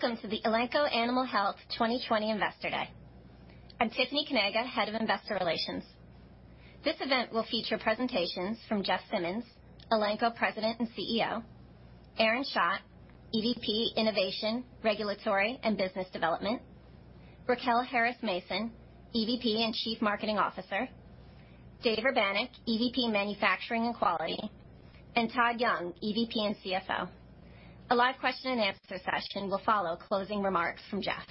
Welcome to the Elanco Animal Health 2020 Investor Day. I'm Tiffany Kanaga, Head of Investor Relations. This event will feature presentations from Jeff Simmons, Elanco President and CEO, Aaron Schacht, EVP Innovation, Regulatory, and Business Development, Racquel Harris Mason, EVP and Chief Marketing Officer, Dave Urbanek, EVP Manufacturing and Quality, and Todd Young, EVP and CFO. A live question-and-answer session will follow closing remarks from Jeff.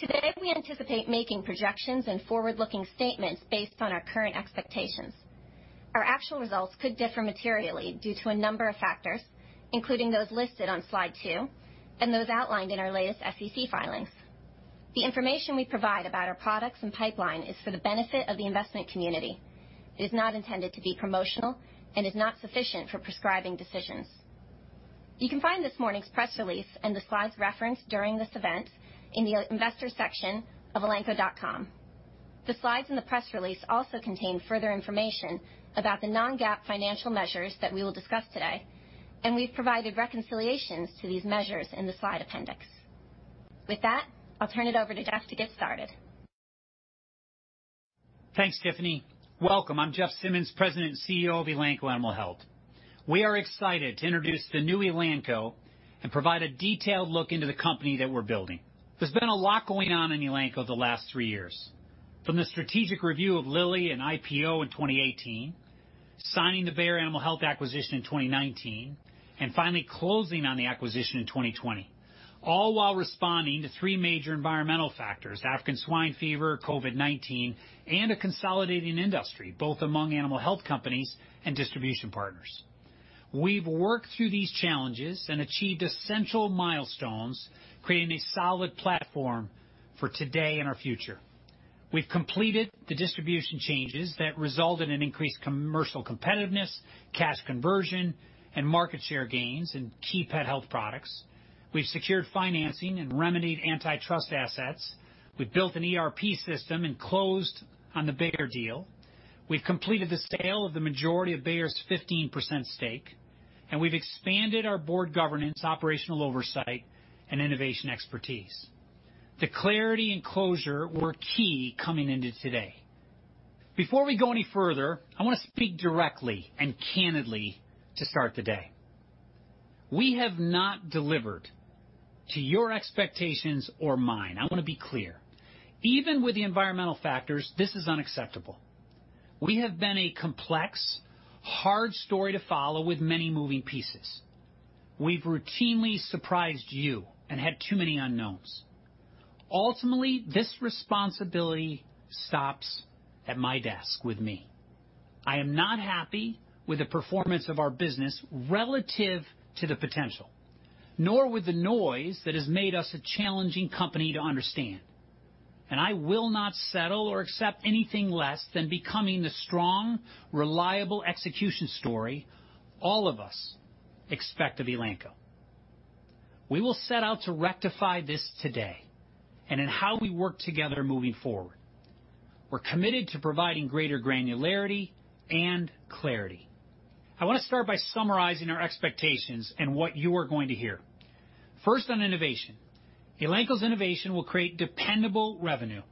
Today we anticipate making projections and forward-looking statements based on our current expectations. Our actual results could differ materially due to a number of factors, including those listed on Slide two and those outlined in our latest SEC filings. The information we provide about our products and pipeline is for the benefit of the investment community. It is not intended to be promotional and is not sufficient for prescribing decisions. You can find this morning's press release and the slides referenced during this event in the Investor section of elanco.com. The slides in the press release also contain further information about the non-GAAP financial measures that we will discuss today, and we've provided reconciliations to these measures in the slide appendix. With that, I'll turn it over to Jeff to get started. Thanks, Tiffany. Welcome. I'm Jeff Simmons, President and CEO of Elanco Animal Health. We are excited to introduce the new Elanco and provide a detailed look into the company that we're building. There's been a lot going on in Elanco the last three years, from the strategic review of Lilly and IPO in 2018, signing the Bayer Animal Health acquisition in 2019, and finally closing on the acquisition in 2020, all while responding to three major environmental factors: African swine fever, COVID-19, and a consolidating industry, both among animal health companies and distribution partners. We've worked through these challenges and achieved essential milestones, creating a solid platform for today and our future. We've completed the distribution changes that resulted in increased commercial competitiveness, cash conversion, and market share gains in key pet health products. We've secured financing and remedied antitrust assets. We've built an ERP system and closed on the Bayer deal. We've completed the sale of the majority of Bayer's 15% stake, and we've expanded our board governance, operational oversight, and innovation expertise. The clarity and closure were key coming into today. Before we go any further, I want to speak directly and candidly to start the day. We have not delivered to your expectations or mine. I want to be clear. Even with the environmental factors, this is unacceptable. We have been a complex, hard story to follow with many moving pieces. We've routinely surprised you and had too many unknowns. Ultimately, this responsibility stops at my desk with me. I am not happy with the performance of our business relative to the potential, nor with the noise that has made us a challenging company to understand. I will not settle or accept anything less than becoming the strong, reliable execution story all of us expect of Elanco. We will set out to rectify this today and in how we work together moving forward. We're committed to providing greater granularity and clarity. I want to start by summarizing our expectations and what you are going to hear. First, on innovation. Elanco's innovation will create dependable revenue,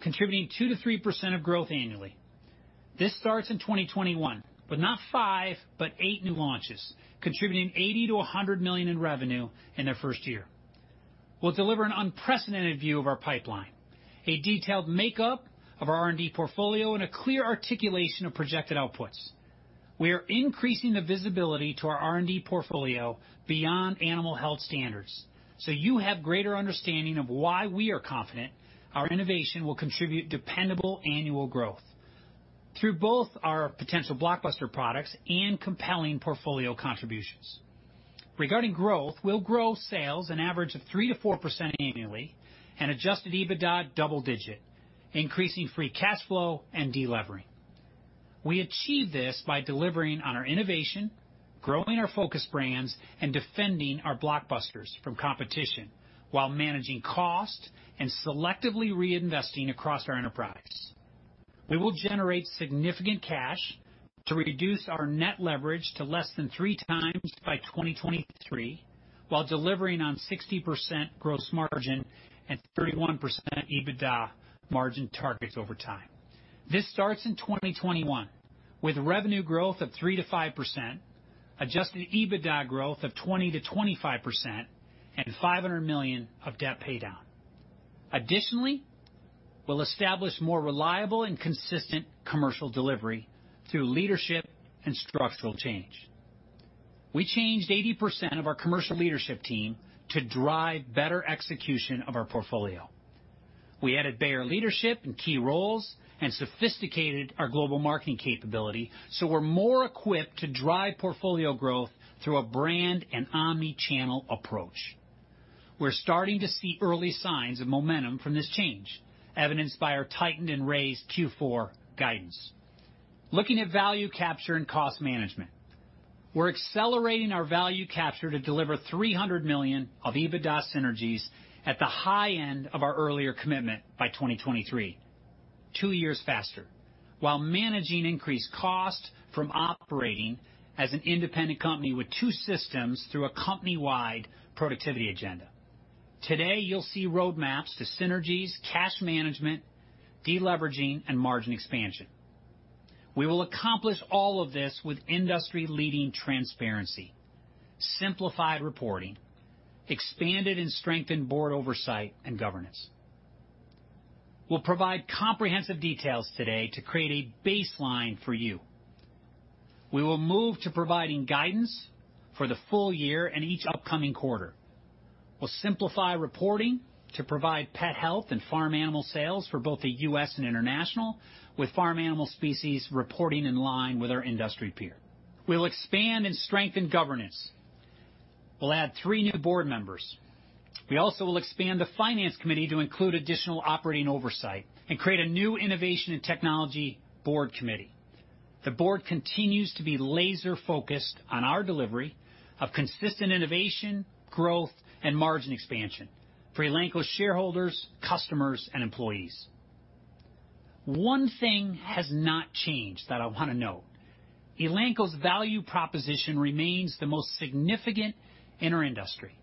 contributing 2%-3% of growth annually. This starts in 2021 with not five, but eight new launches, contributing $80 million-$100 million in revenue in their first year. We'll deliver an unprecedented view of our pipeline, a detailed makeup of our R&D portfolio, and a clear articulation of projected outputs. We are increasing the visibility to our R&D portfolio beyond animal health standards, so you have greater understanding of why we are confident our innovation will contribute dependable annual growth through both our potential blockbuster products and compelling portfolio contributions. Regarding growth, we'll grow sales an average of 3%-4% annually and adjusted EBITDA double-digit, increasing free cash flow and delivering. We achieve this by delivering on our innovation, growing our focus brands, and defending our blockbusters from competition while managing cost and selectively reinvesting across our enterprise. We will generate significant cash to reduce our net leverage to less than three times by 2023 while delivering on 60% gross margin and 31% EBITDA margin targets over time. This starts in 2021 with revenue growth of 3%-5%, adjusted EBITDA growth of 20%-25%, and $500 million of debt paydown. Additionally, we'll establish more reliable and consistent commercial delivery through leadership and structural change. We changed 80% of our commercial leadership team to drive better execution of our portfolio. We added Bayer leadership and key roles and sophisticated our global marketing capability so we're more equipped to drive portfolio growth through a brand and omnichannel approach. We're starting to see early signs of momentum from this change, evidenced by our tightened and raised Q4 guidance. Looking at value capture and cost management, we're accelerating our value capture to deliver $300 million of EBITDA synergies at the high end of our earlier commitment by 2023, two years faster, while managing increased cost from operating as an independent company with two systems through a company-wide productivity agenda. Today, you'll see roadmaps to synergies, cash management, deleveraging, and margin expansion. We will accomplish all of this with industry-leading transparency, simplified reporting, expanded and strengthened board oversight and governance. We'll provide comprehensive details today to create a baseline for you. We will move to providing guidance for the full year and each upcoming quarter. We'll simplify reporting to provide pet health and farm animal sales for both the U.S. and international, with farm animal species reporting in line with our industry peer. We'll expand and strengthen governance. We'll add three new board members. We also will expand the Finance Committee to include additional operating oversight and create a new innovation and technology board committee. The board continues to be laser-focused on our delivery of consistent innovation, growth, and margin expansion for Elanco's shareholders, customers, and employees. One thing has not changed that I want to note. Elanco's value proposition remains the most significant in our industry.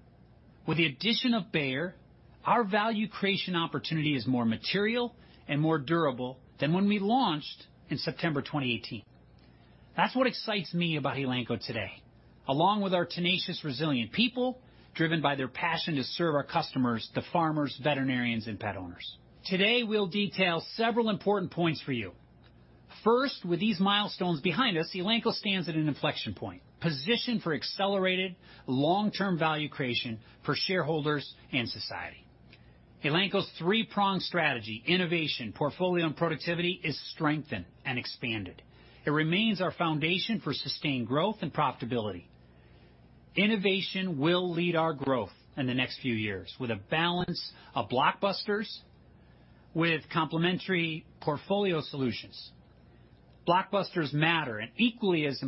With the addition of Bayer, our value creation opportunity is more material and more durable than when we launched in September 2018. That's what excites me about Elanco today, along with our tenacious, resilient people driven by their passion to serve our customers, the farmers, veterinarians, and pet owners. Today, we'll detail several important points for you. First, with these milestones behind us, Elanco stands at an inflection point, positioned for accelerated, long-term value creation for shareholders and society. Elanco's three-pronged strategy, innovation, portfolio, and productivity is strengthened and expanded. It remains our foundation for sustained growth and profitability. Innovation will lead our growth in the next few years with a balance of blockbusters with complementary portfolio solutions. Blockbusters matter, and equally as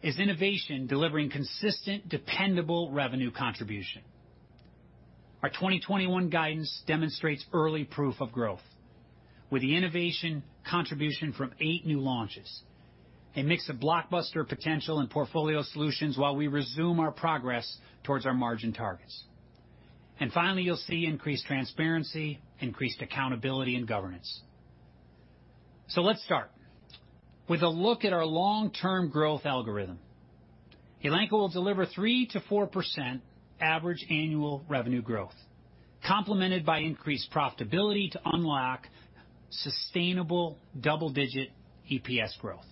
important is innovation delivering consistent, dependable revenue contribution. Our 2021 guidance demonstrates early proof of growth with the innovation contribution from eight new launches. It makes a blockbuster potential and portfolio solutions while we resume our progress towards our margin targets, and finally, you'll see increased transparency, increased accountability, and governance. Let's start with a look at our long-term growth algorithm. Elanco will deliver 3%-4% average annual revenue growth, complemented by increased profitability to unlock sustainable double-digit EPS growth.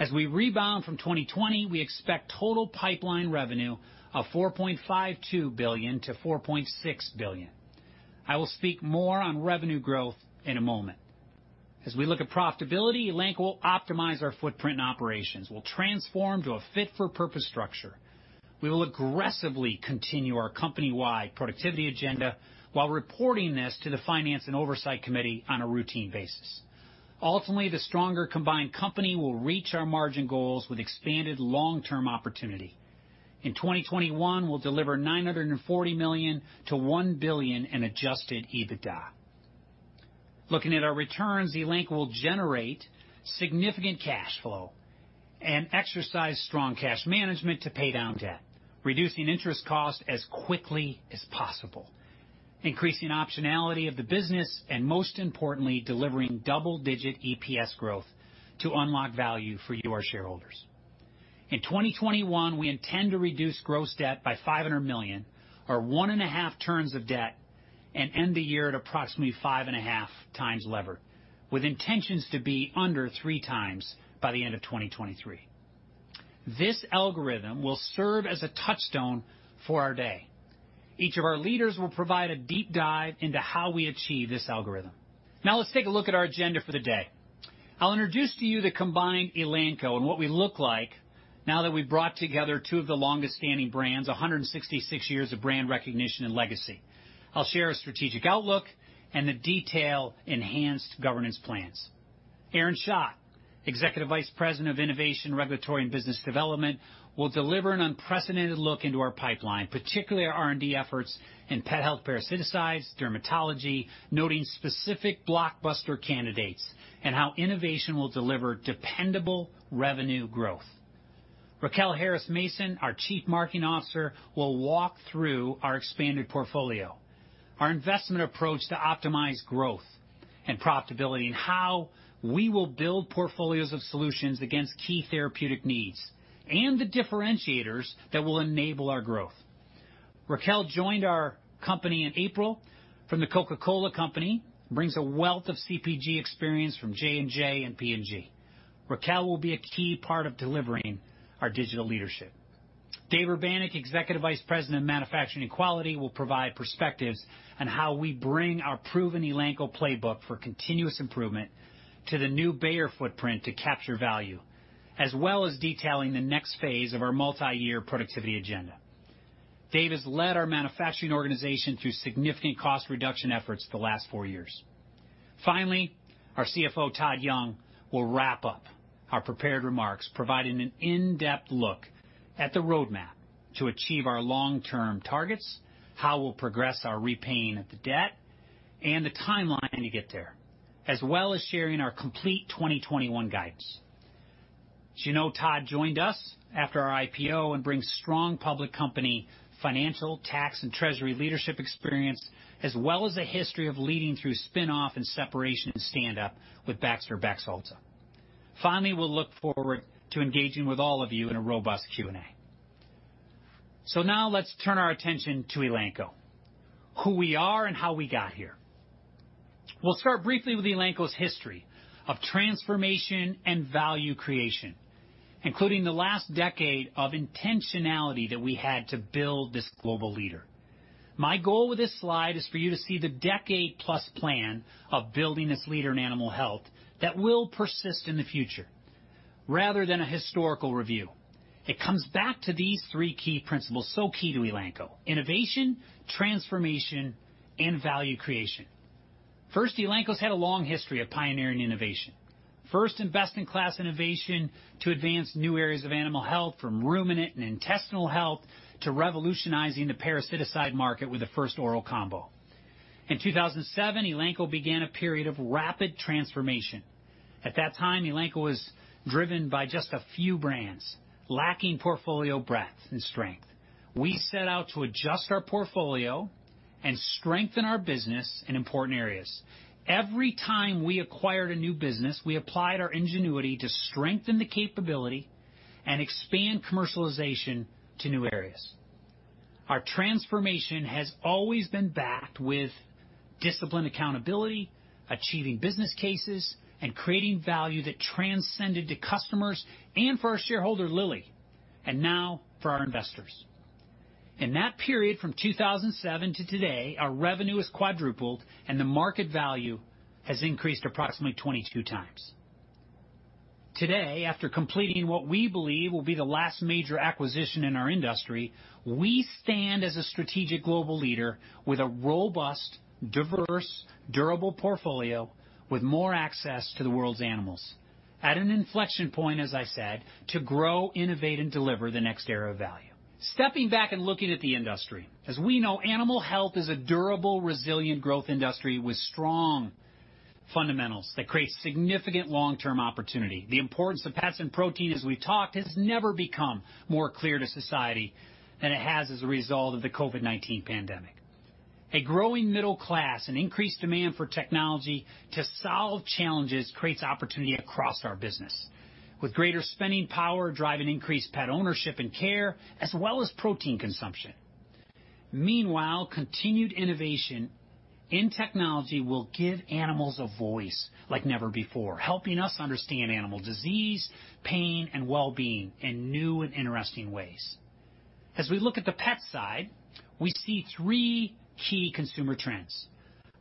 As we rebound from 2020, we expect total pipeline revenue of $4.52 billion-$4.6 billion. I will speak more on revenue growth in a moment. As we look at profitability, Elanco will optimize our footprint and operations. We'll transform to a fit-for-purpose structure. We will aggressively continue our company-wide productivity agenda while reporting this to the Finance and Oversight Committee on a routine basis. Ultimately, the stronger combined company will reach our margin goals with expanded long-term opportunity. In 2021, we'll deliver $940 million-$1 billion in Adjusted EBITDA. Looking at our returns, Elanco will generate significant cash flow and exercise strong cash management to pay down debt, reducing interest cost as quickly as possible, increasing optionality of the business, and most importantly, delivering double-digit EPS growth to unlock value for you, our shareholders. In 2021, we intend to reduce gross debt by $500 million, or one and a half turns of debt, and end the year at approximately five and a half times levered, with intentions to be under three times by the end of 2023. This algorithm will serve as a touchstone for our day. Each of our leaders will provide a deep dive into how we achieve this algorithm. Now, let's take a look at our agenda for the day. I'll introduce to you the combined Elanco and what we look like now that we've brought together two of the longest-standing brands, 166 years of brand recognition and legacy. I'll share a strategic outlook and the detailed enhanced governance plans. Aaron Schacht, Executive Vice President of Innovation, Regulatory, and Business Development, will deliver an unprecedented look into our pipeline, particularly our R&D efforts in pet health parasiticides, dermatology, noting specific blockbuster candidates and how innovation will deliver dependable revenue growth. Racquel Harris Mason, our Chief Marketing Officer, will walk through our expanded portfolio, our investment approach to optimize growth and profitability, and how we will build portfolios of solutions against key therapeutic needs and the differentiators that will enable our growth. Racquel joined our company in April from the Coca-Cola Company, brings a wealth of CPG experience from J&J and P&G. Racquel will be a key part of delivering our digital leadership. Dave Urbanek, Executive Vice President of Manufacturing and Quality, will provide perspectives on how we bring our proven Elanco playbook for continuous improvement to the new Bayer footprint to capture value, as well as detailing the next phase of our multi-year productivity agenda. Dave has led our manufacturing organization through significant cost reduction efforts the last four years. Finally, our CFO, Todd Young, will wrap up our prepared remarks, providing an in-depth look at the roadmap to achieve our long-term targets, how we'll progress our repaying of the debt, and the timeline to get there, as well as sharing our complete 2021 guidance. As you know, Todd joined us after our IPO and brings strong public company financial, tax, and treasury leadership experience, as well as a history of leading through spinoff and separation and stand-up with Baxter and Baxalta. Finally, we'll look forward to engaging with all of you in a robust Q&A. So now, let's turn our attention to Elanco, who we are and how we got here. We'll start briefly with Elanco's history of transformation and value creation, including the last decade of intentionality that we had to build this global leader. My goal with this slide is for you to see the decade-plus plan of building this leader in animal health that will persist in the future rather than a historical review. It comes back to these three key principles so key to Elanco: innovation, transformation, and value creation. First, Elanco's had a long history of pioneering innovation. First and best-in-class innovation to advance new areas of animal health, from ruminant and intestinal health to revolutionizing the parasiticide market with the first oral combo. In 2007, Elanco began a period of rapid transformation. At that time, Elanco was driven by just a few brands, lacking portfolio breadth and strength. We set out to adjust our portfolio and strengthen our business in important areas. Every time we acquired a new business, we applied our ingenuity to strengthen the capability and expand commercialization to new areas. Our transformation has always been backed with disciplined accountability, achieving business cases, and creating value that transcended to customers and for our shareholder, Lilly, and now for our investors. In that period, from 2007 to today, our revenue has quadrupled, and the market value has increased approximately 22 times. Today, after completing what we believe will be the last major acquisition in our industry, we stand as a strategic global leader with a robust, diverse, durable portfolio with more access to the world's animals, at an inflection point, as I said, to grow, innovate, and deliver the next era of value. Stepping back and looking at the industry, as we know, animal health is a durable, resilient growth industry with strong fundamentals that create significant long-term opportunity. The importance of pets and protein, as we've talked, has never become more clear to society than it has as a result of the COVID-19 pandemic. A growing middle class and increased demand for technology to solve challenges creates opportunity across our business, with greater spending power driving increased pet ownership and care, as well as protein consumption. Meanwhile, continued innovation in technology will give animals a voice like never before, helping us understand animal disease, pain, and well-being in new and interesting ways. As we look at the pet side, we see three key consumer trends: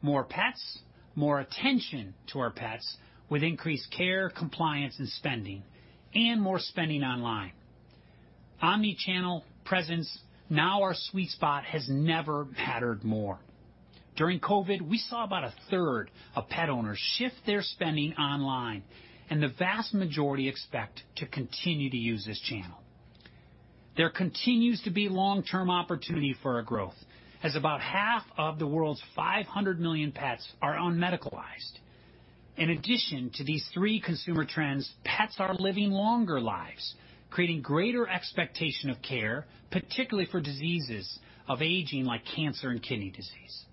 more pets, more attention to our pets with increased care, compliance, and spending, and more spending online. Omnichannel presence, now our sweet spot, has never mattered more. During COVID-19, we saw about a third of pet owners shift their spending online, and the vast majority expect to continue to use this channel. There continues to be long-term opportunity for our growth, as about half of the world's 500 million pets are unmedicalized. In addition to these three consumer trends, pets are living longer lives, creating greater expectation of care, particularly for diseases of aging like cancer and kidney disease.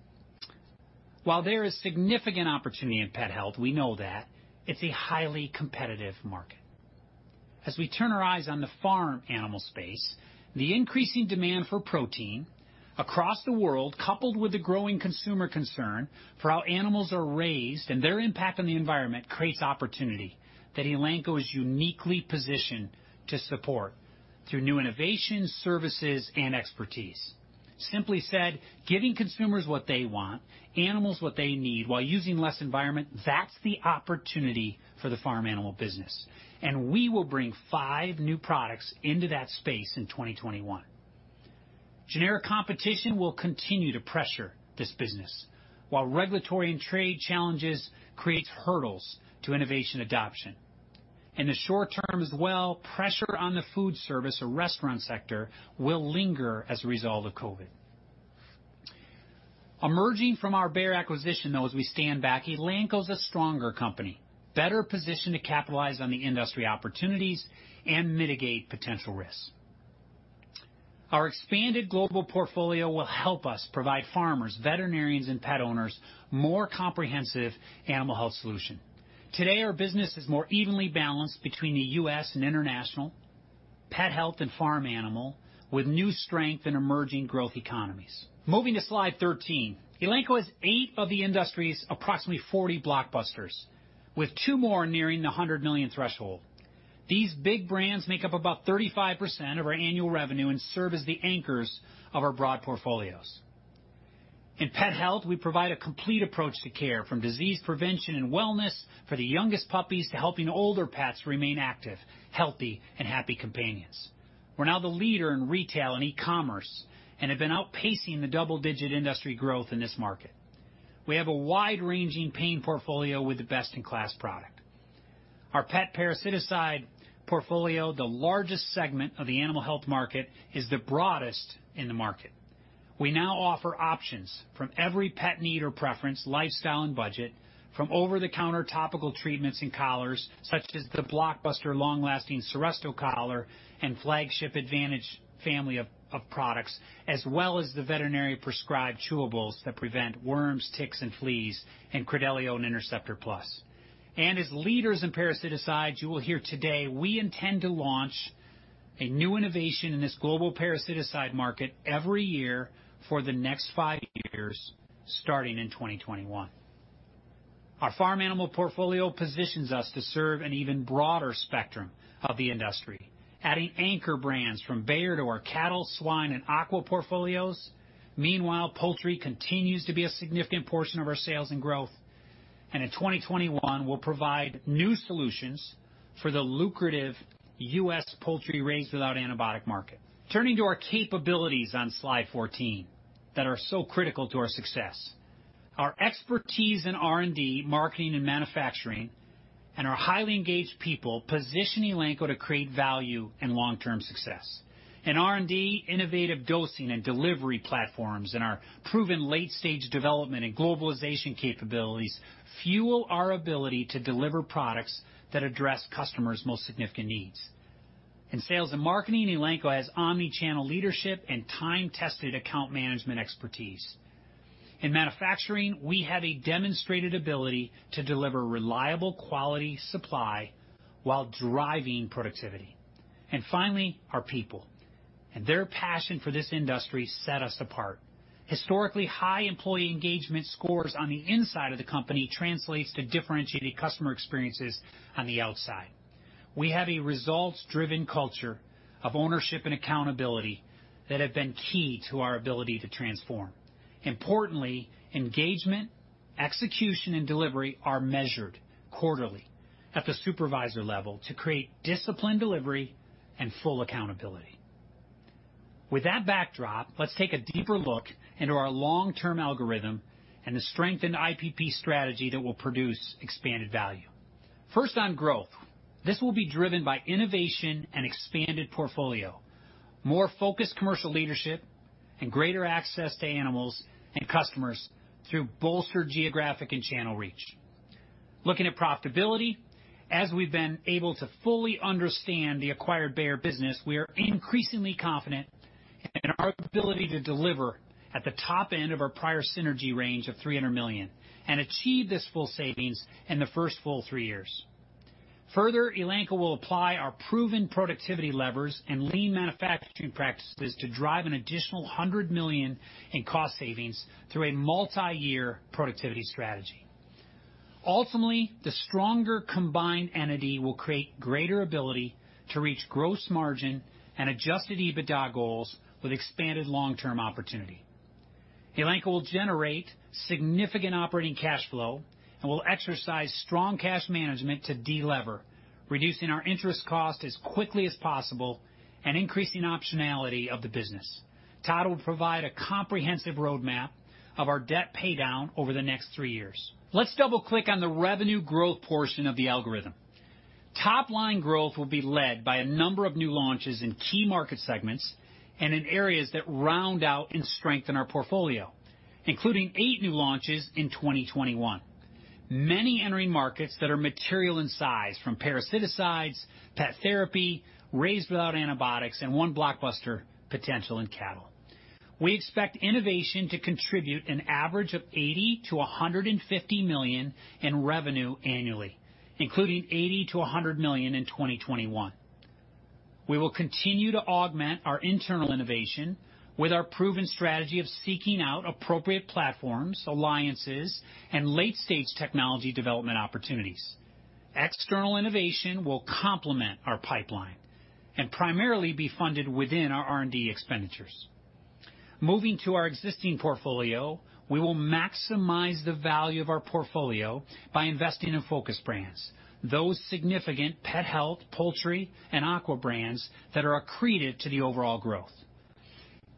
While there is significant opportunity in pet health, we know that it's a highly competitive market. As we turn our eyes on the farm animal space, the increasing demand for protein across the world, coupled with the growing consumer concern for how animals are raised and their impact on the environment, creates opportunity that Elanco is uniquely positioned to support through new innovations, services, and expertise. Simply said, giving consumers what they want, animals what they need, while using less environment, that's the opportunity for the farm animal business. And we will bring five new products into that space in 2021. Generic competition will continue to pressure this business, while regulatory and trade challenges create hurdles to innovation adoption. In the short term as well, pressure on the food service or restaurant sector will linger as a result of COVID. Emerging from our Bayer acquisition, though, as we stand back, Elanco's a stronger company, better positioned to capitalize on the industry opportunities and mitigate potential risks. Our expanded global portfolio will help us provide farmers, veterinarians, and pet owners more comprehensive animal health solutions. Today, our business is more evenly balanced between the U.S. and international pet health and farm animal, with new strength in emerging growth economies. Moving to Slide 13, Elanco has eight of the industry's approximately 40 blockbusters, with two more nearing the $100 million threshold. These big brands make up about 35% of our annual revenue and serve as the anchors of our broad portfolios. In pet health, we provide a complete approach to care, from disease prevention and wellness for the youngest puppies to helping older pets remain active, healthy, and happy companions. We're now the leader in retail and e-commerce and have been outpacing the double-digit industry growth in this market. We have a wide-ranging parasiticide portfolio with the best-in-class product. Our pet parasiticide portfolio, the largest segment of the animal health market, is the broadest in the market. We now offer options from every pet need or preference, lifestyle and budget, from over-the-counter topical treatments and collars, such as the blockbuster long-lasting Seresto collar and flagship Advantage family of products, as well as the veterinary prescribed chewables that prevent worms, ticks, and fleas, and Credelio and Interceptor Plus, and as leaders in parasiticides, you will hear today, we intend to launch a new innovation in this global parasiticide market every year for the next five years, starting in 2021. Our farm animal portfolio positions us to serve an even broader spectrum of the industry, adding anchor brands from Bayer to our cattle, swine, and aqua portfolios. Meanwhile, poultry continues to be a significant portion of our sales and growth. And in 2021, we'll provide new solutions for the lucrative U.S. poultry Raised Without Antibiotics market. Turning to our capabilities on Slide 14 that are so critical to our success, our expertise in R&D, marketing, and manufacturing, and our highly engaged people position Elanco to create value and long-term success. In R&D, innovative dosing and delivery platforms and our proven late-stage development and globalization capabilities fuel our ability to deliver products that address customers' most significant needs. In sales and marketing, Elanco has omnichannel leadership and time-tested account management expertise. In manufacturing, we have a demonstrated ability to deliver reliable quality supply while driving productivity. And finally, our people and their passion for this industry set us apart. Historically, high employee engagement scores on the inside of the company translate to differentiated customer experiences on the outside. We have a results-driven culture of ownership and accountability that have been key to our ability to transform. Importantly, engagement, execution, and delivery are measured quarterly at the supervisor level to create disciplined delivery and full accountability. With that backdrop, let's take a deeper look into our long-term algorithm and the strengthened IPP strategy that will produce expanded value. First, on growth, this will be driven by innovation and expanded portfolio, more focused commercial leadership, and greater access to animals and customers through bolstered geographic and channel reach. Looking at profitability, as we've been able to fully understand the acquired Bayer business, we are increasingly confident in our ability to deliver at the top end of our prior synergy range of $300 million and achieve this full savings in the first full three years. Further, Elanco will apply our proven productivity levers and lean manufacturing practices to drive an additional $100 million in cost savings through a multi-year productivity strategy. Ultimately, the stronger combined entity will create greater ability to reach gross margin and adjusted EBITDA goals with expanded long-term opportunity. Elanco will generate significant operating cash flow and will exercise strong cash management to delever, reducing our interest cost as quickly as possible and increasing optionality of the business. Todd will provide a comprehensive roadmap of our debt paydown over the next three years. Let's double-click on the revenue growth portion of the algorithm. Top-line growth will be led by a number of new launches in key market segments and in areas that round out and strengthen our portfolio, including eight new launches in 2021, many entering markets that are material in size from parasiticides, pet therapy, Raised Without Antibiotics, and one blockbuster potential in cattle. We expect innovation to contribute an average of $80 million-$150 million in revenue annually, including $80 million-$100 million in 2021. We will continue to augment our internal innovation with our proven strategy of seeking out appropriate platforms, alliances, and late-stage technology development opportunities. External innovation will complement our pipeline and primarily be funded within our R&D expenditures. Moving to our existing portfolio, we will maximize the value of our portfolio by investing in focus brands, those significant pet health, poultry, and aqua brands that are accreted to the overall growth.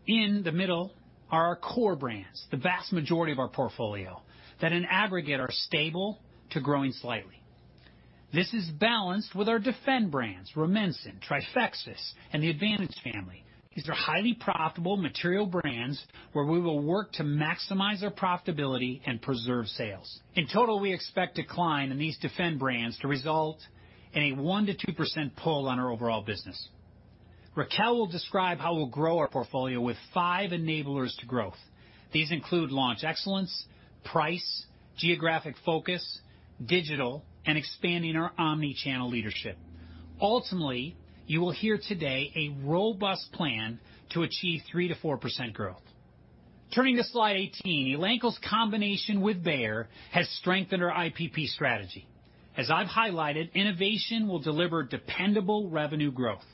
In the middle are our core brands, the vast majority of our portfolio that in aggregate are stable to growing slightly. This is balanced with our defend brands, Rumensin, Trifexis, and the Advantage family. These are highly profitable material brands where we will work to maximize our profitability and preserve sales. In total, we expect decline in these defend brands to result in a 1%-2% pull on our overall business. Racquel will describe how we'll grow our portfolio with five enablers to growth. These include launch excellence, price, geographic focus, digital, and expanding our omnichannel leadership. Ultimately, you will hear today a robust plan to achieve 3%-4% growth. Turning to Slide 18, Elanco's combination with Bayer has strengthened our IPP strategy. As I've highlighted, innovation will deliver dependable revenue growth.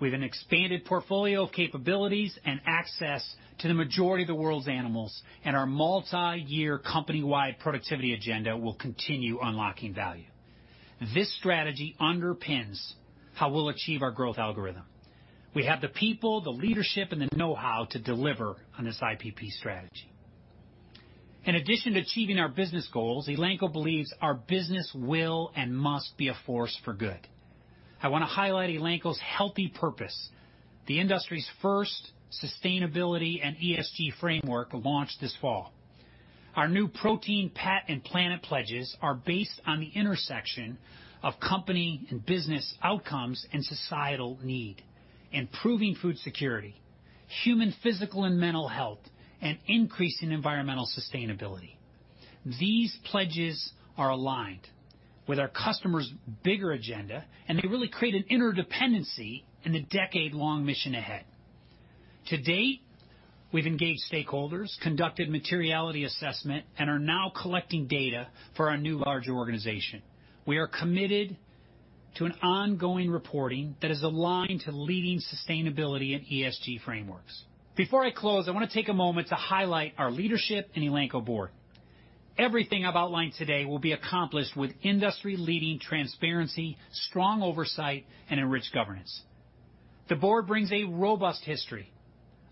With an expanded portfolio of capabilities and access to the majority of the world's animals, and our multi-year company-wide productivity agenda will continue unlocking value. This strategy underpins how we'll achieve our growth algorithm. We have the people, the leadership, and the know-how to deliver on this IPP strategy. In addition to achieving our business goals, Elanco believes our business will and must be a force for good. I want to highlight Elanco's Healthy Purpose, the industry's first sustainability and ESG framework launched this fall. Our new Protein, Pet, and Planet Pledges are based on the intersection of company and business outcomes and societal need, improving food security, human physical and mental health, and increasing environmental sustainability. These pledges are aligned with our customer's bigger agenda, and they really create an interdependency in the decade-long mission ahead. To date, we've engaged stakeholders, conducted materiality assessment, and are now collecting data for our new larger organization. We are committed to an ongoing reporting that is aligned to leading sustainability and ESG frameworks. Before I close, I want to take a moment to highlight our leadership and Elanco board. Everything I've outlined today will be accomplished with industry-leading transparency, strong oversight, and enriched governance. The board brings a robust history,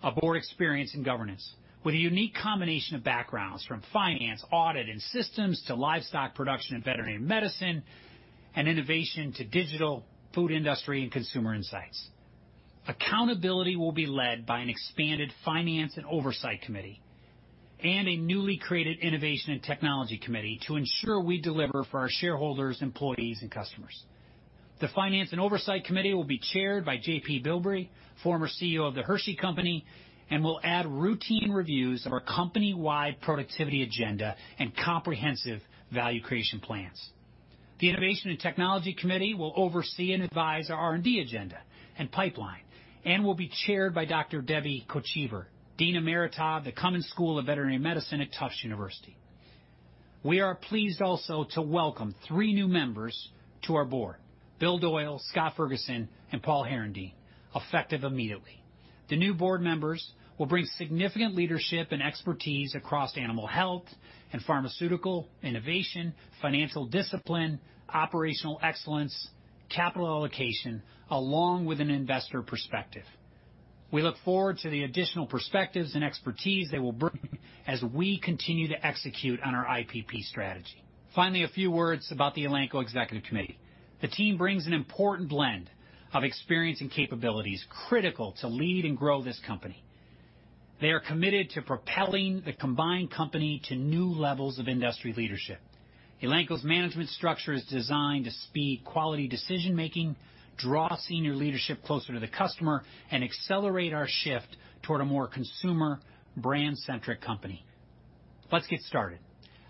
a broad experience in governance, with a unique combination of backgrounds from finance, audit, and systems to livestock production and veterinary medicine, and innovation to digital food industry and consumer insights. Accountability will be led by an expanded Finance and Oversight Committee and a newly created Innovation and Technology Committee to ensure we deliver for our shareholders, employees, and customers. The Finance and Oversight Committee will be chaired by J.P. Bilbrey, former CEO of The Hershey Company, and will add routine reviews of our company-wide productivity agenda and comprehensive value creation plans. The Innovation and Technology Committee will oversee and advise our R&D agenda and pipeline and will be chaired by Dr. Deborah Kochevar, Dean Emerita of the Cummings School of Veterinary Medicine at Tufts University. We are pleased also to welcome three new members to our board: Bill Doyle, Scott Ferguson, and Paul Herendeen, effective immediately. The new board members will bring significant leadership and expertise across animal health and pharmaceutical innovation, financial discipline, operational excellence, capital allocation, along with an investor perspective. We look forward to the additional perspectives and expertise they will bring as we continue to execute on our IPP strategy. Finally, a few words about the Elanco Executive Committee. The team brings an important blend of experience and capabilities critical to lead and grow this company. They are committed to propelling the combined company to new levels of industry leadership. Elanco's management structure is designed to speed quality decision-making, draw senior leadership closer to the customer, and accelerate our shift toward a more consumer brand-centric company. Let's get started.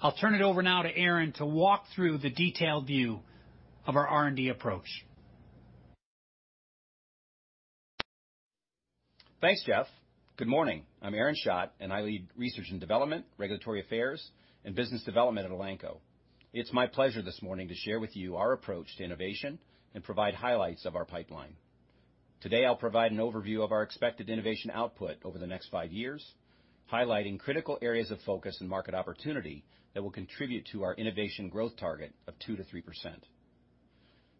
I'll turn it over now to Aaron to walk through the detailed view of our R&D approach. Thanks, Jeff. Good morning. I'm Aaron Schacht, and I lead research and development, regulatory affairs, and business development at Elanco. It's my pleasure this morning to share with you our approach to innovation and provide highlights of our pipeline. Today, I'll provide an overview of our expected innovation output over the next five years, highlighting critical areas of focus and market opportunity that will contribute to our innovation growth target of 2%-3%.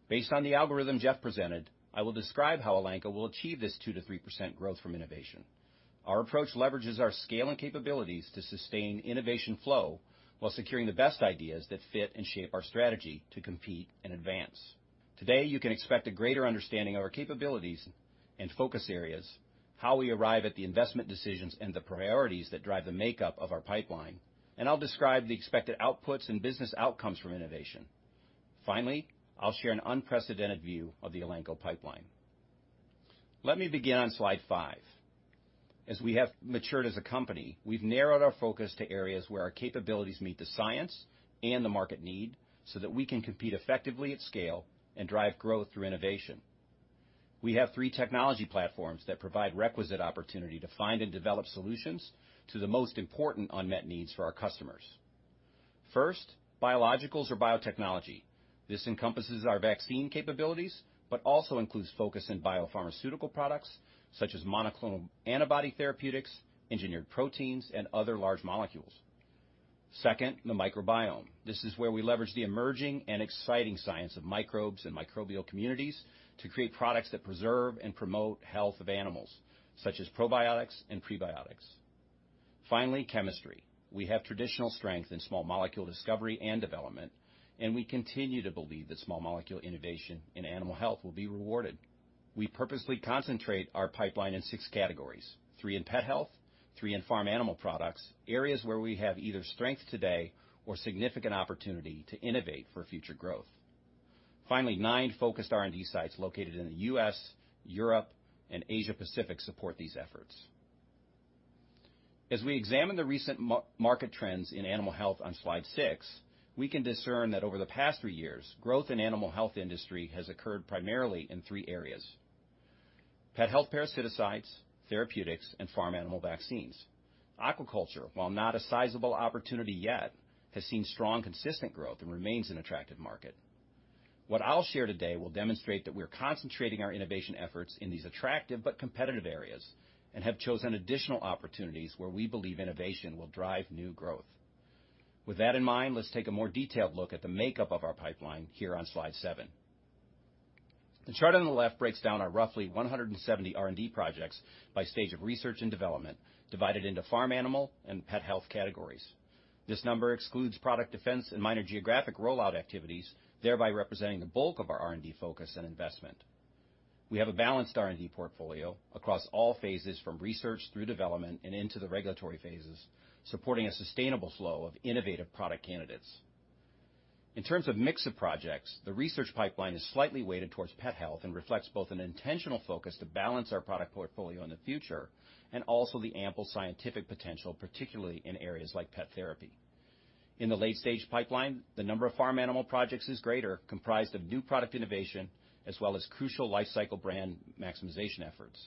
Based on the algorithm Jeff presented, I will describe how Elanco will achieve this 2%-3% growth from innovation. Our approach leverages our scale and capabilities to sustain innovation flow while securing the best ideas that fit and shape our strategy to compete and advance. Today, you can expect a greater understanding of our capabilities and focus areas, how we arrive at the investment decisions and the priorities that drive the makeup of our pipeline, and I'll describe the expected outputs and business outcomes from innovation. Finally, I'll share an unprecedented view of the Elanco pipeline. Let me begin on Slide five. As we have matured as a company, we've narrowed our focus to areas where our capabilities meet the science and the market need so that we can compete effectively at scale and drive growth through innovation. We have three technology platforms that provide requisite opportunity to find and develop solutions to the most important unmet needs for our customers. First, biologicals or biotechnology. This encompasses our vaccine capabilities, but also includes focus in biopharmaceutical products such as monoclonal antibody therapeutics, engineered proteins, and other large molecules. Second, the microbiome. This is where we leverage the emerging and exciting science of microbes and microbial communities to create products that preserve and promote health of animals, such as probiotics and prebiotics. Finally, chemistry. We have traditional strength in small molecule discovery and development, and we continue to believe that small molecule innovation in animal health will be rewarded. We purposely concentrate our pipeline in six categories: three in pet health, three in farm animal products, areas where we have either strength today or significant opportunity to innovate for future growth. Finally, nine focused R&D sites located in the U.S., Europe, and Asia-Pacific support these efforts. As we examine the recent market trends in animal health on Slide six, we can discern that over the past three years, growth in the animal health industry has occurred primarily in three areas: pet health parasiticides, therapeutics, and farm animal vaccines. Aquaculture, while not a sizable opportunity yet, has seen strong consistent growth and remains an attractive market. What I'll share today will demonstrate that we're concentrating our innovation efforts in these attractive but competitive areas and have chosen additional opportunities where we believe innovation will drive new growth. With that in mind, let's take a more detailed look at the makeup of our pipeline here on Slide seven. The chart on the left breaks down our roughly 170 R&D projects by stage of research and development, divided into farm animal and pet health categories. This number excludes product defense and minor geographic rollout activities, thereby representing the bulk of our R&D focus and investment. We have a balanced R&D portfolio across all phases from research through development and into the regulatory phases, supporting a sustainable flow of innovative product candidates. In terms of mix of projects, the research pipeline is slightly weighted towards pet health and reflects both an intentional focus to balance our product portfolio in the future and also the ample scientific potential, particularly in areas like pet therapy. In the late-stage pipeline, the number of farm animal projects is greater, comprised of new product innovation as well as crucial life cycle brand maximization efforts.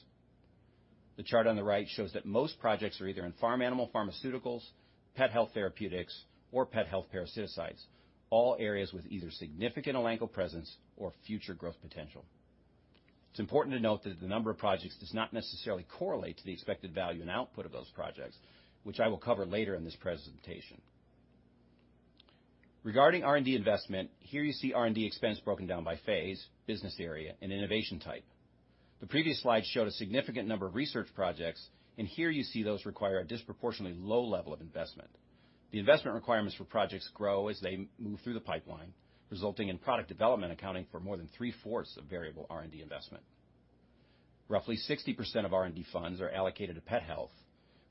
The chart on the right shows that most projects are either in farm animal pharmaceuticals, pet health therapeutics, or pet health parasiticides, all areas with either significant Elanco presence or future growth potential. It's important to note that the number of projects does not necessarily correlate to the expected value and output of those projects, which I will cover later in this presentation. Regarding R&D investment, here you see R&D expense broken down by phase, business area, and innovation type. The previous slide showed a significant number of research projects, and here you see those require a disproportionately low level of investment. The investment requirements for projects grow as they move through the pipeline, resulting in product development accounting for more than 3/4 of variable R&D investment. Roughly 60% of R&D funds are allocated to pet health,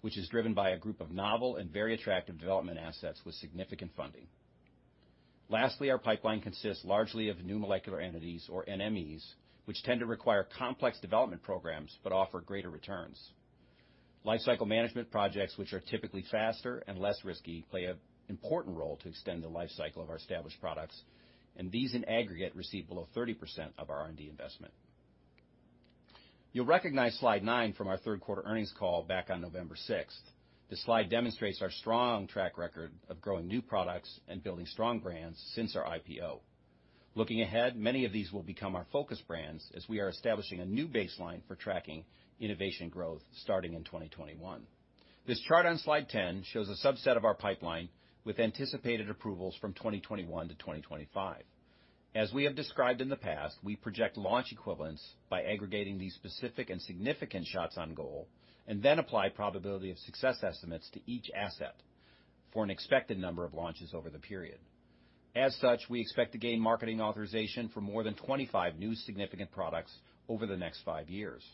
which is driven by a group of novel and very attractive development assets with significant funding. Lastly, our pipeline consists largely of new molecular entities, or NMEs, which tend to require complex development programs but offer greater returns. Life cycle management projects, which are typically faster and less risky, play an important role to extend the life cycle of our established products, and these in aggregate receive below 30% of our R&D investment. You'll recognize Slide nine from our third quarter earnings call back on November 6th. The slide demonstrates our strong track record of growing new products and building strong brands since our IPO. Looking ahead, many of these will become our focus brands as we are establishing a new baseline for tracking innovation growth starting in 2021. This chart on Slide 10 shows a subset of our pipeline with anticipated approvals from 2021 to 2025. As we have described in the past, we project launch equivalents by aggregating these specific and significant shots on goal and then apply probability of success estimates to each asset for an expected number of launches over the period. As such, we expect to gain marketing authorization for more than 25 new significant products over the next five years.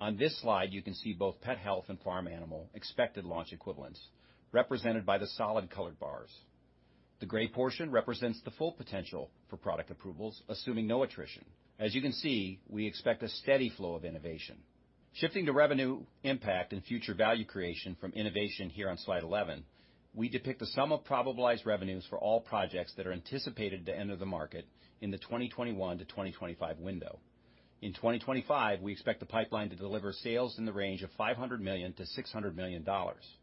On this slide, you can see both pet health and farm animal expected launch equivalents represented by the solid colored bars. The gray portion represents the full potential for product approvals, assuming no attrition. As you can see, we expect a steady flow of innovation. Shifting to revenue impact and future value creation from innovation here on Slide 11, we depict the sum of probabilized revenues for all projects that are anticipated to enter the market in the 2021 to 2025 window. In 2025, we expect the pipeline to deliver sales in the range of $500 million-$600 million.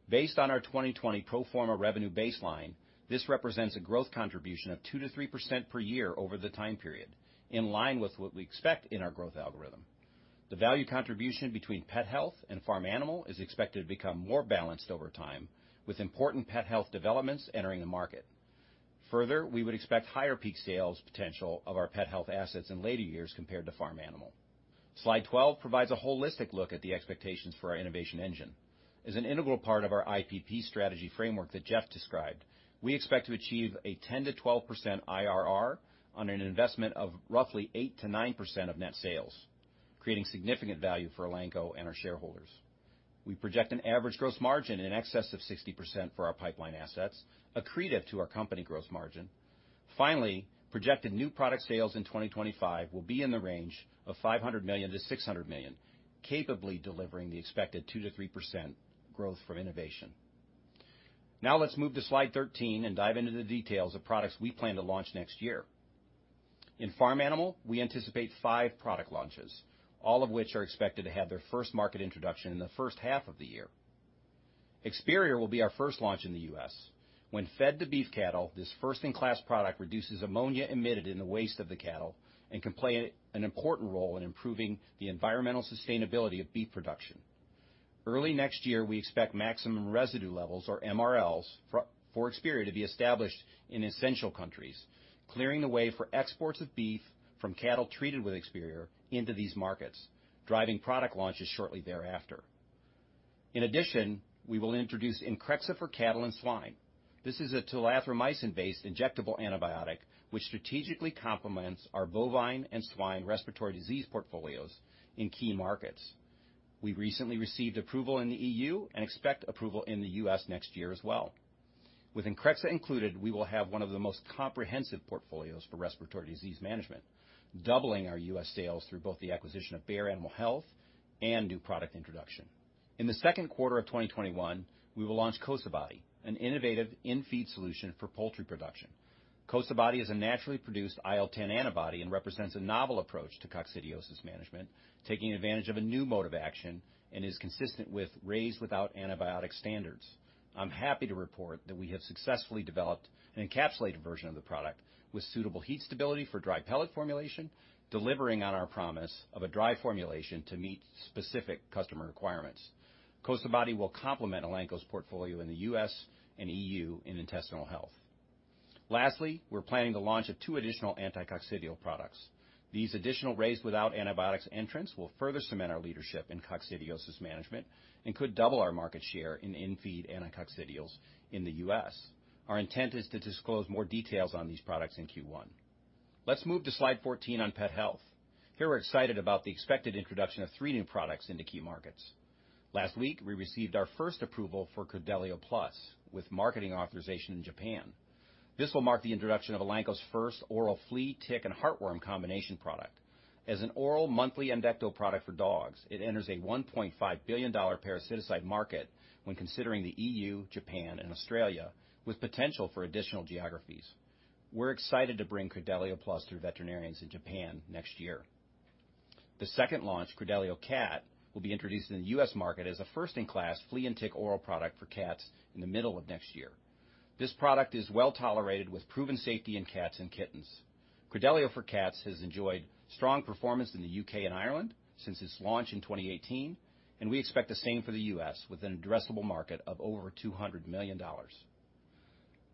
Based on our 2020 pro forma revenue baseline, this represents a growth contribution of 2%-3% per year over the time period, in line with what we expect in our growth algorithm. The value contribution between pet health and farm animal is expected to become more balanced over time, with important pet health developments entering the market. Further, we would expect higher peak sales potential of our pet health assets in later years compared to farm animal. Slide 12 provides a holistic look at the expectations for our innovation engine. As an integral part of our IPP strategy framework that Jeff described, we expect to achieve a 10%-12% IRR on an investment of roughly 8%-9% of net sales, creating significant value for Elanco and our shareholders. We project an average gross margin in excess of 60% for our pipeline assets, accretive to our company gross margin. Finally, projected new product sales in 2025 will be in the range of $500 million-$600 million, capably delivering the expected 2%-3% growth from innovation. Now let's move to Slide 13 and dive into the details of products we plan to launch next year. In farm animal, we anticipate five product launches, all of which are expected to have their first market introduction in the first half of the year. Experior will be our first launch in the U.S. When fed to beef cattle, this first-in-class product reduces ammonia emitted in the waste of the cattle and can play an important role in improving the environmental sustainability of beef production. Early next year, we expect maximum residue levels, or MRLs, for Experior to be established in essential countries, clearing the way for exports of beef from cattle treated with Experior into these markets, driving product launches shortly thereafter. In addition, we will introduce Increxxa for cattle and swine. This is a tulathromycin-based injectable antibiotic which strategically complements our bovine and swine respiratory disease portfolios in key markets. We recently received approval in the EU and expect approval in the U.S. next year as well. With Increxxa included, we will have one of the most comprehensive portfolios for respiratory disease management, doubling our U.S. sales through both the acquisition of Bayer Animal Health and new product introduction. In the second quarter of 2021, we will launch Cosabody, an innovative in-feed solution for poultry production. Cosabody is a naturally produced IL-10 antibody and represents a novel approach to coccidiosis management, taking advantage of a new mode of action and is consistent with raised-without-antibiotics standards. I'm happy to report that we have successfully developed an encapsulated version of the product with suitable heat stability for dry pellet formulation, delivering on our promise of a dry formulation to meet specific customer requirements. Cosabody will complement Elanco's portfolio in the U.S. and EU in intestinal health. Lastly, we're planning the launch of two additional anti-coccidial products. These additional raised-without-antibiotics entrants will further cement our leadership in coccidiosis management and could double our market share in in-feed anti-coccidials in the U.S. Our intent is to disclose more details on these products in Q1. Let's move to Slide 14 on pet health. Here we're excited about the expected introduction of three new products into key markets. Last week, we received our first approval for Credelio Plus with marketing authorization in Japan. This will mark the introduction of Elanco's first oral flea, tick, and heartworm combination product. As an oral monthly injectable product for dogs, it enters a $1.5 billion parasiticide market when considering the EU, Japan, and Australia, with potential for additional geographies. We're excited to bring Credelio Plus through veterinarians in Japan next year. The second launch, Credelio Cat, will be introduced in the U.S. market as a first-in-class flea and tick oral product for cats in the middle of next year. This product is well tolerated with proven safety in cats and kittens. Credelio Cat has enjoyed strong performance in the U.K. and Ireland since its launch in 2018, and we expect the same for the U.S. with an addressable market of over $200 million.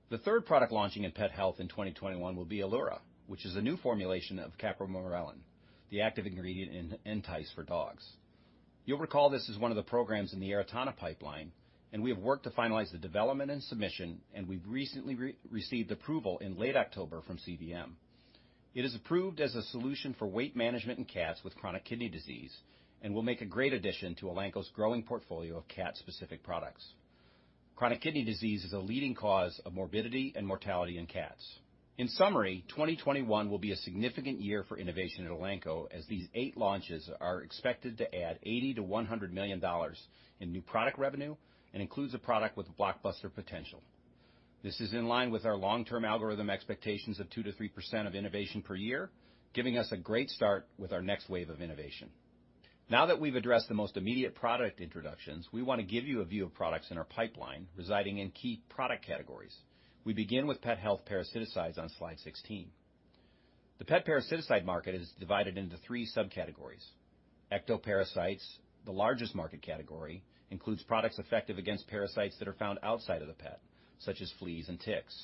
The third product launching in pet health in 2021 will be Elura, which is a new formulation of capromorelin, the active ingredient in Entyce for dogs. You'll recall this is one of the programs in the Aratana pipeline, and we have worked to finalize the development and submission, and we've recently received approval in late October from CVM. It is approved as a solution for weight management in cats with chronic kidney disease and will make a great addition to Elanco's growing portfolio of cat-specific products. Chronic kidney disease is a leading cause of morbidity and mortality in cats. In summary, 2021 will be a significant year for innovation at Elanco as these eight launches are expected to add $80 million-$100 million in new product revenue and include a product with blockbuster potential. This is in line with our long-term algorithm expectations of 2%-3% of innovation per year, giving us a great start with our next wave of innovation. Now that we've addressed the most immediate product introductions, we want to give you a view of products in our pipeline residing in key product categories. We begin with pet health parasiticides on Slide 16. The pet parasiticide market is divided into three subcategories. Ectoparasites, the largest market category, includes products effective against parasites that are found outside of the pet, such as fleas and ticks.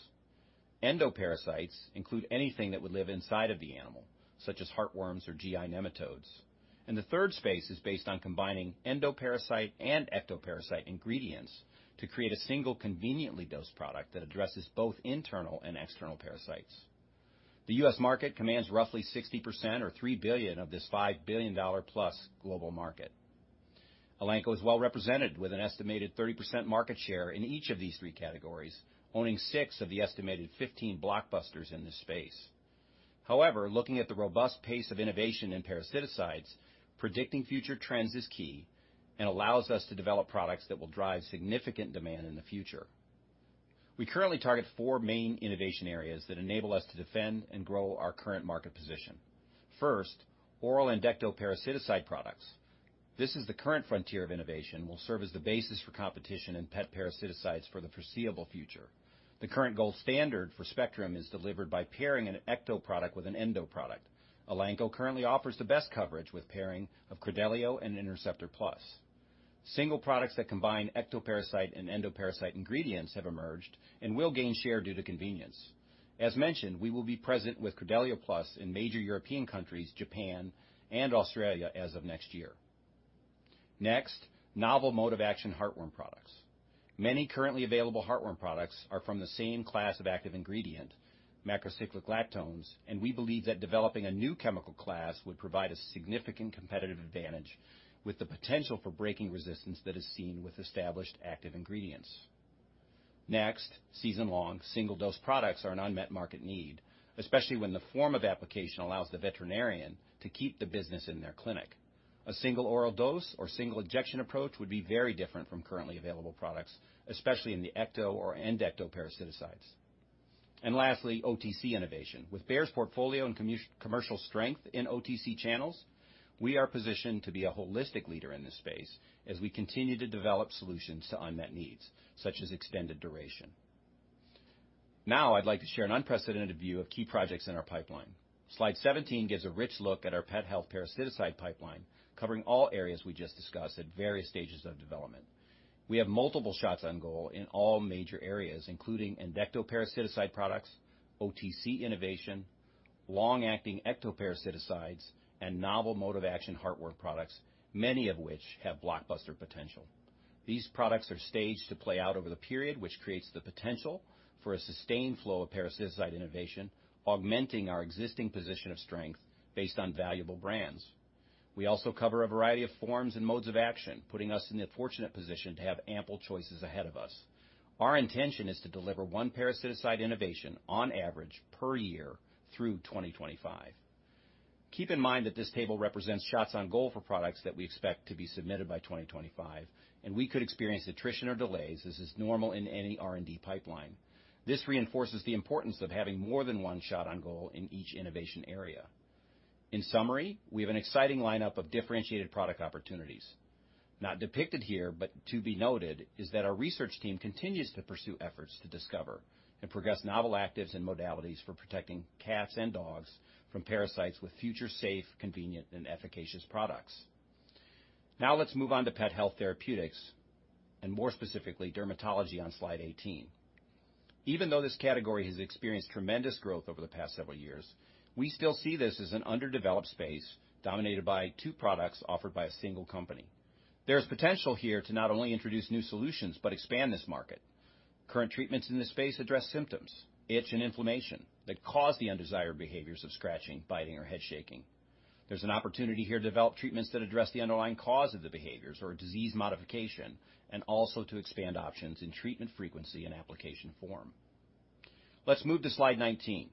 Endoparasites include anything that would live inside of the animal, such as heartworms or GI nematodes. The third space is based on combining endoparasite and ectoparasite ingredients to create a single conveniently dosed product that addresses both internal and external parasites. The U.S. market commands roughly 60% or $3 billion of this $5 billion-plus global market. Elanco is well represented with an estimated 30% market share in each of these three categories, owning six of the estimated 15 blockbusters in this space. However, looking at the robust pace of innovation in parasiticides, predicting future trends is key and allows us to develop products that will drive significant demand in the future. We currently target four main innovation areas that enable us to defend and grow our current market position. First, oral endectoparasiticide products. This is the current frontier of innovation and will serve as the basis for competition in pet parasiticides for the foreseeable future. The current gold standard for spectrum is delivered by pairing an ectoproduct with an endoproduct. Elanco currently offers the best coverage with pairing of Credelio and Interceptor Plus. Single products that combine ectoparasite and endoparasite ingredients have emerged and will gain share due to convenience. As mentioned, we will be present with Credelio Plus in major European countries, Japan, and Australia as of next year. Next, novel mode of action heartworm products. Many currently available heartworm products are from the same class of active ingredient, macrocyclic lactones, and we believe that developing a new chemical class would provide a significant competitive advantage with the potential for breaking resistance that is seen with established active ingredients. Next, season-long, single-dose products are an unmet market need, especially when the form of application allows the veterinarian to keep the business in their clinic. A single oral dose or single injection approach would be very different from currently available products, especially in the ecto or endoparasiticides, and lastly, OTC innovation. With Bayer's portfolio and commercial strength in OTC channels, we are positioned to be a holistic leader in this space as we continue to develop solutions to unmet needs, such as extended duration. Now I'd like to share an unprecedented view of key projects in our pipeline. Slide 17 gives a rich look at our pet health parasiticide pipeline, covering all areas we just discussed at various stages of development. We have multiple shots on goal in all major areas, including endectoparasiticide products, OTC innovation, long-acting ectoparasiticides, and novel mode of action heartworm products, many of which have blockbuster potential. These products are staged to play out over the period, which creates the potential for a sustained flow of parasiticide innovation, augmenting our existing position of strength based on valuable brands. We also cover a variety of forms and modes of action, putting us in the fortunate position to have ample choices ahead of us. Our intention is to deliver one parasiticide innovation on average per year through 2025. Keep in mind that this table represents shots on goal for products that we expect to be submitted by 2025, and we could experience attrition or delays, as is normal in any R&D pipeline. This reinforces the importance of having more than one shot on goal in each innovation area. In summary, we have an exciting lineup of differentiated product opportunities. Not depicted here, but to be noted, is that our research team continues to pursue efforts to discover and progress novel actives and modalities for protecting cats and dogs from parasites with future-safe, convenient, and efficacious products. Now let's move on to pet health therapeutics and, more specifically, dermatology on Slide 18. Even though this category has experienced tremendous growth over the past several years, we still see this as an underdeveloped space dominated by two products offered by a single company. There is potential here to not only introduce new solutions but expand this market. Current treatments in this space address symptoms, itch, and inflammation that cause the undesired behaviors of scratching, biting, or head shaking. There's an opportunity here to develop treatments that address the underlying cause of the behaviors or disease modification and also to expand options in treatment frequency and application form. Let's move to Slide 19.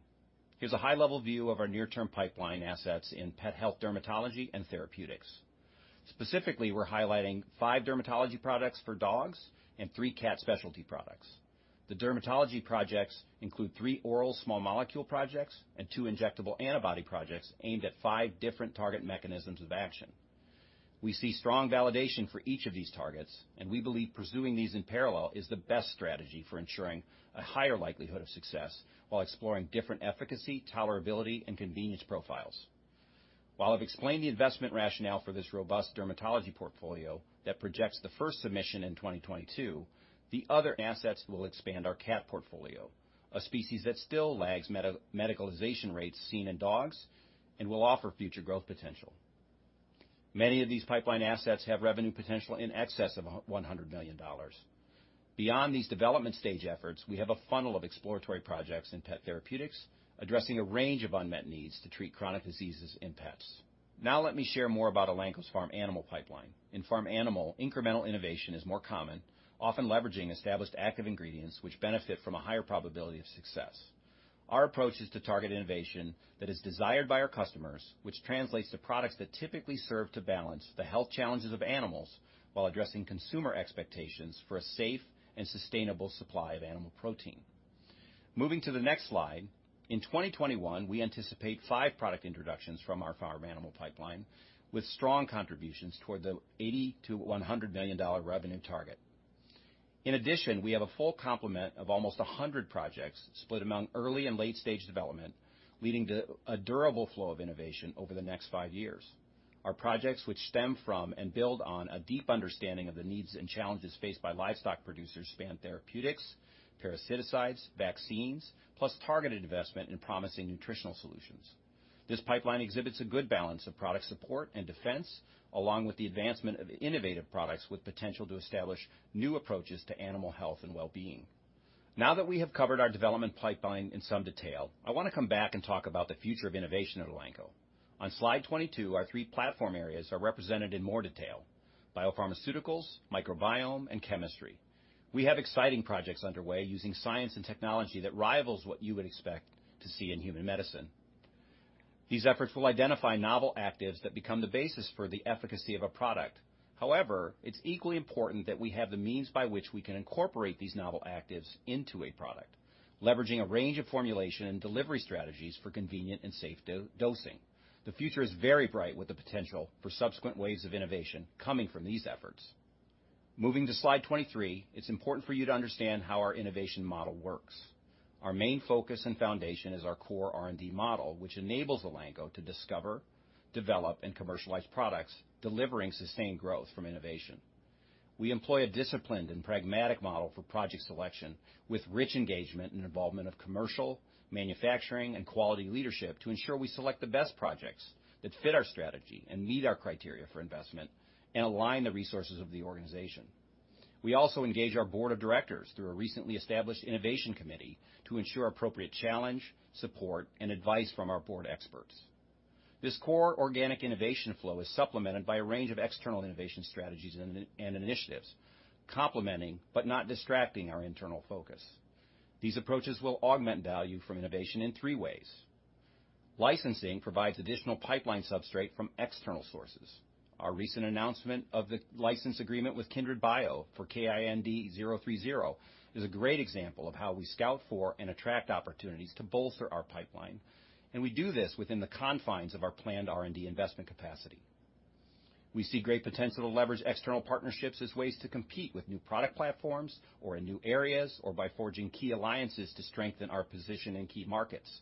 Here's a high-level view of our near-term pipeline assets in pet health dermatology and therapeutics. Specifically, we're highlighting five dermatology products for dogs and three cat specialty products. The dermatology projects include three oral small molecule projects and two injectable antibody projects aimed at five different target mechanisms of action. We see strong validation for each of these targets, and we believe pursuing these in parallel is the best strategy for ensuring a higher likelihood of success while exploring different efficacy, tolerability, and convenience profiles. While I've explained the investment rationale for this robust dermatology portfolio that projects the first submission in 2022, the other assets will expand our cat portfolio, a species that still lags medicalization rates seen in dogs and will offer future growth potential. Many of these pipeline assets have revenue potential in excess of $100 million. Beyond these development stage efforts, we have a funnel of exploratory projects in pet therapeutics addressing a range of unmet needs to treat chronic diseases in pets. Now let me share more about Elanco's farm animal pipeline. In farm animal, incremental innovation is more common, often leveraging established active ingredients which benefit from a higher probability of success. Our approach is to target innovation that is desired by our customers, which translates to products that typically serve to balance the health challenges of animals while addressing consumer expectations for a safe and sustainable supply of animal protein. Moving to the next slide, in 2021, we anticipate five product introductions from our farm animal pipeline with strong contributions toward the $80 million-$100 million revenue target. In addition, we have a full complement of almost 100 projects split among early and late-stage development, leading to a durable flow of innovation over the next five years. Our projects, which stem from and build on a deep understanding of the needs and challenges faced by livestock producers, span therapeutics, parasiticides, vaccines, plus targeted investment in promising nutritional solutions. This pipeline exhibits a good balance of product support and defense, along with the advancement of innovative products with potential to establish new approaches to animal health and well-being. Now that we have covered our development pipeline in some detail, I want to come back and talk about the future of innovation at Elanco. On Slide 22, our three platform areas are represented in more detail: biopharmaceuticals, microbiome, and chemistry. We have exciting projects underway using science and technology that rivals what you would expect to see in human medicine. These efforts will identify novel actives that become the basis for the efficacy of a product. However, it's equally important that we have the means by which we can incorporate these novel actives into a product, leveraging a range of formulation and delivery strategies for convenient and safe dosing. The future is very bright with the potential for subsequent waves of innovation coming from these efforts. Moving to Slide 23, it's important for you to understand how our innovation model works. Our main focus and foundation is our core R&D model, which enables Elanco to discover, develop, and commercialize products, delivering sustained growth from innovation. We employ a disciplined and pragmatic model for project selection with rich engagement and involvement of commercial, manufacturing, and quality leadership to ensure we select the best projects that fit our strategy and meet our criteria for investment and align the resources of the organization. We also engage our board of directors through a recently established innovation committee to ensure appropriate challenge, support, and advice from our board experts. This core organic innovation flow is supplemented by a range of external innovation strategies and initiatives, complementing but not distracting our internal focus. These approaches will augment value from innovation in three ways. Licensing provides additional pipeline substrate from external sources. Our recent announcement of the license agreement with KindredBio for KIND-030 is a great example of how we scout for and attract opportunities to bolster our pipeline, and we do this within the confines of our planned R&D investment capacity. We see great potential to leverage external partnerships as ways to compete with new product platforms or in new areas or by forging key alliances to strengthen our position in key markets.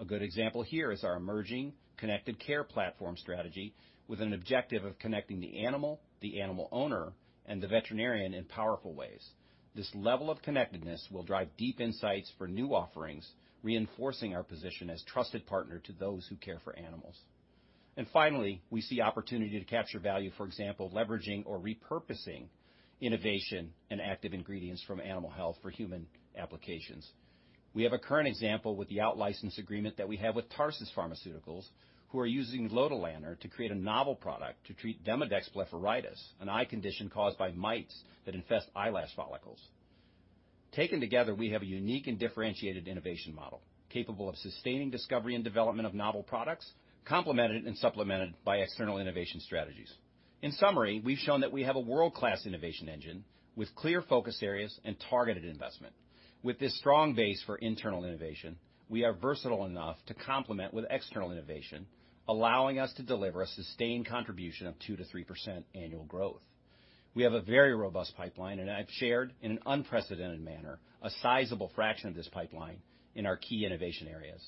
A good example here is our emerging connected care platform strategy with an objective of connecting the animal, the animal owner, and the veterinarian in powerful ways. This level of connectedness will drive deep insights for new offerings, reinforcing our position as a trusted partner to those who care for animals. And finally, we see opportunity to capture value, for example, leveraging or repurposing innovation and active ingredients from animal health for human applications. We have a current example with the out-license agreement that we have with Tarsus Pharmaceuticals, who are using lotilaner to create a novel product to treat Demodex blepharitis, an eye condition caused by mites that infest eyelash follicles. Taken together, we have a unique and differentiated innovation model capable of sustaining discovery and development of novel products, complemented and supplemented by external innovation strategies. In summary, we've shown that we have a world-class innovation engine with clear focus areas and targeted investment. With this strong base for internal innovation, we are versatile enough to complement with external innovation, allowing us to deliver a sustained contribution of 2%-3% annual growth. We have a very robust pipeline, and I've shared in an unprecedented manner a sizable fraction of this pipeline in our key innovation areas.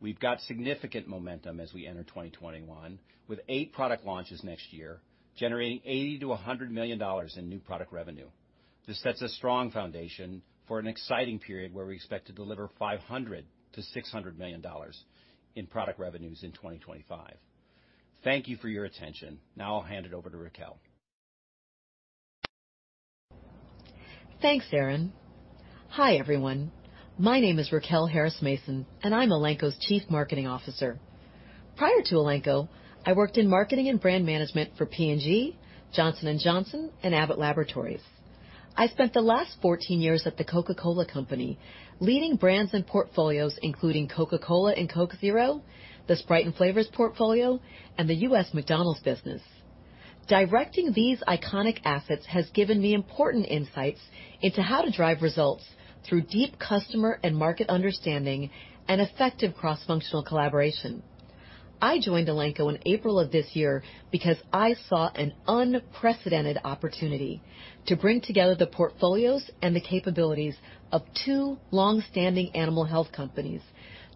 We've got significant momentum as we enter 2021, with eight product launches next year generating $80 million-$100 million in new product revenue. This sets a strong foundation for an exciting period where we expect to deliver $500 million-$600 million in product revenues in 2025. Thank you for your attention. Now I'll hand it over to Racquel. Thanks, Aaron. Hi, everyone. My name is Racquel Harris Mason, and I'm Elanco's Chief Marketing Officer. Prior to Elanco, I worked in marketing and brand management for P&G, Johnson & Johnson, and Abbott Laboratories. I spent the last 14 years at the Coca-Cola Company, leading brands and portfolios, including Coca-Cola and Coke Zero, the Sprite and Flavors portfolio, and the U.S. McDonald's business. Directing these iconic assets has given me important insights into how to drive results through deep customer and market understanding and effective cross-functional collaboration. I joined Elanco in April of this year because I saw an unprecedented opportunity to bring together the portfolios and the capabilities of two long-standing animal health companies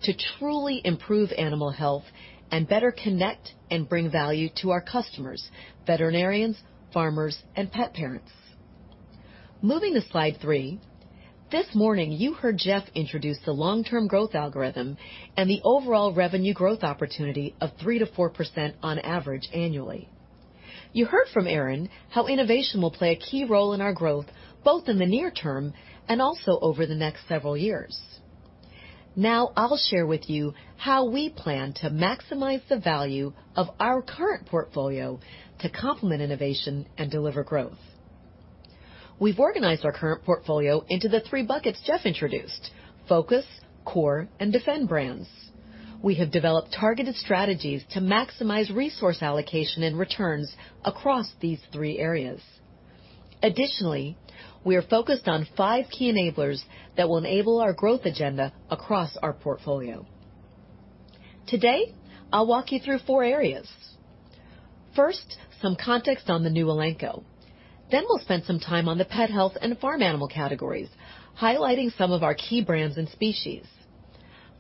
to truly improve animal health and better connect and bring value to our customers, veterinarians, farmers, and pet parents. Moving to Slide three, this morning, you heard Jeff introduce the long-term growth algorithm and the overall revenue growth opportunity of 3%-4% on average annually. You heard from Aaron how innovation will play a key role in our growth both in the near term and also over the next several years. Now I'll share with you how we plan to maximize the value of our current portfolio to complement innovation and deliver growth. We've organized our current portfolio into the three buckets Jeff introduced: focus, core, and defend brands. We have developed targeted strategies to maximize resource allocation and returns across these three areas. Additionally, we are focused on five key enablers that will enable our growth agenda across our portfolio. Today, I'll walk you through four areas. First, some context on the new Elanco. Then we'll spend some time on the pet health and farm animal categories, highlighting some of our key brands and species.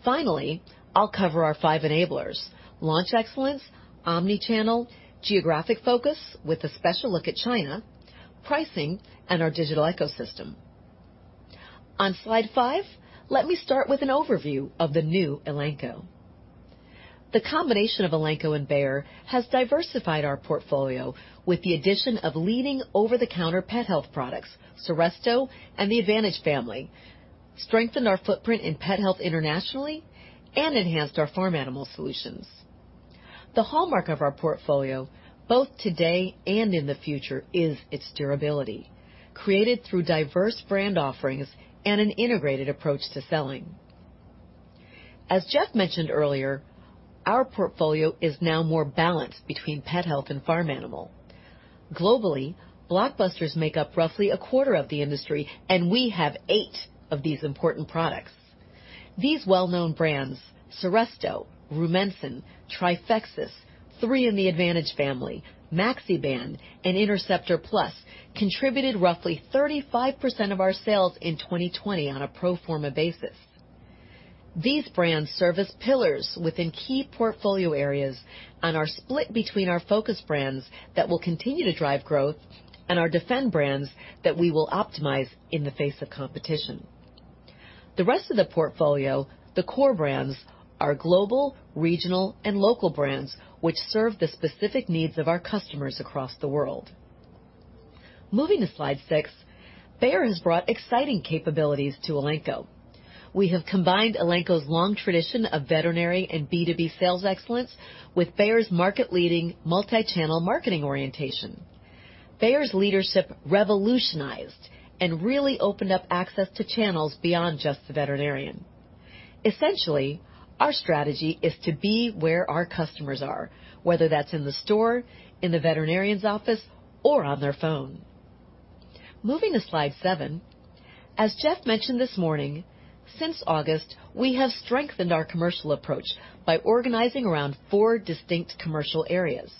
Finally, I'll cover our five enablers: launch excellence, omnichannel, geographic focus with a special look at China, pricing, and our digital ecosystem. On Slide five, let me start with an overview of the new Elanco. The combination of Elanco and Bayer has diversified our portfolio with the addition of leading over-the-counter pet health products, Seresto, and the Advantage family, strengthened our footprint in pet health internationally, and enhanced our farm animal solutions. The hallmark of our portfolio, both today and in the future, is its durability, created through diverse brand offerings and an integrated approach to selling. As Jeff mentioned earlier, our portfolio is now more balanced between pet health and farm animal. Globally, blockbusters make up roughly a quarter of the industry, and we have eight of these important products. These well-known brands, Seresto, Rumensin, Trifexis, three in the Advantage family, Maxiban, and Interceptor Plus, contributed roughly 35% of our sales in 2020 on a pro forma basis. These brands serve as pillars within key portfolio areas and are split between our focus brands that will continue to drive growth and our defend brands that we will optimize in the face of competition. The rest of the portfolio, the core brands, are global, regional, and local brands which serve the specific needs of our customers across the world. Moving to Slide six, Bayer has brought exciting capabilities to Elanco. We have combined Elanco's long tradition of veterinary and B2B sales excellence with Bayer's market-leading multi-channel marketing orientation. Bayer's leadership revolutionized and really opened up access to channels beyond just the veterinarian. Essentially, our strategy is to be where our customers are, whether that's in the store, in the veterinarian's office, or on their phone. Moving to Slide seven, as Jeff mentioned this morning, since August, we have strengthened our commercial approach by organizing around four distinct commercial areas.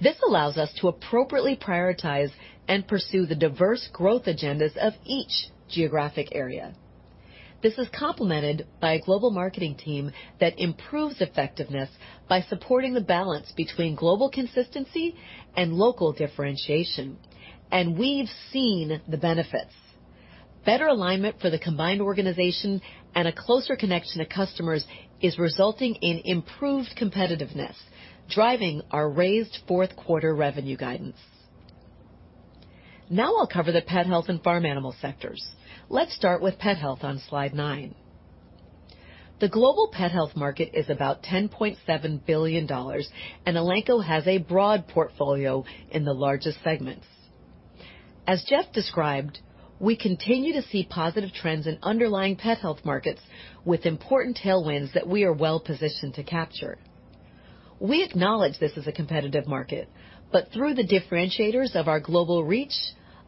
This allows us to appropriately prioritize and pursue the diverse growth agendas of each geographic area. This is complemented by a global marketing team that improves effectiveness by supporting the balance between global consistency and local differentiation, and we've seen the benefits. Better alignment for the combined organization and a closer connection to customers is resulting in improved competitiveness, driving our raised fourth-quarter revenue guidance. Now I'll cover the pet health and farm animal sectors. Let's start with pet health on Slide nine. The global pet health market is about $10.7 billion, and Elanco has a broad portfolio in the largest segments. As Jeff described, we continue to see positive trends in underlying pet health markets with important tailwinds that we are well-positioned to capture. We acknowledge this is a competitive market, but through the differentiators of our global reach,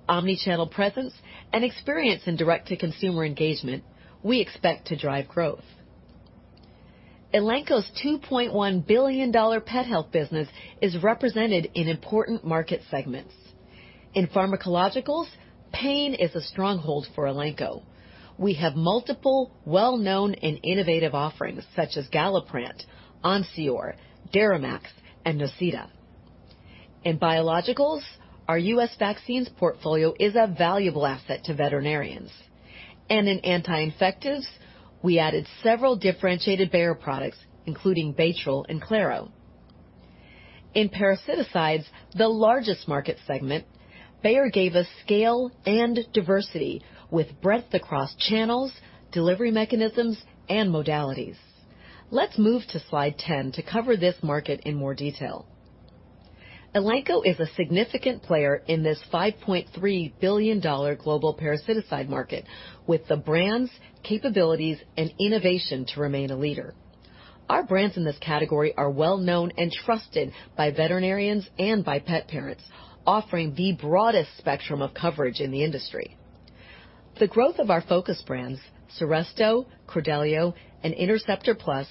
omnichannel presence, and experience in direct-to-consumer engagement, we expect to drive growth. Elanco's $2.1 billion pet health business is represented in important market segments. In pharmacologicals, pain is a stronghold for Elanco. We have multiple, well-known and innovative offerings such as Galliprant, Onsior, Deramaxx, and Nocita. In biologicals, our U.S. vaccines portfolio is a valuable asset to veterinarians. In anti-infectives, we added several differentiated Bayer products, including Baytril and Claro. In parasiticides, the largest market segment, Bayer gave us scale and diversity with breadth across channels, delivery mechanisms, and modalities. Let's move to Slide 10 to cover this market in more detail. Elanco is a significant player in this $5.3 billion global parasiticide market with the brands, capabilities, and innovation to remain a leader. Our brands in this category are well-known and trusted by veterinarians and by pet parents, offering the broadest spectrum of coverage in the industry. The growth of our focus brands, Seresto, Credelio, and Interceptor Plus,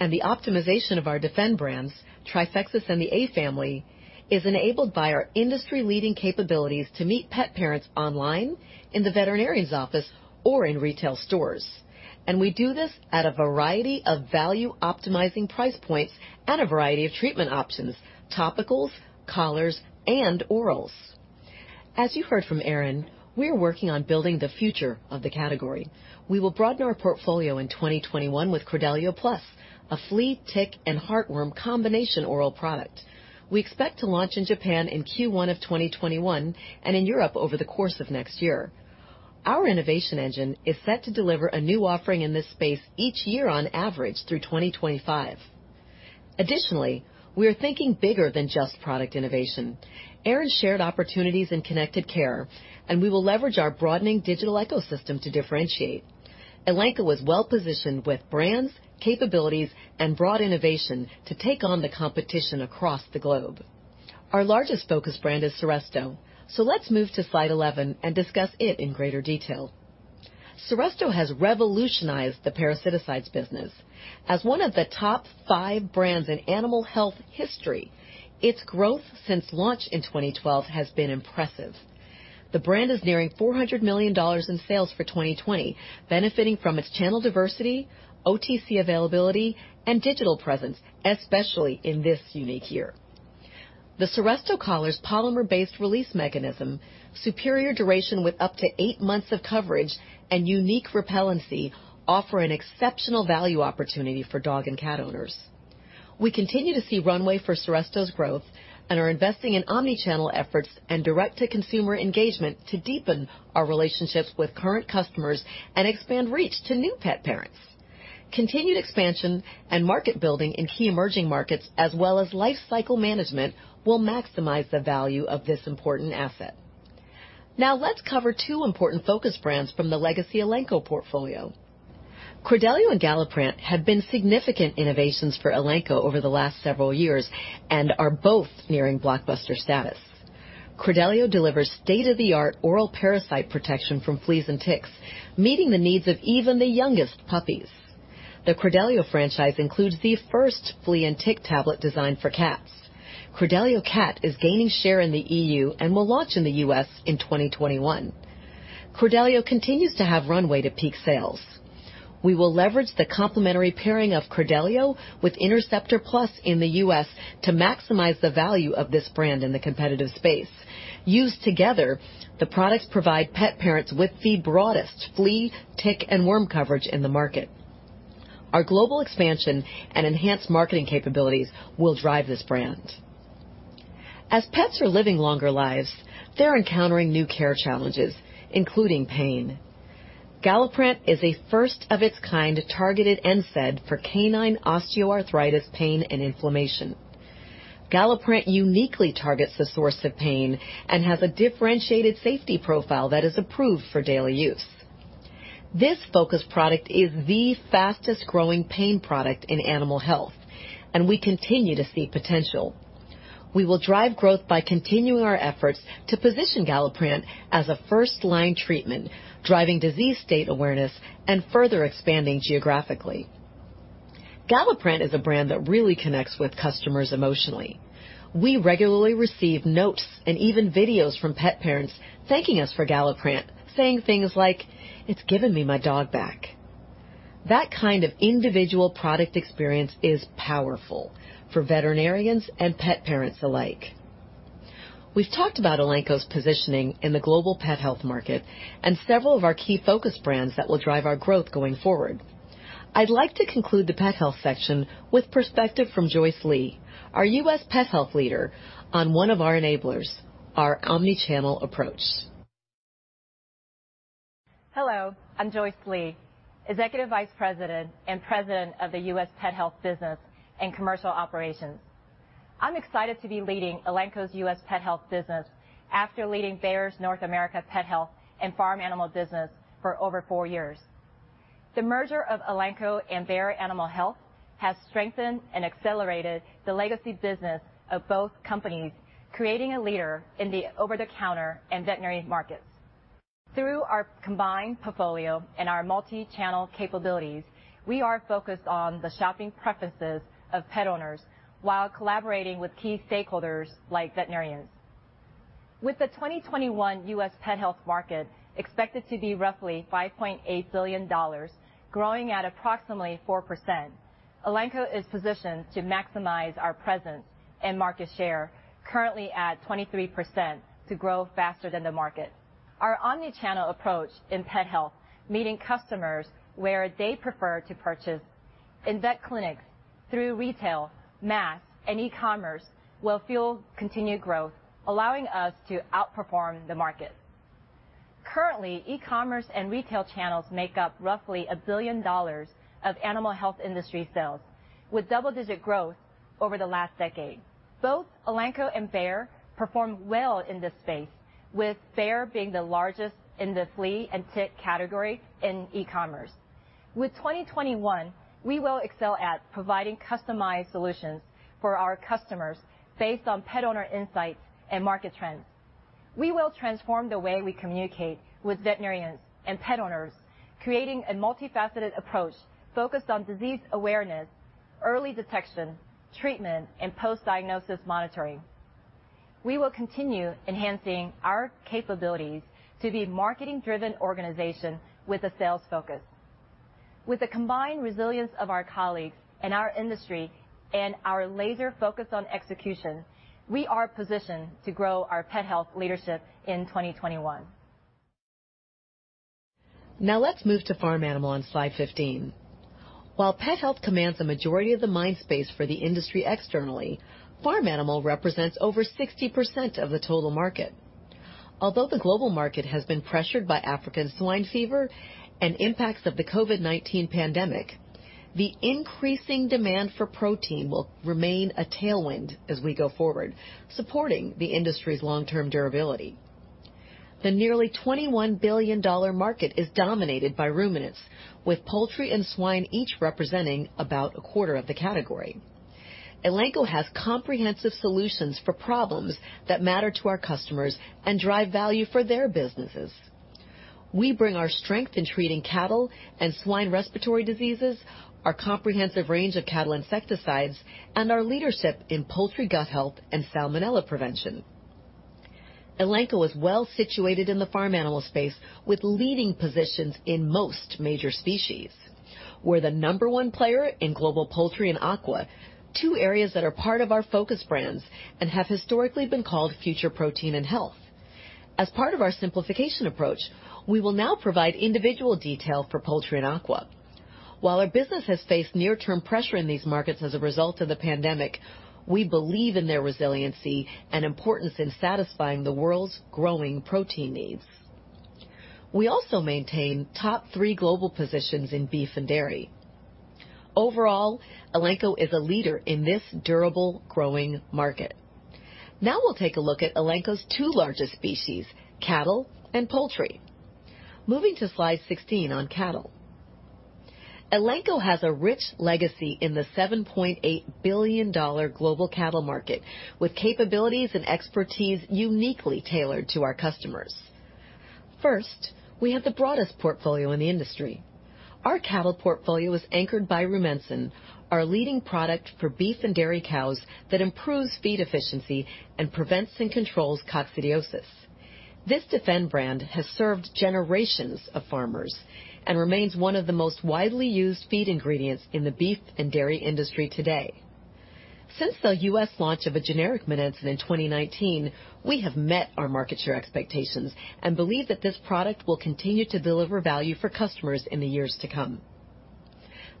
and the optimization of our defend brands, Trifexis and the Advantage family, is enabled by our industry-leading capabilities to meet pet parents online, in the veterinarian's office, or in retail stores. We do this at a variety of value-optimizing price points and a variety of treatment options: topicals, collars, and orals. As you heard from Aaron, we're working on building the future of the category. We will broaden our portfolio in 2021 with Credelio Plus, a flea tick and heartworm combination oral product. We expect to launch in Japan in Q1 of 2021 and in Europe over the course of next year. Our innovation engine is set to deliver a new offering in this space each year on average through 2025. Additionally, we are thinking bigger than just product innovation. Aaron shared opportunities in connected care, and we will leverage our broadening digital ecosystem to differentiate. Elanco is well-positioned with brands, capabilities, and broad innovation to take on the competition across the globe. Our largest focus brand is Seresto, so let's move to Slide 11 and discuss it in greater detail. Seresto has revolutionized the parasiticides business. As one of the top five brands in animal health history, its growth since launch in 2012 has been impressive. The brand is nearing $400 million in sales for 2020, benefiting from its channel diversity, OTC availability, and digital presence, especially in this unique year. The Seresto collar's polymer-based release mechanism, superior duration with up to eight months of coverage, and unique repellency offer an exceptional value opportunity for dog and cat owners. We continue to see runway for Seresto's growth and are investing in omnichannel efforts and direct-to-consumer engagement to deepen our relationships with current customers and expand reach to new pet parents. Continued expansion and market building in key emerging markets, as well as life cycle management, will maximize the value of this important asset. Now let's cover two important focus brands from the legacy Elanco portfolio. Credelio and Galliprant have been significant innovations for Elanco over the last several years and are both nearing blockbuster status. Credelio delivers state-of-the-art oral parasite protection from fleas and ticks, meeting the needs of even the youngest puppies. The Credelio franchise includes the first flea and tick tablet designed for cats. Credelio Cat is gaining share in the EU and will launch in the U.S. in 2021. Credelio continues to have runway to peak sales. We will leverage the complementary pairing of Credelio with Interceptor Plus in the U.S. to maximize the value of this brand in the competitive space. Used together, the products provide pet parents with the broadest flea, tick, and worm coverage in the market. Our global expansion and enhanced marketing capabilities will drive this brand. As pets are living longer lives, they're encountering new care challenges, including pain. Galliprant is a first-of-its-kind targeted NSAID for canine osteoarthritis pain and inflammation. Galliprant uniquely targets the source of pain and has a differentiated safety profile that is approved for daily use. This focus product is the fastest-growing pain product in animal health, and we continue to see potential. We will drive growth by continuing our efforts to position Galliprant as a first-line treatment, driving disease state awareness, and further expanding geographically. Galliprant is a brand that really connects with customers emotionally. We regularly receive notes and even videos from pet parents thanking us for Galliprant, saying things like, "It's given me my dog back." That kind of individual product experience is powerful for veterinarians and pet parents alike. We've talked about Elanco's positioning in the global pet health market and several of our key focus brands that will drive our growth going forward. I'd like to conclude the pet health section with perspective from Joyce Lee, our U.S. pet health leader, on one of our enablers, our omnichannel approach. Hello. I'm Joyce Lee, Executive Vice President and President of the U.S. Pet Health Business and Commercial Operations. I'm excited to be leading Elanco's U.S. Pet Health Business after leading Bayer's North America Pet Health and Farm Animal Business for over four years. The merger of Elanco and Bayer Animal Health has strengthened and accelerated the legacy business of both companies, creating a leader in the over-the-counter and veterinary markets. Through our combined portfolio and our multi-channel capabilities, we are focused on the shopping preferences of pet owners while collaborating with key stakeholders like veterinarians. With the 2021 U.S. Pet Health market expected to be roughly $5.8 billion, growing at approximately 4%, Elanco is positioned to maximize our presence and market share, currently at 23%, to grow faster than the market. Our omnichannel approach in pet health, meeting customers where they prefer to purchase, in vet clinics, through retail, mass, and e-commerce, will fuel continued growth, allowing us to outperform the market. Currently, e-commerce and retail channels make up roughly $1 billion of animal health industry sales, with double-digit growth over the last decade. Both Elanco and Bayer perform well in this space, with Bayer being the largest in the flea and tick category in e-commerce. With 2021, we will excel at providing customized solutions for our customers based on pet owner insights and market trends. We will transform the way we communicate with veterinarians and pet owners, creating a multifaceted approach focused on disease awareness, early detection, treatment, and post-diagnosis monitoring. We will continue enhancing our capabilities to be a marketing-driven organization with a sales focus. With the combined resilience of our colleagues and our industry and our laser focus on execution, we are positioned to grow our pet health leadership in 2021. Now let's move to farm animal on Slide 15. While pet health commands a majority of the mind space for the industry externally, farm animal represents over 60% of the total market. Although the global market has been pressured by African Swine Fever and impacts of the COVID-19 pandemic, the increasing demand for protein will remain a tailwind as we go forward, supporting the industry's long-term durability. The nearly $21 billion market is dominated by ruminants, with poultry and swine each representing about a quarter of the category. Elanco has comprehensive solutions for problems that matter to our customers and drive value for their businesses. We bring our strength in treating cattle and swine respiratory diseases, our comprehensive range of cattle insecticides, and our leadership in poultry gut health and Salmonella prevention. Elanco is well-situated in the farm animal space with leading positions in most major species. We're the number one player in global poultry and aqua, two areas that are part of our focus brands and have historically been called future protein and health. As part of our simplification approach, we will now provide individual detail for poultry and aqua. While our business has faced near-term pressure in these markets as a result of the pandemic, we believe in their resiliency and importance in satisfying the world's growing protein needs. We also maintain top three global positions in beef and dairy. Overall, Elanco is a leader in this durable growing market. Now we'll take a look at Elanco's two largest species, cattle and poultry. Moving to Slide 16 on cattle. Elanco has a rich legacy in the $7.8 billion global cattle market with capabilities and expertise uniquely tailored to our customers. First, we have the broadest portfolio in the industry. Our cattle portfolio is anchored by Rumensin, our leading product for beef and dairy cows that improves feed efficiency and prevents and controls coccidiosis. This defend brand has served generations of farmers and remains one of the most widely used feed ingredients in the beef and dairy industry today. Since the U.S. launch of a generic Rumensin in 2019, we have met our market share expectations and believe that this product will continue to deliver value for customers in the years to come.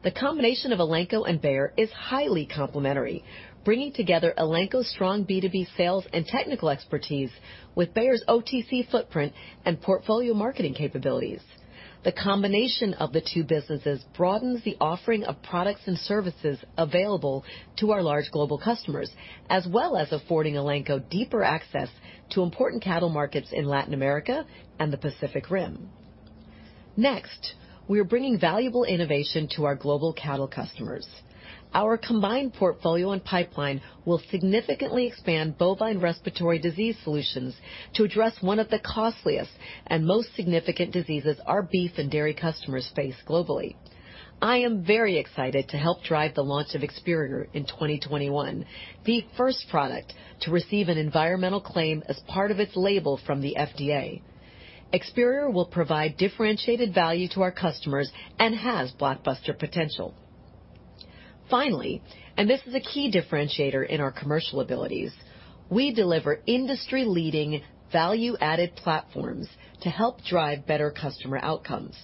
The combination of Elanco and Bayer is highly complementary, bringing together Elanco's strong B2B sales and technical expertise with Bayer's OTC footprint and portfolio marketing capabilities. The combination of the two businesses broadens the offering of products and services available to our large global customers, as well as affording Elanco deeper access to important cattle markets in Latin America and the Pacific Rim. Next, we are bringing valuable innovation to our global cattle customers. Our combined portfolio and pipeline will significantly expand bovine respiratory disease solutions to address one of the costliest and most significant diseases our beef and dairy customers face globally. I am very excited to help drive the launch of Experior in 2021, the first product to receive an environmental claim as part of its label from the FDA. Experior will provide differentiated value to our customers and has blockbuster potential. Finally, and this is a key differentiator in our commercial abilities, we deliver industry-leading value-added platforms to help drive better customer outcomes.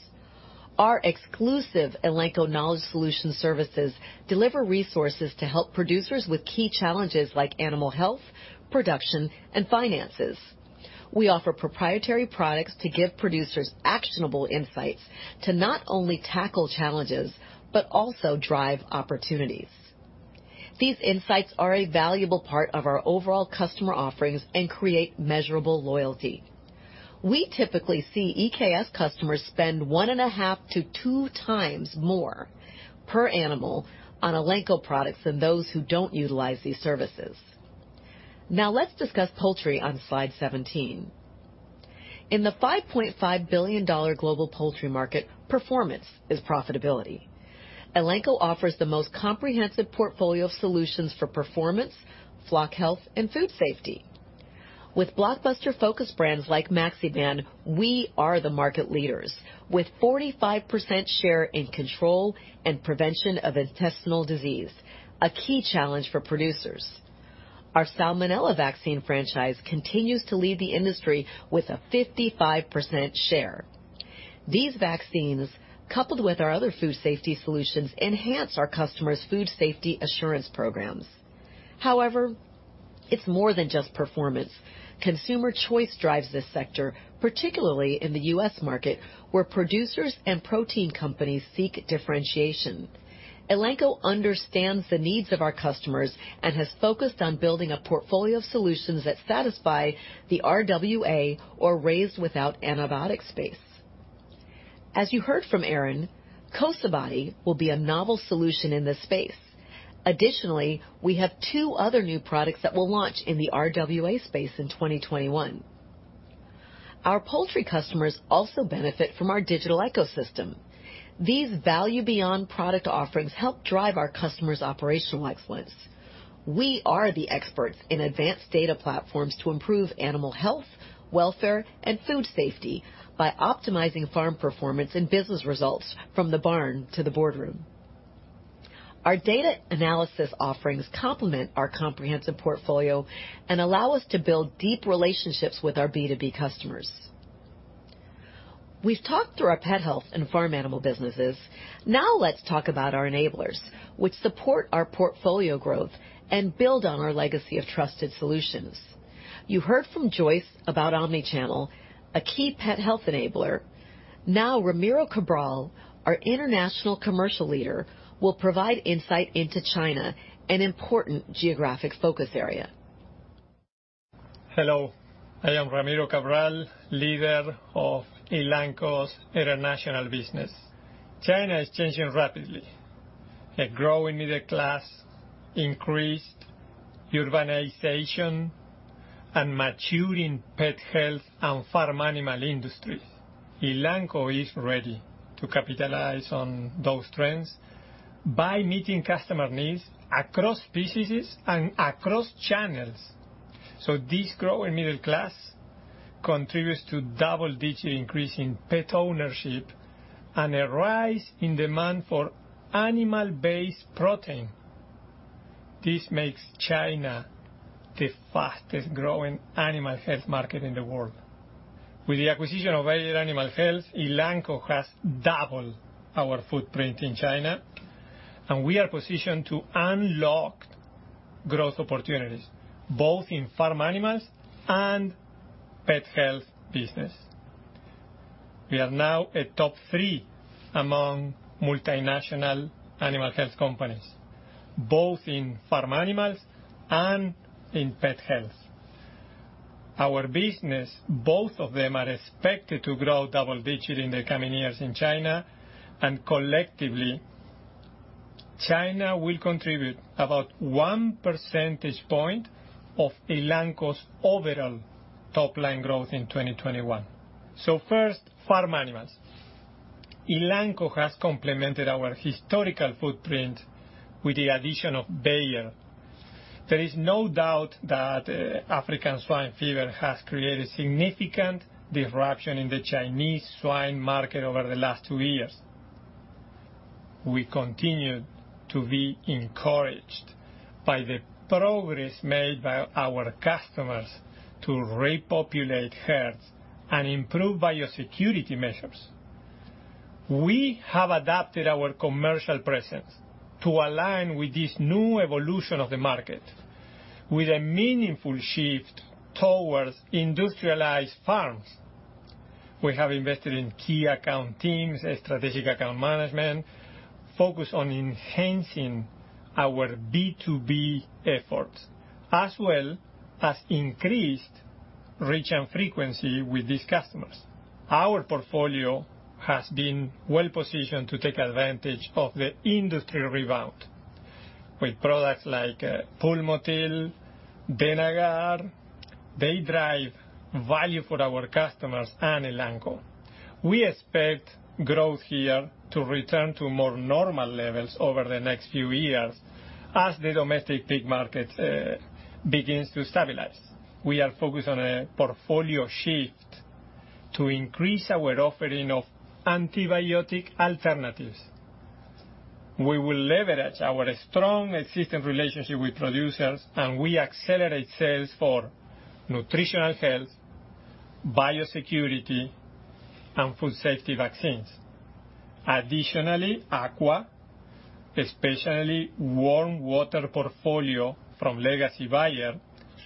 Our exclusive Elanco Knowledge Solutions services deliver resources to help producers with key challenges like animal health, production, and finances. We offer proprietary products to give producers actionable insights to not only tackle challenges but also drive opportunities. These insights are a valuable part of our overall customer offerings and create measurable loyalty. We typically see EKS customers spend one and a half to two times more per animal on Elanco products than those who don't utilize these services. Now let's discuss poultry on Slide 17. In the $5.5 billion global poultry market, performance is profitability. Elanco offers the most comprehensive portfolio of solutions for performance, flock health, and food safety. With blockbuster focus brands like Maxiban, we are the market leaders with 45% share in control and prevention of intestinal disease, a key challenge for producers. Our Salmonella vaccine franchise continues to lead the industry with a 55% share. These vaccines, coupled with our other food safety solutions, enhance our customers' food safety assurance programs. However, it's more than just performance. Consumer choice drives this sector, particularly in the U.S. market, where producers and protein companies seek differentiation. Elanco understands the needs of our customers and has focused on building a portfolio of solutions that satisfy the RWA or Raised Without Antibiotics space. As you heard from Aaron, Cosabody will be a novel solution in this space. Additionally, we have two other new products that will launch in the RWA space in 2021. Our poultry customers also benefit from our digital ecosystem. These value-beyond product offerings help drive our customers' operational excellence. We are the experts in advanced data platforms to improve animal health, welfare, and food safety by optimizing farm performance and business results from the barn to the boardroom. Our data analysis offerings complement our comprehensive portfolio and allow us to build deep relationships with our B2B customers. We've talked through our pet health and farm animal businesses. Now let's talk about our enablers, which support our portfolio growth and build on our legacy of trusted solutions. You heard from Joyce about omnichannel, a key pet health enabler. Now, Ramiro Cabral, our international commercial leader, will provide insight into China, an important geographic focus area. Hello. I am Ramiro Cabral, leader of Elanco's international business. China is changing rapidly. A growing middle class, increased urbanization, and maturing pet health and farm animal industry. Elanco is ready to capitalize on those trends by meeting customer needs across species and across channels. So this growing middle class contributes to double-digit increase in pet ownership and a rise in demand for animal-based protein. This makes China the fastest-growing animal health market in the world. With the acquisition of Bayer Animal Health, Elanco has doubled our footprint in China, and we are positioned to unlock growth opportunities both in farm animals and pet health business. We are now a top three among multinational animal health companies, both in farm animals and in pet health. Our business, both of them are expected to grow double-digit in the coming years in China, and collectively, China will contribute about one percentage point of Elanco's overall top-line growth in 2021. So first, farm animals. Elanco has complemented our historical footprint with the addition of Bayer. There is no doubt that African Swine Fever has created significant disruption in the Chinese swine market over the last two years. We continue to be encouraged by the progress made by our customers to repopulate herds and improve biosecurity measures. We have adapted our commercial presence to align with this new evolution of the market, with a meaningful shift towards industrialized farms. We have invested in key account teams, strategic account management, focus on enhancing our B2B efforts, as well as increased reach and frequency with these customers. Our portfolio has been well-positioned to take advantage of the industry rebound with products like Pulmotil, Denagard. They drive value for our customers and Elanco. We expect growth here to return to more normal levels over the next few years as the domestic pig market begins to stabilize. We are focused on a portfolio shift to increase our offering of antibiotic alternatives. We will leverage our strong existing relationship with producers, and we accelerate sales for nutritional health, biosecurity, and food safety vaccines. Additionally, Aqua, especially warm water portfolio from legacy Bayer,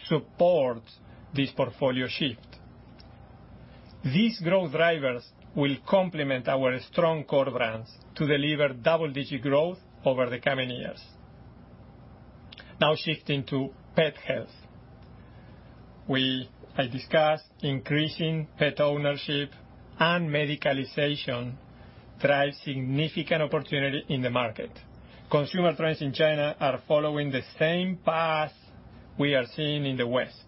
supports this portfolio shift. These growth drivers will complement our strong core brands to deliver double-digit growth over the coming years. Now shifting to pet health. As I discussed, increasing pet ownership and medicalization drive significant opportunity in the market. Consumer trends in China are following the same path we are seeing in the West.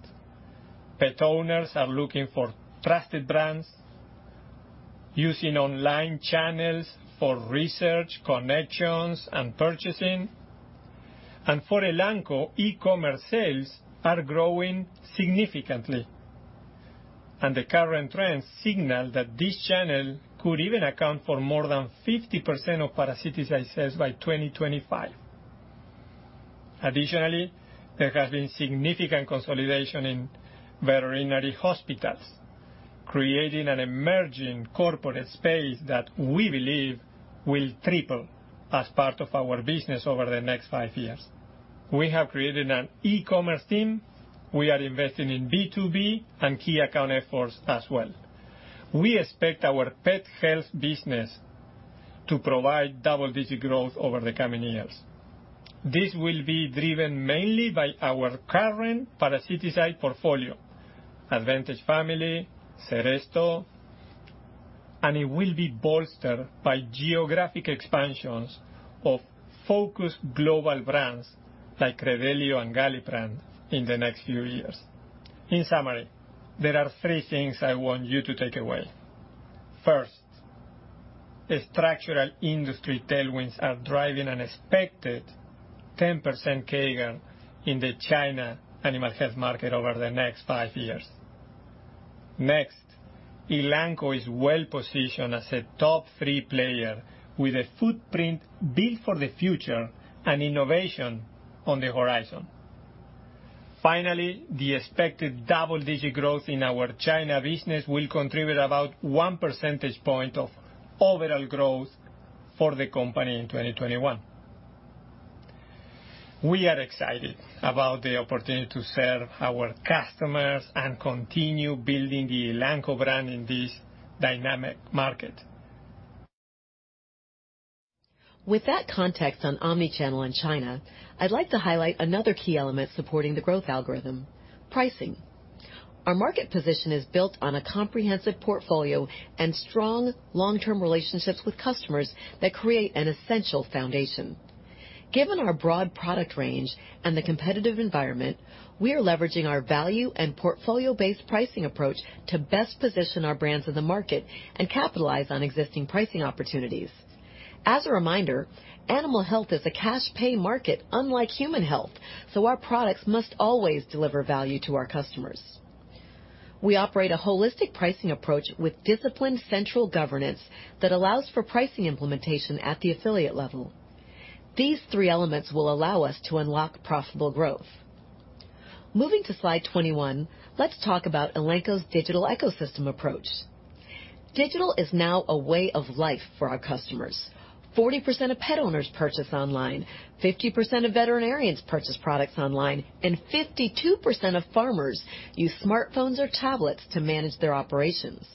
Pet owners are looking for trusted brands, using online channels for research, connections, and purchasing. And for Elanco, e-commerce sales are growing significantly, and the current trends signal that this channel could even account for more than 50% of parasiticide sales by 2025. Additionally, there has been significant consolidation in veterinary hospitals, creating an emerging corporate space that we believe will triple as part of our business over the next five years. We have created an e-commerce team. We are investing in B2B and key account efforts as well. We expect our pet health business to provide double-digit growth over the coming years. This will be driven mainly by our current parasitic portfolio, Advantage Family, Seresto, and it will be bolstered by geographic expansions of focused global brands like Credelio and Galliprant in the next few years. In summary, there are three things I want you to take away. First, structural industry tailwinds are driving an expected 10% CAGR in the China animal health market over the next five years. Next, Elanco is well-positioned as a top three player with a footprint built for the future and innovation on the horizon. Finally, the expected double-digit growth in our China business will contribute about one percentage point of overall growth for the company in 2021. We are excited about the opportunity to serve our customers and continue building the Elanco brand in this dynamic market. With that context on omnichannel in China, I'd like to highlight another key element supporting the growth algorithm: pricing. Our market position is built on a comprehensive portfolio and strong long-term relationships with customers that create an essential foundation. Given our broad product range and the competitive environment, we are leveraging our value and portfolio-based pricing approach to best position our brands in the market and capitalize on existing pricing opportunities. As a reminder, animal health is a cash-pay market, unlike human health, so our products must always deliver value to our customers. We operate a holistic pricing approach with disciplined central governance that allows for pricing implementation at the affiliate level. These three elements will allow us to unlock profitable growth. Moving to Slide 21, let's talk about Elanco's digital ecosystem approach. Digital is now a way of life for our customers. 40% of pet owners purchase online, 50% of veterinarians purchase products online, and 52% of farmers use smartphones or tablets to manage their operations.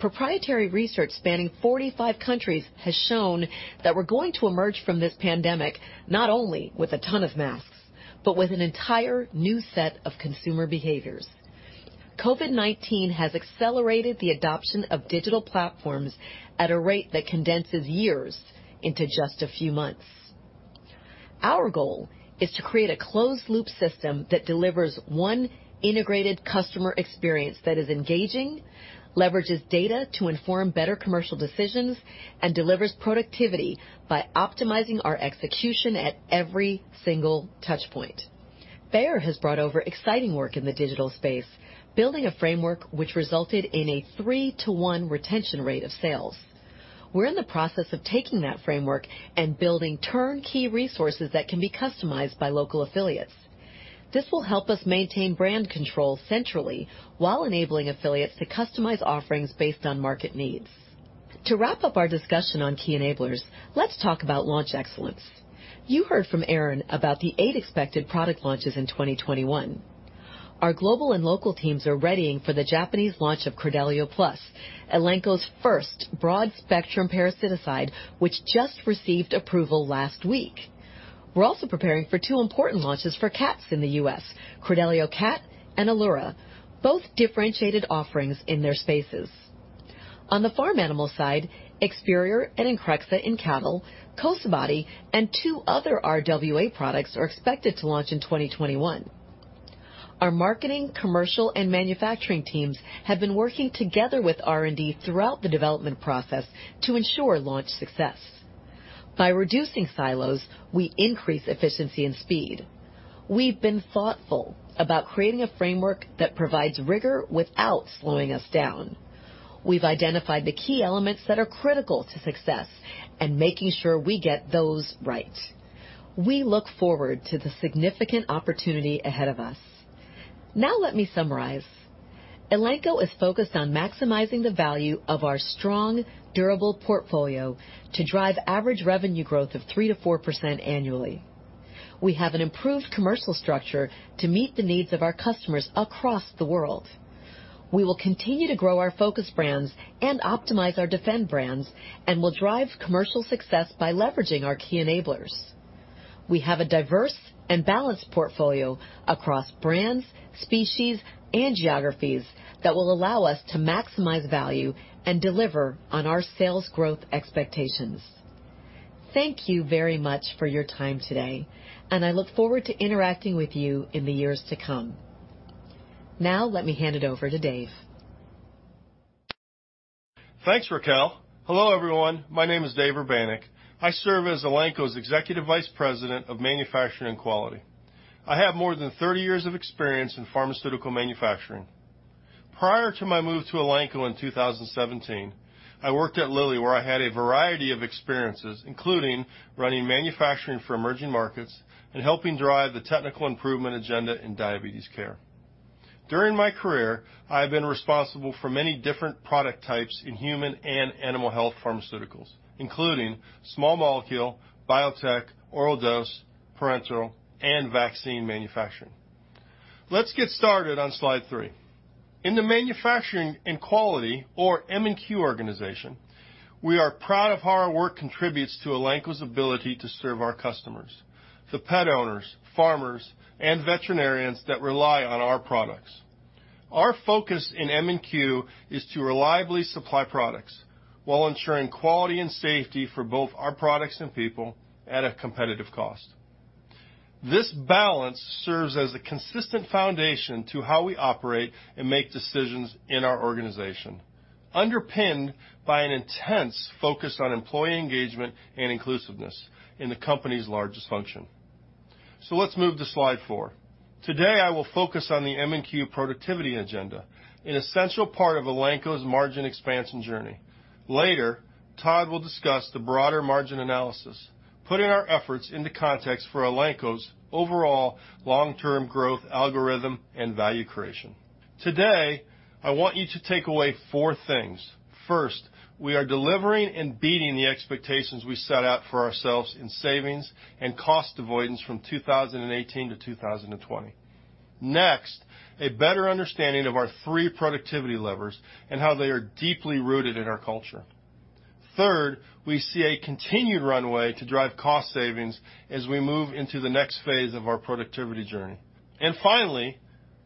Proprietary research spanning 45 countries has shown that we're going to emerge from this pandemic not only with a ton of masks, but with an entire new set of consumer behaviors. COVID-19 has accelerated the adoption of digital platforms at a rate that condenses years into just a few months. Our goal is to create a closed-loop system that delivers one integrated customer experience that is engaging, leverages data to inform better commercial decisions, and delivers productivity by optimizing our execution at every single touchpoint. Bayer has brought over exciting work in the digital space, building a framework which resulted in a three-to-one retention rate of sales. We're in the process of taking that framework and building turnkey resources that can be customized by local affiliates. This will help us maintain brand control centrally while enabling affiliates to customize offerings based on market needs. To wrap up our discussion on key enablers, let's talk about launch excellence. You heard from Aaron about the eight expected product launches in 2021. Our global and local teams are readying for the Japanese launch of Credelio Plus, Elanco's first broad-spectrum parasiticide, which just received approval last week. We're also preparing for two important launches for cats in the U.S., Credelio Cat and Elura, both differentiated offerings in their spaces. On the farm animal side, Experior and Increxxa in cattle, Cosabody, and two other RWA products are expected to launch in 2021. Our marketing, commercial, and manufacturing teams have been working together with R&D throughout the development process to ensure launch success. By reducing silos, we increase efficiency and speed. We've been thoughtful about creating a framework that provides rigor without slowing us down. We've identified the key elements that are critical to success and making sure we get those right. We look forward to the significant opportunity ahead of us. Now let me summarize. Elanco is focused on maximizing the value of our strong, durable portfolio to drive average revenue growth of 3%-4% annually. We have an improved commercial structure to meet the needs of our customers across the world. We will continue to grow our focus brands and optimize our defend brands and will drive commercial success by leveraging our key enablers. We have a diverse and balanced portfolio across brands, species, and geographies that will allow us to maximize value and deliver on our sales growth expectations. Thank you very much for your time today, and I look forward to interacting with you in the years to come. Now let me hand it over to Dave. Thanks, Racquel. Hello, everyone. My name is Dave Urbanek. I serve as Elanco's Executive Vice President of Manufacturing and Quality. I have more than 30 years of experience in pharmaceutical manufacturing. Prior to my move to Elanco in 2017, I worked at Lilly, where I had a variety of experiences, including running manufacturing for emerging markets and helping drive the technical improvement agenda in diabetes care. During my career, I have been responsible for many different product types in human and animal health pharmaceuticals, including small molecule, biotech, oral dose, parenteral, and vaccine manufacturing. Let's get started on Slide three. In the manufacturing and quality, or M&Q organization, we are proud of how our work contributes to Elanco's ability to serve our customers, the pet owners, farmers, and veterinarians that rely on our products. Our focus in M&Q is to reliably supply products while ensuring quality and safety for both our products and people at a competitive cost. This balance serves as a consistent foundation to how we operate and make decisions in our organization, underpinned by an intense focus on employee engagement and inclusiveness in the company's largest function. So let's move to Slide four. Today, I will focus on the M&Q productivity agenda, an essential part of Elanco's margin expansion journey. Later, Todd will discuss the broader margin analysis, putting our efforts into context for Elanco's overall long-term growth algorithm and value creation. Today, I want you to take away four things. First, we are delivering and beating the expectations we set out for ourselves in savings and cost avoidance from 2018 to 2020. Next, a better understanding of our three productivity levers and how they are deeply rooted in our culture. Third, we see a continued runway to drive cost savings as we move into the next phase of our productivity journey. And finally,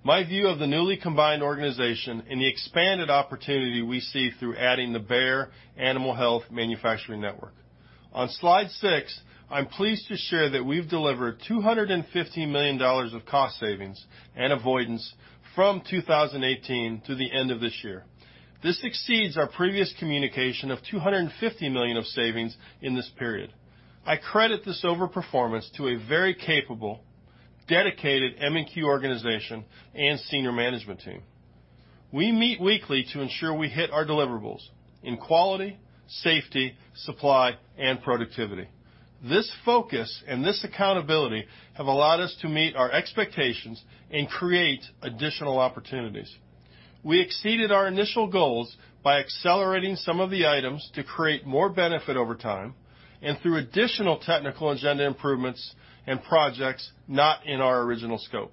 my view of the newly combined organization and the expanded opportunity we see through adding the Bayer Animal Health Manufacturing Network. On slide six, I'm pleased to share that we've delivered $250 million of cost savings and avoidance from 2018 to the end of this year. This exceeds our previous communication of $250 million of savings in this period. I credit this overperformance to a very capable, dedicated M&Q organization and senior management team. We meet weekly to ensure we hit our deliverables in quality, safety, supply, and productivity. This focus and this accountability have allowed us to meet our expectations and create additional opportunities. We exceeded our initial goals by accelerating some of the items to create more benefit over time and through additional technical agenda improvements and projects not in our original scope.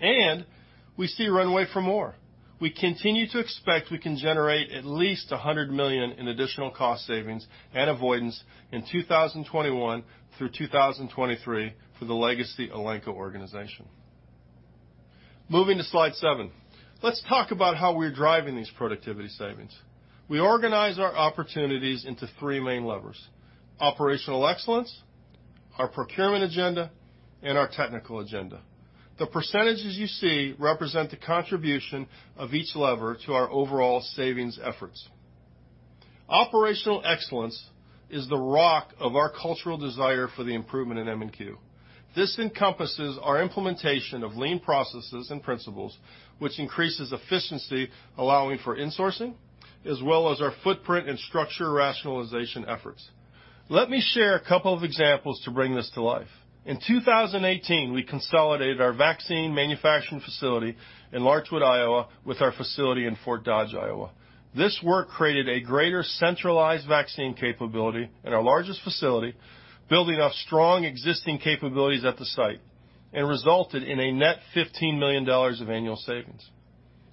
And we see runway for more. We continue to expect we can generate at least $100 million in additional cost savings and avoidance in 2021 through 2023 for the legacy Elanco organization. Moving to Slide seven, let's talk about how we're driving these productivity savings. We organize our opportunities into three main levers: operational excellence, our procurement agenda, and our technical agenda. The percentages you see represent the contribution of each lever to our overall savings efforts. Operational excellence is the rock of our cultural desire for the improvement in M&Q. This encompasses our implementation of lean processes and principles, which increases efficiency, allowing for insourcing, as well as our footprint and structure rationalization efforts. Let me share a couple of examples to bring this to life. In 2018, we consolidated our vaccine manufacturing facility in Larchwood, Iowa, with our facility in Fort Dodge, Iowa. This work created a greater centralized vaccine capability at our largest facility, building off strong existing capabilities at the site, and resulted in a net $15 million of annual savings.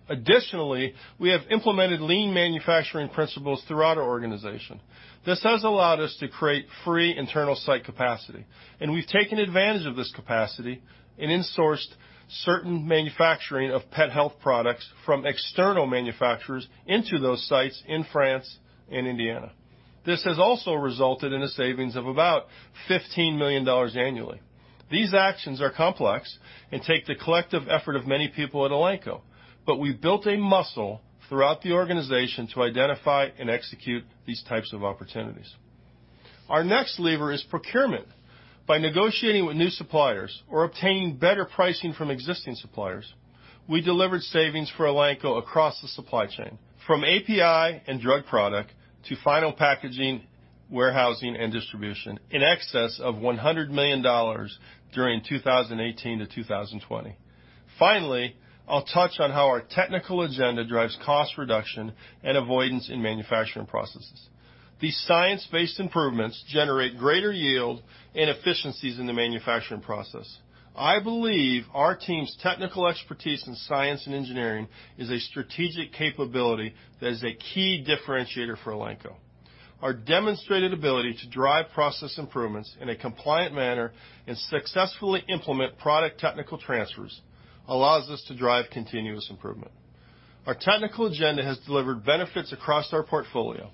Additionally, we have implemented lean manufacturing principles throughout our organization. This has allowed us to create free internal site capacity, and we've taken advantage of this capacity and insourced certain manufacturing of pet health products from external manufacturers into those sites in France and Indiana. This has also resulted in a savings of about $15 million annually. These actions are complex and take the collective effort of many people at Elanco, but we built a muscle throughout the organization to identify and execute these types of opportunities. Our next lever is procurement. By negotiating with new suppliers or obtaining better pricing from existing suppliers, we delivered savings for Elanco across the supply chain, from API and drug product to final packaging, warehousing, and distribution in excess of $100 million during 2018 to 2020. Finally, I'll touch on how our technical agenda drives cost reduction and avoidance in manufacturing processes. These science-based improvements generate greater yield and efficiencies in the manufacturing process. I believe our team's technical expertise in science and engineering is a strategic capability that is a key differentiator for Elanco. Our demonstrated ability to drive process improvements in a compliant manner and successfully implement product technical transfers allows us to drive continuous improvement. Our technical agenda has delivered benefits across our portfolio.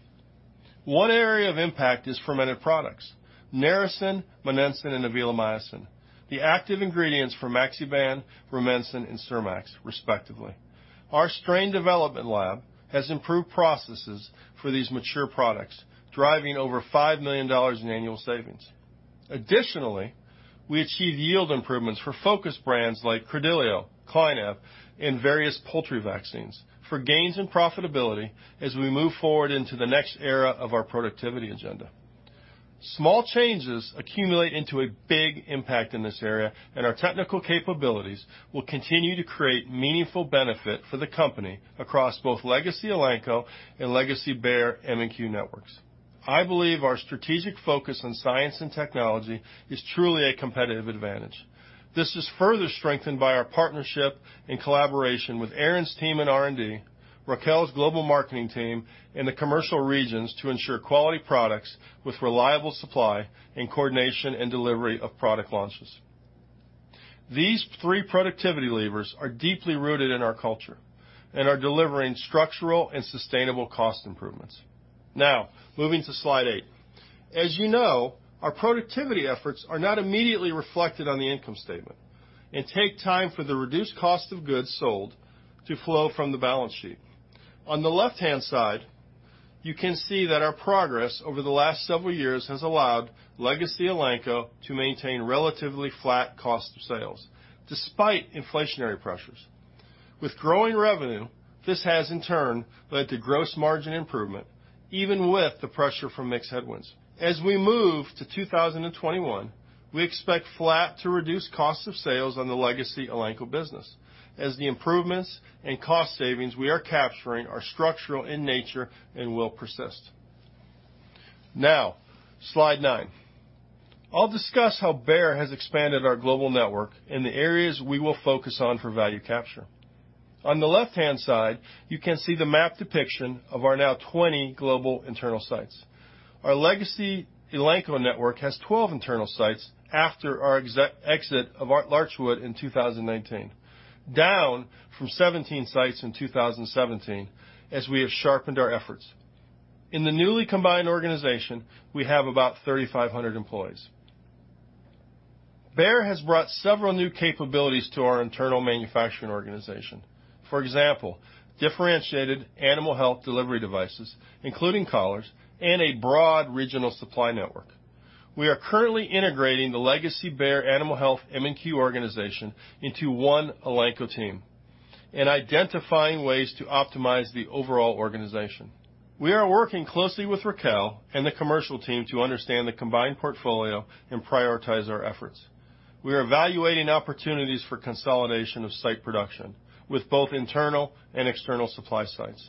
One area of impact is fermented products: narasin, monensin, and avilamycin, the active ingredients for Maxiban, Rumensin, and Surmax, respectively. Our strain development lab has improved processes for these mature products, driving over $5 million in annual savings. Additionally, we achieve yield improvements for focus brands like Credelio, Clynav, and various poultry vaccines for gains in profitability as we move forward into the next era of our productivity agenda. Small changes accumulate into a big impact in this area, and our technical capabilities will continue to create meaningful benefit for the company across both legacy Elanco and legacy Bayer M&Q networks. I believe our strategic focus on science and technology is truly a competitive advantage. This is further strengthened by our partnership and collaboration with Aaron's team in R&D, Racquel's global marketing team, and the commercial regions to ensure quality products with reliable supply and coordination and delivery of product launches. These three productivity levers are deeply rooted in our culture and are delivering structural and sustainable cost improvements. Now, moving to Slide eight. As you know, our productivity efforts are not immediately reflected on the income statement and take time for the reduced cost of goods sold to flow from the balance sheet. On the left-hand side, you can see that our progress over the last several years has allowed legacy Elanco to maintain relatively flat cost of sales despite inflationary pressures. With growing revenue, this has, in turn, led to gross margin improvement, even with the pressure from mix headwinds. As we move to 2021, we expect flat to reduced cost of sales on the legacy Elanco business, as the improvements and cost savings we are capturing are structural in nature and will persist. Now, Slide nine. I'll discuss how Bayer has expanded our global network and the areas we will focus on for value capture. On the left-hand side, you can see the map depiction of our now 20 global internal sites. Our legacy Elanco network has 12 internal sites after our exit of Larchwood in 2019, down from 17 sites in 2017 as we have sharpened our efforts. In the newly combined organization, we have about 3,500 employees. Bayer has brought several new capabilities to our internal manufacturing organization. For example, differentiated animal health delivery devices, including collars, and a broad regional supply network. We are currently integrating the legacy Bayer Animal Health M&Q organization into one Elanco team and identifying ways to optimize the overall organization. We are working closely with Racquel and the commercial team to understand the combined portfolio and prioritize our efforts. We are evaluating opportunities for consolidation of site production with both internal and external supply sites.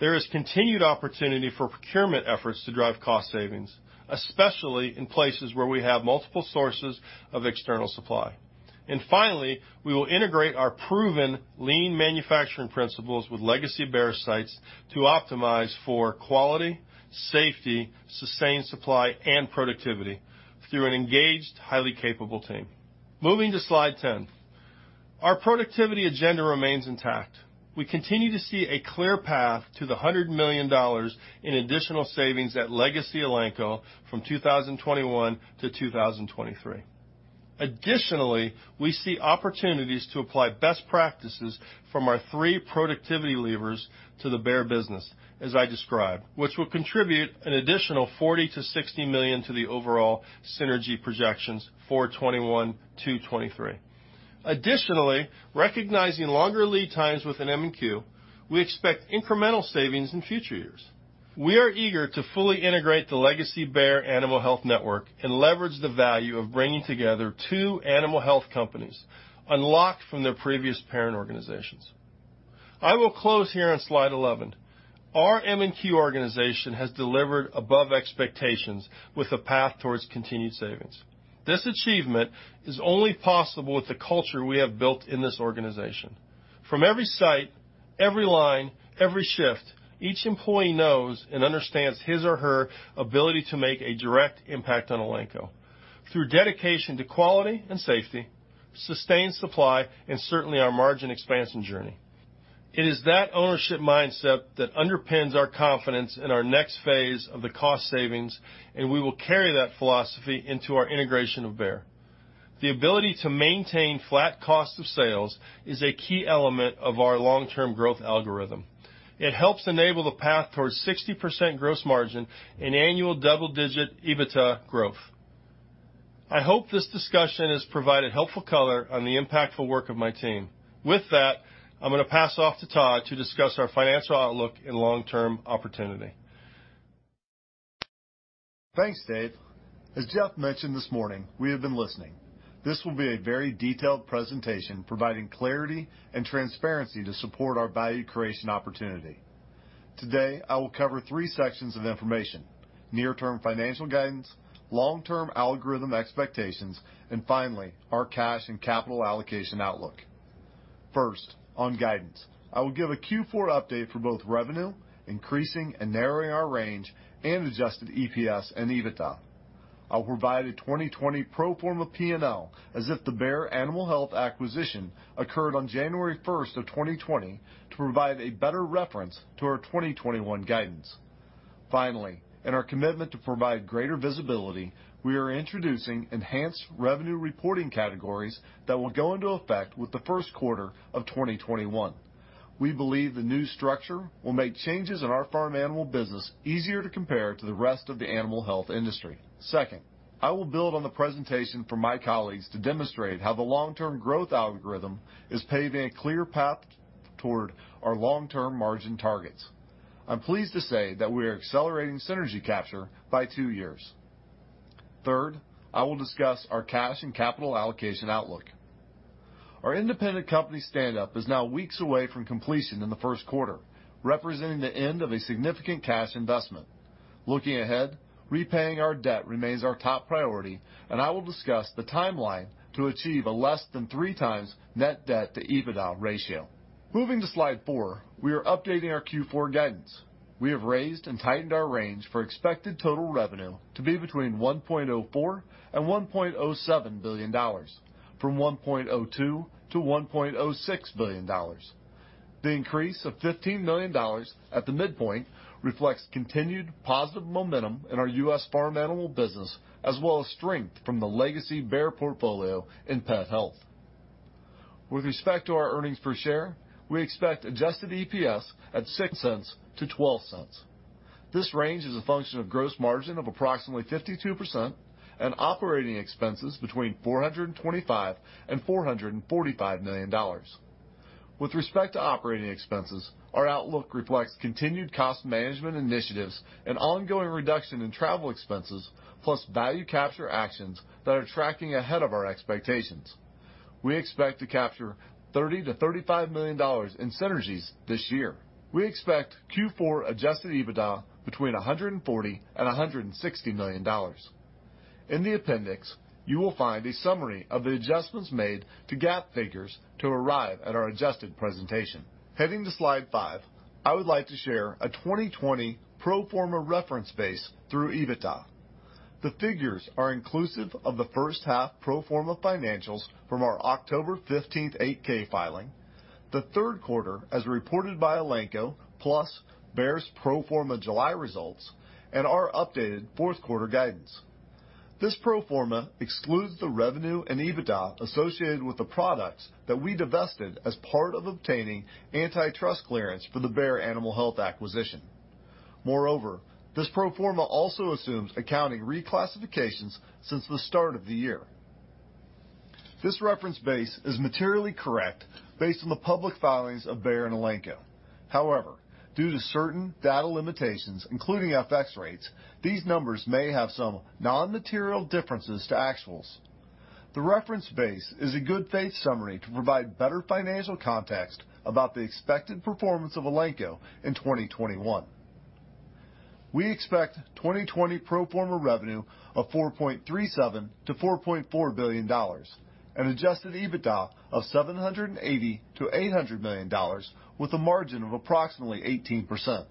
There is continued opportunity for procurement efforts to drive cost savings, especially in places where we have multiple sources of external supply. And finally, we will integrate our proven lean manufacturing principles with legacy Bayer sites to optimize for quality, safety, sustained supply, and productivity through an engaged, highly capable team. Moving to Slide 10. Our productivity agenda remains intact. We continue to see a clear path to the $100 million in additional savings at legacy Elanco from 2021 to 2023. Additionally, we see opportunities to apply best practices from our three productivity levers to the Bayer business, as I described, which will contribute an additional $40 million-$60 million to the overall synergy projections for 2021-2023. Additionally, recognizing longer lead times within M&Q, we expect incremental savings in future years. We are eager to fully integrate the legacy Bayer Animal Health Network and leverage the value of bringing together two animal health companies unlocked from their previous parent organizations. I will close here on Slide 11. Our M&Q organization has delivered above expectations with a path towards continued savings. This achievement is only possible with the culture we have built in this organization. From every site, every line, every shift, each employee knows and understands his or her ability to make a direct impact on Elanco through dedication to quality and safety, sustained supply, and certainly our margin expansion journey. It is that ownership mindset that underpins our confidence in our next phase of the cost savings, and we will carry that philosophy into our integration of Bayer. The ability to maintain flat cost of sales is a key element of our long-term growth algorithm. It helps enable the path towards 60% gross margin and annual double-digit EBITDA growth. I hope this discussion has provided helpful color on the impactful work of my team. With that, I'm going to pass off to Todd to discuss our financial outlook and long-term opportunity. Thanks, Dave. As Jeff mentioned this morning, we have been listening. This will be a very detailed presentation providing clarity and transparency to support our value creation opportunity. Today, I will cover three sections of information: near-term financial guidance, long-term algorithm expectations, and finally, our cash and capital allocation outlook. First, on guidance, I will give a Q4 update for both revenue, increasing and narrowing our range, and adjusted EPS and EBITDA. I'll provide a 2020 pro forma P&L as if the Bayer Animal Health acquisition occurred on January 1st of 2020 to provide a better reference to our 2021 guidance. Finally, in our commitment to provide greater visibility, we are introducing enhanced revenue reporting categories that will go into effect with the first quarter of 2021. We believe the new structure will make changes in our farm animal business easier to compare to the rest of the animal health industry. Second, I will build on the presentation from my colleagues to demonstrate how the long-term growth algorithm is paving a clear path toward our long-term margin targets. I'm pleased to say that we are accelerating synergy capture by two years. Third, I will discuss our cash and capital allocation outlook. Our independent company standup is now weeks away from completion in the first quarter, representing the end of a significant cash investment. Looking ahead, repaying our debt remains our top priority, and I will discuss the timeline to achieve a less than three times net debt to EBITDA ratio. Moving to slide four, we are updating our Q4 guidance. We have raised and tightened our range for expected total revenue to be between $1.04 billion and $1.07 billion, from $1.02 billion-$1.06 billion. The increase of $15 million at the midpoint reflects continued positive momentum in our U.S. farm animal business, as well as strength from the legacy Bayer portfolio in pet health. With respect to our earnings per share, we expect adjusted EPS at $0.06-$0.12. This range is a function of gross margin of approximately 52% and operating expenses between $425 million-$445 million. With respect to operating expenses, our outlook reflects continued cost management initiatives and ongoing reduction in travel expenses, plus value capture actions that are tracking ahead of our expectations. We expect to capture $30 million-$35 million in synergies this year. We expect Q4 adjusted EBITDA between $140 million-$160 million. In the appendix, you will find a summary of the adjustments made to GAAP figures to arrive at our adjusted presentation. Heading to Slide five, I would like to share a 2020 pro forma reference base through EBITDA. The figures are inclusive of the first half pro forma financials from our October 15th 8-K filing, the third quarter, as reported by Elanco, plus Bayer's pro forma July results, and our updated fourth quarter guidance. This pro forma excludes the revenue and EBITDA associated with the products that we divested as part of obtaining antitrust clearance for the Bayer Animal Health acquisition. Moreover, this pro forma also assumes accounting reclassifications since the start of the year. This reference base is materially correct based on the public filings of Bayer and Elanco. However, due to certain data limitations, including FX rates, these numbers may have some non-material differences to actuals. The reference base is a good faith summary to provide better financial context about the expected performance of Elanco in 2021. We expect 2020 pro forma revenue of $4.37 billion-$4.4 billion and adjusted EBITDA of $780 million-$800 million, with a margin of approximately 18%.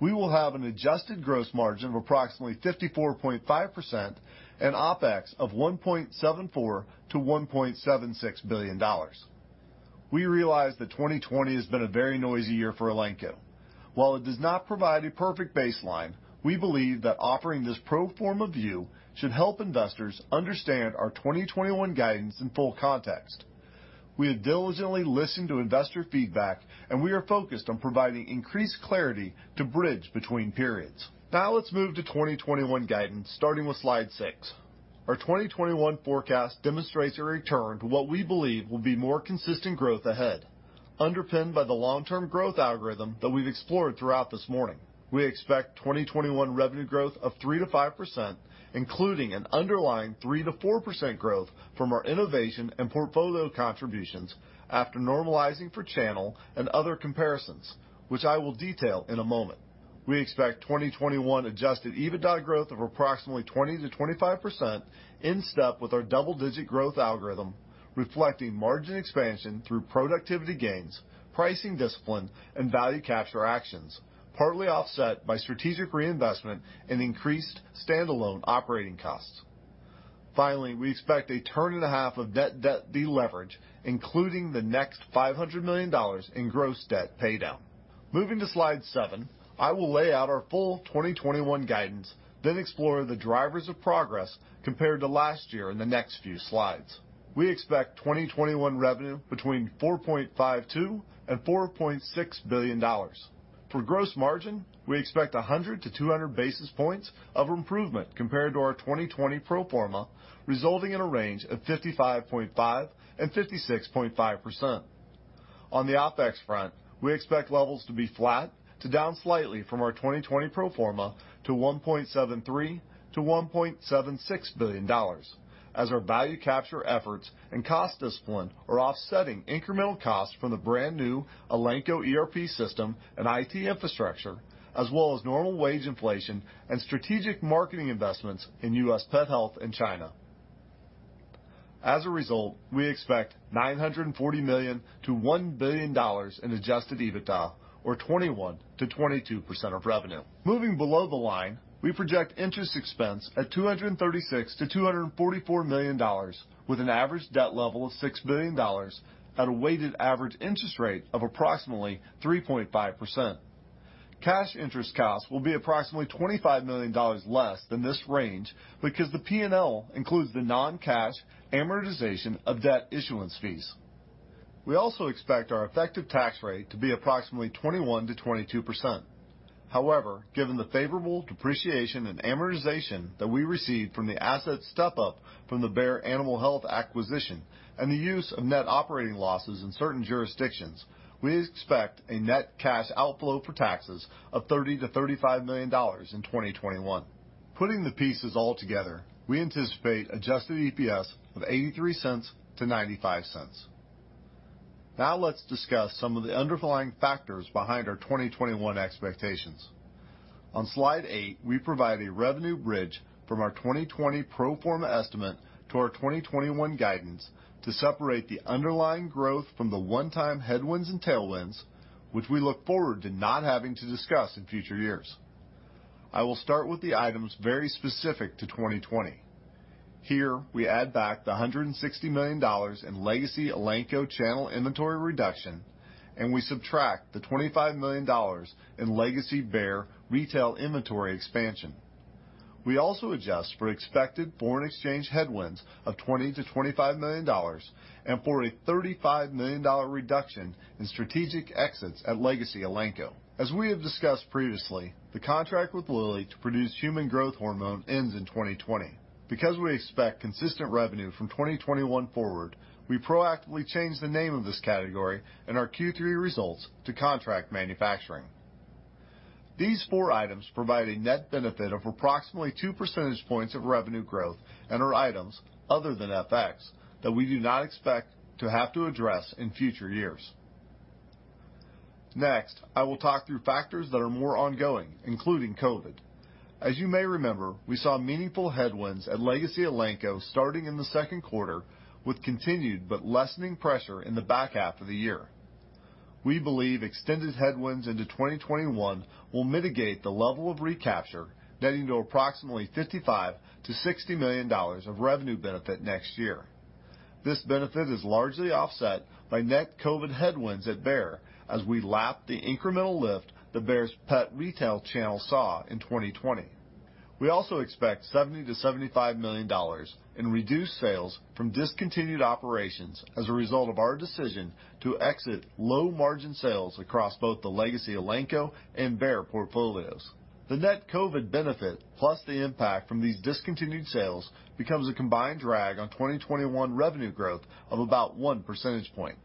We will have an adjusted gross margin of approximately 54.5% and OpEx of $1.74 billion-$1.76 billion. We realize that 2020 has been a very noisy year for Elanco. While it does not provide a perfect baseline, we believe that offering this pro forma view should help investors understand our 2021 guidance in full context. We have diligently listened to investor feedback, and we are focused on providing increased clarity to bridge between periods. Now let's move to 2021 guidance, starting with Slide six. Our 2021 forecast demonstrates a return to what we believe will be more consistent growth ahead, underpinned by the long-term growth algorithm that we've explored throughout this morning. We expect 2021 revenue growth of 3%-5%, including an underlying 3%-4% growth from our innovation and portfolio contributions after normalizing for channel and other comparisons, which I will detail in a moment. We expect 2021 Adjusted EBITDA growth of approximately 20%-25%, in step with our double-digit growth algorithm, reflecting margin expansion through productivity gains, pricing discipline, and value capture actions, partly offset by strategic reinvestment and increased standalone operating costs. Finally, we expect a turn and a half of net debt deleverage, including the next $500 million in gross debt paydown. Moving to Slide seven, I will lay out our full 2021 guidance, then explore the drivers of progress compared to last year in the next few slides. We expect 2021 revenue between $4.52 billion-$4.6 billion. For gross margin, we expect 100 to 200 basis points of improvement compared to our 2020 pro forma, resulting in a range of 55.5%-56.5%. On the OpEx front, we expect levels to be flat to down slightly from our 2020 pro forma to $1.73 billion-$1.76 billion, as our value capture efforts and cost discipline are offsetting incremental costs from the brand new Elanco ERP system and IT infrastructure, as well as normal wage inflation and strategic marketing investments in U.S. pet health and China. As a result, we expect $940 million-$1 billion in adjusted EBITDA, or 21%-22% of revenue. Moving below the line, we project interest expense at $236 million-$244 million, with an average debt level of $6 billion at a weighted average interest rate of approximately 3.5%. Cash interest costs will be approximately $25 million less than this range because the P&L includes the non-cash amortization of debt issuance fees. We also expect our effective tax rate to be approximately 21%-22%. However, given the favorable depreciation and amortization that we received from the asset step-up from the Bayer Animal Health acquisition and the use of net operating losses in certain jurisdictions, we expect a net cash outflow for taxes of $30 million-$35 million in 2021. Putting the pieces all together, we anticipate adjusted EPS of $0.83-$0.95. Now let's discuss some of the underlying factors behind our 2021 expectations. On slide eight, we provide a revenue bridge from our 2020 pro forma estimate to our 2021 guidance to separate the underlying growth from the one-time headwinds and tailwinds, which we look forward to not having to discuss in future years. I will start with the items very specific to 2020. Here, we add back the $160 million in legacy Elanco channel inventory reduction, and we subtract the $25 million in legacy Bayer retail inventory expansion. We also adjust for expected foreign exchange headwinds of $20 million-$25 million and for a $35 million reduction in strategic exits at legacy Elanco. As we have discussed previously, the contract with Lilly to produce human growth hormone ends in 2020. Because we expect consistent revenue from 2021 forward, we proactively change the name of this category in our Q3 results to Contract Manufacturing. These four items provide a net benefit of approximately two percentage points of revenue growth in our items other than FX that we do not expect to have to address in future years. Next, I will talk through factors that are more ongoing, including COVID. As you may remember, we saw meaningful headwinds at legacy Elanco starting in the second quarter, with continued but lessening pressure in the back half of the year. We believe extended headwinds into 2021 will mitigate the level of recapture, getting to approximately $55 million-$60 million of revenue benefit next year. This benefit is largely offset by net COVID headwinds at Bayer as we lap the incremental lift that Bayer's pet retail channel saw in 2020. We also expect $70 million-$75 million in reduced sales from discontinued operations as a result of our decision to exit low-margin sales across both the legacy Elanco and Bayer portfolios. The net COVID benefit, plus the impact from these discontinued sales, becomes a combined drag on 2021 revenue growth of about one percentage point.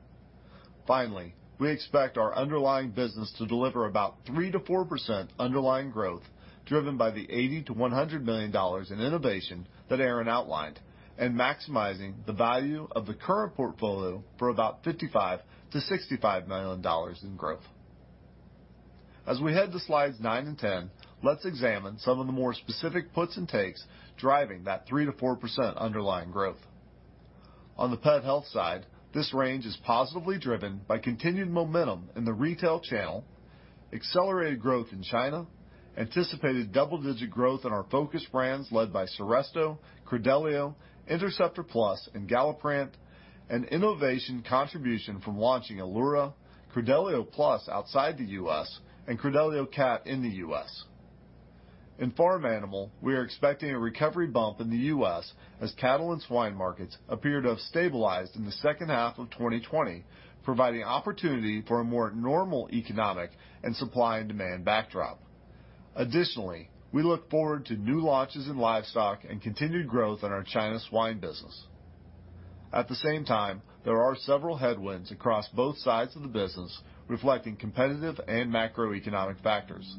Finally, we expect our underlying business to deliver about 3%-4% underlying growth, driven by the $80 million-$100 million in innovation that Aaron outlined, and maximizing the value of the current portfolio for about $55 million-$65 million in growth. As we head to Slide nine and 10, let's examine some of the more specific puts and takes driving that 3%-4% underlying growth. On the pet health side, this range is positively driven by continued momentum in the retail channel, accelerated growth in China, anticipated double-digit growth in our focus brands led by Seresto, Credelio, Interceptor Plus, and Galliprant, and innovation contribution from launching Elura, Credelio Plus outside the U.S., and Credelio Cat in the U.S. In farm animal, we are expecting a recovery bump in the U.S. As cattle and swine markets appear to have stabilized in the second half of 2020, providing opportunity for a more normal economic and supply and demand backdrop. Additionally, we look forward to new launches in livestock and continued growth in our China swine business. At the same time, there are several headwinds across both sides of the business, reflecting competitive and macroeconomic factors.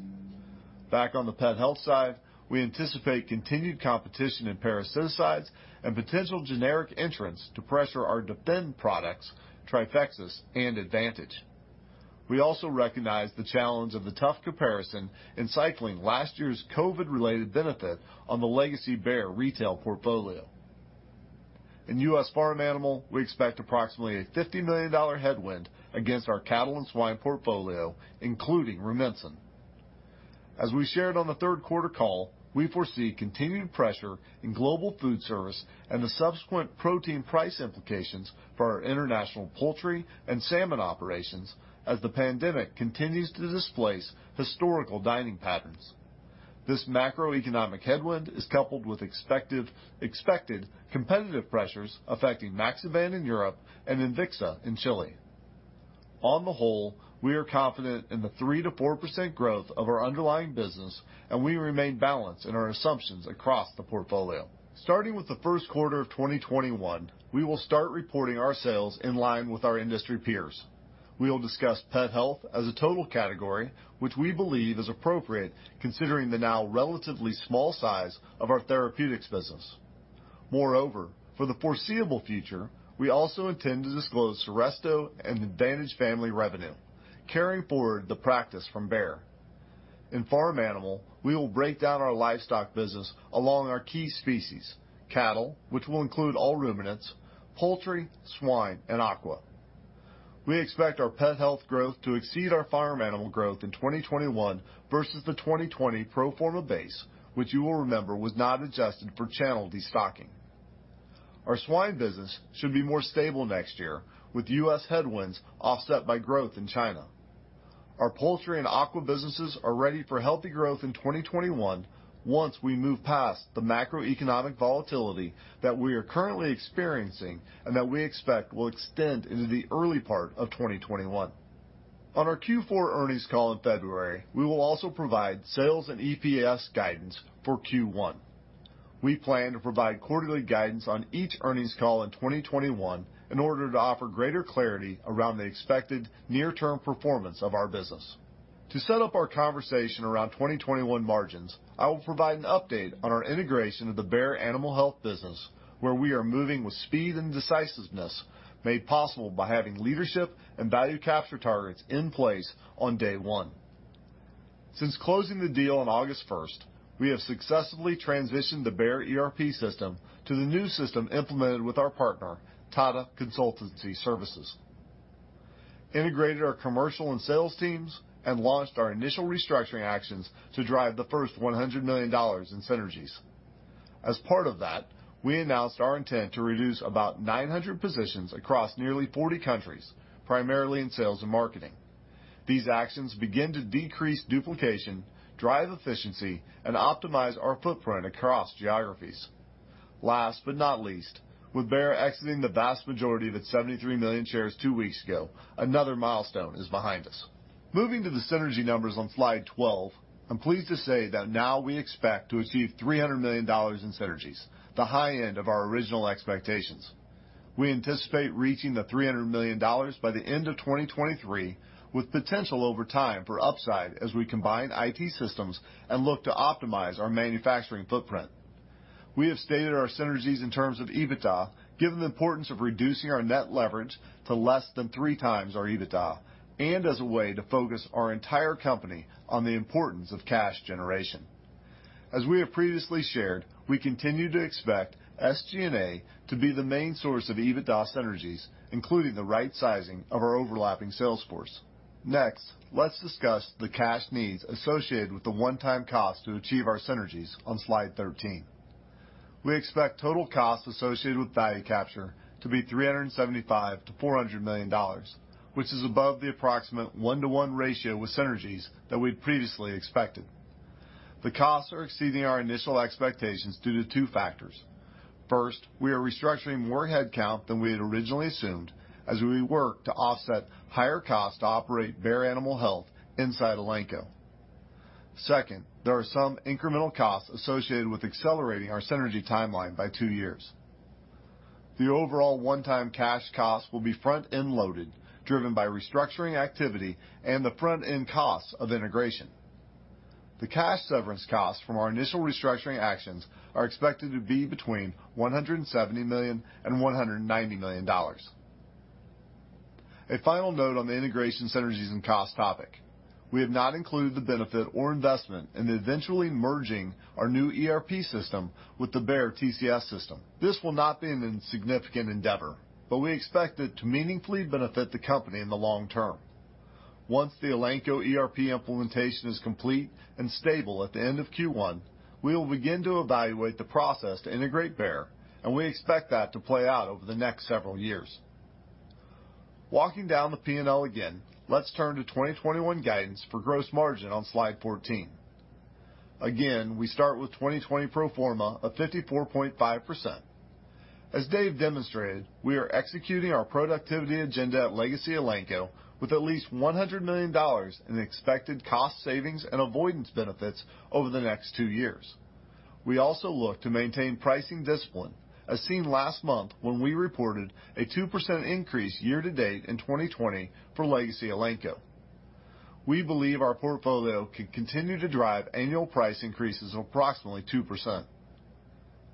Back on the pet health side, we anticipate continued competition in parasiticides and potential generic entrants to pressure our defend products, Trifexis, and Advantage. We also recognize the challenge of the tough comparison in cycling last year's COVID-19-related benefit on the legacy Bayer retail portfolio. In U.S. farm animal, we expect approximately a $50 million headwind against our cattle and swine portfolio, including Rumensin. As we shared on the third quarter call, we foresee continued pressure in global food service and the subsequent protein price implications for our international poultry and salmon operations as the pandemic continues to displace historical dining patterns. This macroeconomic headwind is coupled with expected competitive pressures affecting Maxiban in Europe and Imvixa in Chile. On the whole, we are confident in the 3%-4% growth of our underlying business, and we remain balanced in our assumptions across the portfolio. Starting with the first quarter of 2021, we will start reporting our sales in line with our industry peers. We will discuss pet health as a total category, which we believe is appropriate considering the now relatively small size of our therapeutics business. Moreover, for the foreseeable future, we also intend to disclose Seresto and Advantage family revenue, carrying forward the practice from Bayer. In farm animal, we will break down our livestock business along our key species: cattle, which will include all ruminants, poultry, swine, and aqua. We expect our pet health growth to exceed our farm animal growth in 2021 versus the 2020 pro forma base, which you will remember was not adjusted for channel destocking. Our swine business should be more stable next year, with U.S. headwinds offset by growth in China. Our poultry and aqua businesses are ready for healthy growth in 2021 once we move past the macroeconomic volatility that we are currently experiencing and that we expect will extend into the early part of 2021. On our Q4 earnings call in February, we will also provide sales and EPS guidance for Q1. We plan to provide quarterly guidance on each earnings call in 2021 in order to offer greater clarity around the expected near-term performance of our business. To set up our conversation around 2021 margins, I will provide an update on our integration of the Bayer Animal Health business, where we are moving with speed and decisiveness made possible by having leadership and value capture targets in place on day one. Since closing the deal on August 1st, we have successfully transitioned the Bayer ERP system to the new system implemented with our partner, Tata Consultancy Services. Integrated our commercial and sales teams, and launched our initial restructuring actions to drive the first $100 million in synergies. As part of that, we announced our intent to reduce about 900 positions across nearly 40 countries, primarily in sales and marketing. These actions begin to decrease duplication, drive efficiency, and optimize our footprint across geographies. Last but not least, with Bayer exiting the vast majority of its 73 million shares two weeks ago, another milestone is behind us. Moving to the synergy numbers on Slide 12, I'm pleased to say that now we expect to achieve $300 million in synergies, the high end of our original expectations. We anticipate reaching the $300 million by the end of 2023, with potential over time for upside as we combine IT systems and look to optimize our manufacturing footprint. We have stated our synergies in terms of EBITDA, given the importance of reducing our net leverage to less than three times our EBITDA, and as a way to focus our entire company on the importance of cash generation. As we have previously shared, we continue to expect SG&A to be the main source of EBITDA synergies, including the right sizing of our overlapping sales force. Next, let's discuss the cash needs associated with the one-time cost to achieve our synergies on Slide 13. We expect total costs associated with value capture to be $375 million-$400 million, which is above the approximate one-to-one ratio with synergies that we previously expected. The costs are exceeding our initial expectations due to two factors. First, we are restructuring more headcount than we had originally assumed, as we work to offset higher costs to operate Bayer Animal Health inside Elanco. Second, there are some incremental costs associated with accelerating our synergy timeline by two years. The overall one-time cash costs will be front-end loaded, driven by restructuring activity and the front-end costs of integration. The cash severance costs from our initial restructuring actions are expected to be between $170 million and $190 million. A final note on the integration synergies and cost topic: we have not included the benefit or investment in eventually merging our new ERP system with the Bayer TCS system. This will not be an insignificant endeavor, but we expect it to meaningfully benefit the company in the long term. Once the Elanco ERP implementation is complete and stable at the end of Q1, we will begin to evaluate the process to integrate Bayer, and we expect that to play out over the next several years. Walking down the P&L again, let's turn to 2021 guidance for gross margin on Slide 14. Again, we start with 2020 pro forma of 54.5%. As Dave demonstrated, we are executing our productivity agenda at legacy Elanco with at least $100 million in expected cost savings and avoidance benefits over the next two years. We also look to maintain pricing discipline, as seen last month when we reported a 2% increase year to date in 2020 for legacy Elanco. We believe our portfolio can continue to drive annual price increases of approximately 2%.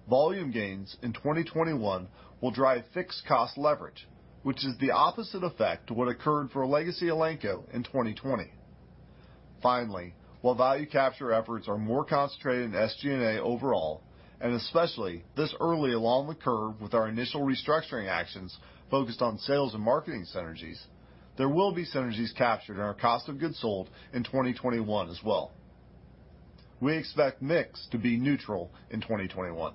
Volume gains in 2021 will drive fixed cost leverage, which is the opposite effect of what occurred for legacy Elanco in 2020. Finally, while value capture efforts are more concentrated in SG&A overall, and especially this early along the curve with our initial restructuring actions focused on sales and marketing synergies, there will be synergies captured in our cost of goods sold in 2021 as well. We expect mix to be neutral in 2021.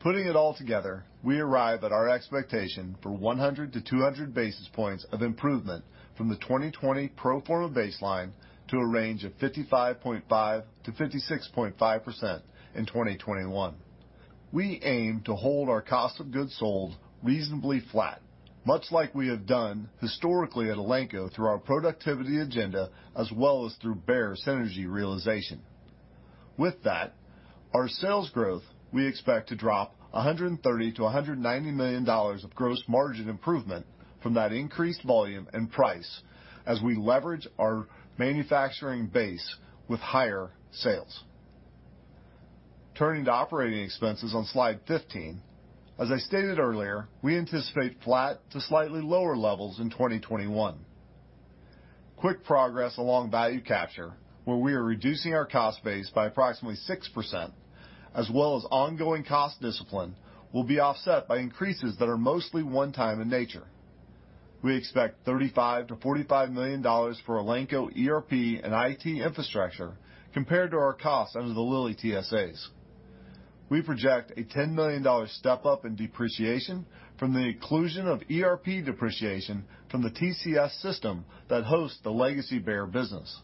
Putting it all together, we arrive at our expectation for 100 to 200 basis points of improvement from the 2020 pro forma baseline to a range of 55.5%-56.5% in 2021. We aim to hold our cost of goods sold reasonably flat, much like we have done historically at Elanco through our productivity agenda as well as through Bayer synergy realization. With that, our sales growth, we expect to drop $130 million-$190 million of gross margin improvement from that increased volume and price as we leverage our manufacturing base with higher sales. Turning to operating expenses on Slide 15, as I stated earlier, we anticipate flat to slightly lower levels in 2021. Quick progress along value capture, where we are reducing our cost base by approximately 6%, as well as ongoing cost discipline, will be offset by increases that are mostly one-time in nature. We expect $35 million-$45 million for Elanco ERP and IT infrastructure compared to our costs under the Lilly TSAs. We project a $10 million step-up in depreciation from the inclusion of ERP depreciation from the TCS system that hosts the legacy Bayer business.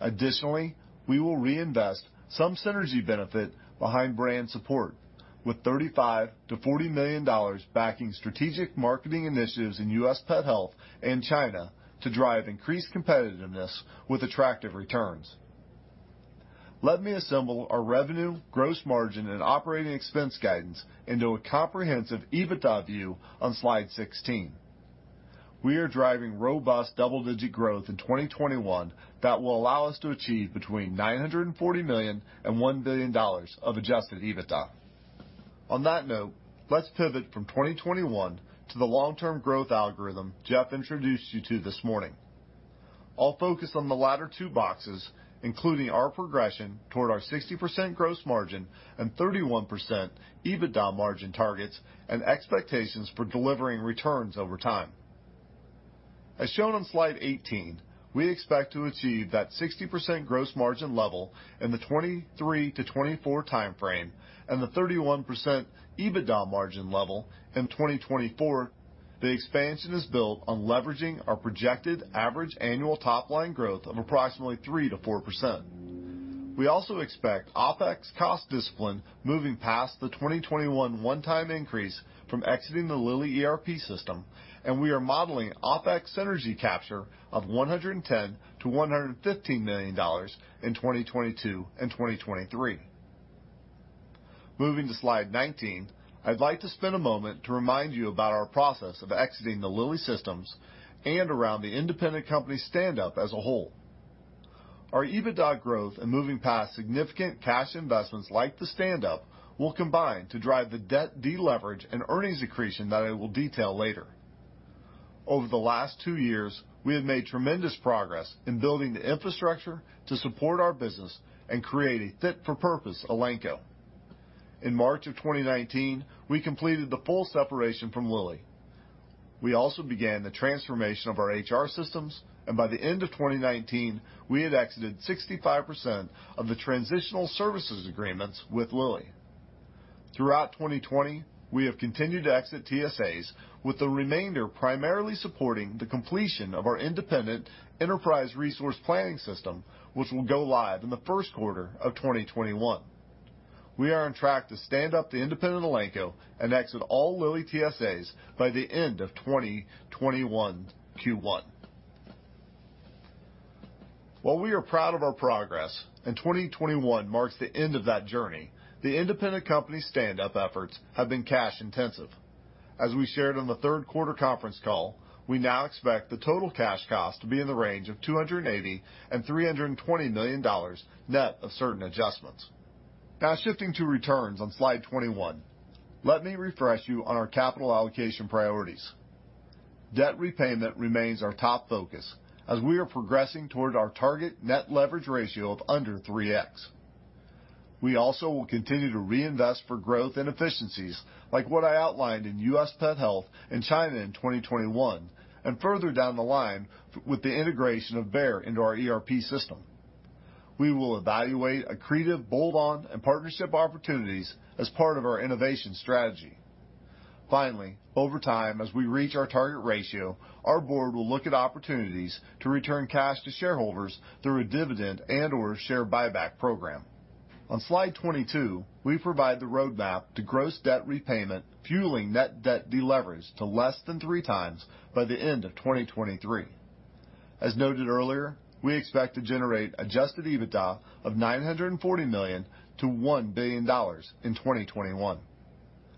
Additionally, we will reinvest some synergy benefit behind brand support, with $35 million-$40 million backing strategic marketing initiatives in U.S. Pet health and China to drive increased competitiveness with attractive returns. Let me assemble our revenue, gross margin, and operating expense guidance into a comprehensive EBITDA view on Slide 16. We are driving robust double-digit growth in 2021 that will allow us to achieve between $940 million and $1 billion of adjusted EBITDA. On that note, let's pivot from 2021 to the long-term growth algorithm Jeff introduced you to this morning. I'll focus on the latter two boxes, including our progression toward our 60% gross margin and 31% EBITDA margin targets and expectations for delivering returns over time. As shown on slide 18, we expect to achieve that 60% gross margin level in the 2023 to 2024 timeframe and the 31% EBITDA margin level in 2024. The expansion is built on leveraging our projected average annual top-line growth of approximately 3%-4%. We also expect OpEx cost discipline moving past the 2021 one-time increase from exiting the Lilly ERP system, and we are modeling OpEx synergy capture of $110 million-$115 million in 2022 and 2023. Moving to Slide 19, I'd like to spend a moment to remind you about our process of exiting the Lilly systems and around the independent company stand-up as a whole. Our EBITDA growth and moving past significant cash investments like the stand-up will combine to drive the debt deleverage and earnings accretion that I will detail later. Over the last two years, we have made tremendous progress in building the infrastructure to support our business and create a fit-for-purpose Elanco. In March of 2019, we completed the full separation from Lilly. We also began the transformation of our HR systems, and by the end of 2019, we had exited 65% of the transitional services agreements with Lilly. Throughout 2020, we have continued to exit TSAs, with the remainder primarily supporting the completion of our independent enterprise resource planning system, which will go live in the first quarter of 2021. We are on track to stand up the independent Elanco and exit all Lilly TSAs by the end of 2021 Q1. While we are proud of our progress, and 2021 marks the end of that journey, the independent company stand-up efforts have been cash-intensive. As we shared on the third quarter conference call, we now expect the total cash cost to be in the range of $280 million-$320 million net of certain adjustments. Now, shifting to returns on Slide 21, let me refresh you on our capital allocation priorities. Debt repayment remains our top focus as we are progressing toward our target net leverage ratio of under 3x. We also will continue to reinvest for growth and efficiencies, like what I outlined in U.S. pet health and China in 2021, and further down the line with the integration of Bayer into our ERP system. We will evaluate accretive, bolt-on, and partnership opportunities as part of our innovation strategy. Finally, over time, as we reach our target ratio, our board will look at opportunities to return cash to shareholders through a dividend and/or share buyback program. On Slide 22, we provide the roadmap to gross debt repayment, fueling net debt deleverage to less than three times by the end of 2023. As noted earlier, we expect to generate Adjusted EBITDA of $940 million-$1 billion in 2021.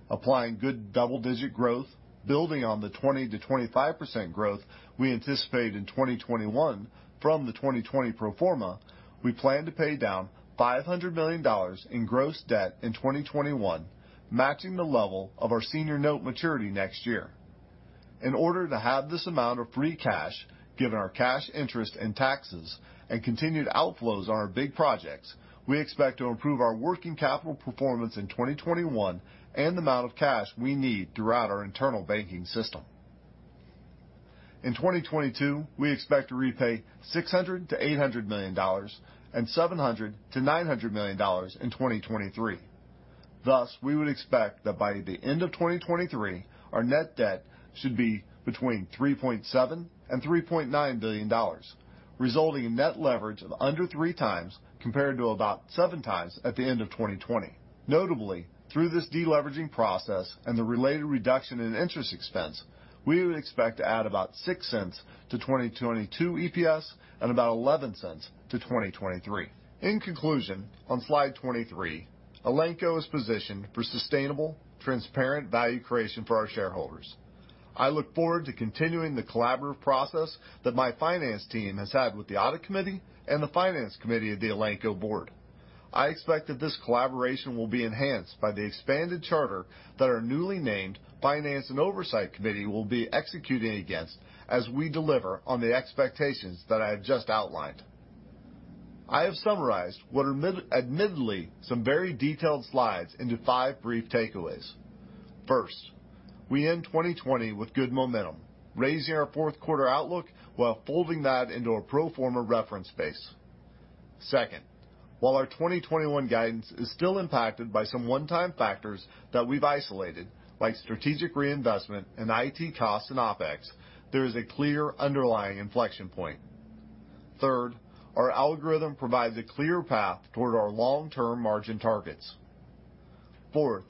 Applying good double-digit growth, building on the 20%-25% growth we anticipated in 2021 from the 2020 pro forma, we plan to pay down $500 million in gross debt in 2021, matching the level of our senior note maturity next year. In order to have this amount of free cash, given our cash, interest, and taxes, and continued outflows on our big projects, we expect to improve our working capital performance in 2021 and the amount of cash we need throughout our internal banking system. In 2022, we expect to repay $600 million-$800 million and $700 million-$900 million in 2023. Thus, we would expect that by the end of 2023, our net debt should be between $3.7 billion-$3.9 billion, resulting in net leverage of under three times compared to about seven times at the end of 2020. Notably, through this deleveraging process and the related reduction in interest expense, we would expect to add about $0.06 to 2022 EPS and about $0.11 to 2023. In conclusion, on Slide 23, Elanco is positioned for sustainable, transparent value creation for our shareholders. I look forward to continuing the collaborative process that my finance team has had with the Audit Committee and the Finance Committee of the Elanco board. I expect that this collaboration will be enhanced by the expanded charter that our newly named Finance and Oversight Committee will be executing against as we deliver on the expectations that I have just outlined. I have summarized what are admittedly some very detailed slides into five brief takeaways. First, we end 2020 with good momentum, raising our fourth quarter outlook while folding that into our pro forma reference base. Second, while our 2021 guidance is still impacted by some one-time factors that we've isolated, like strategic reinvestment and IT costs and OpEx, there is a clear underlying inflection point. Third, our algorithm provides a clear path toward our long-term margin targets. Fourth,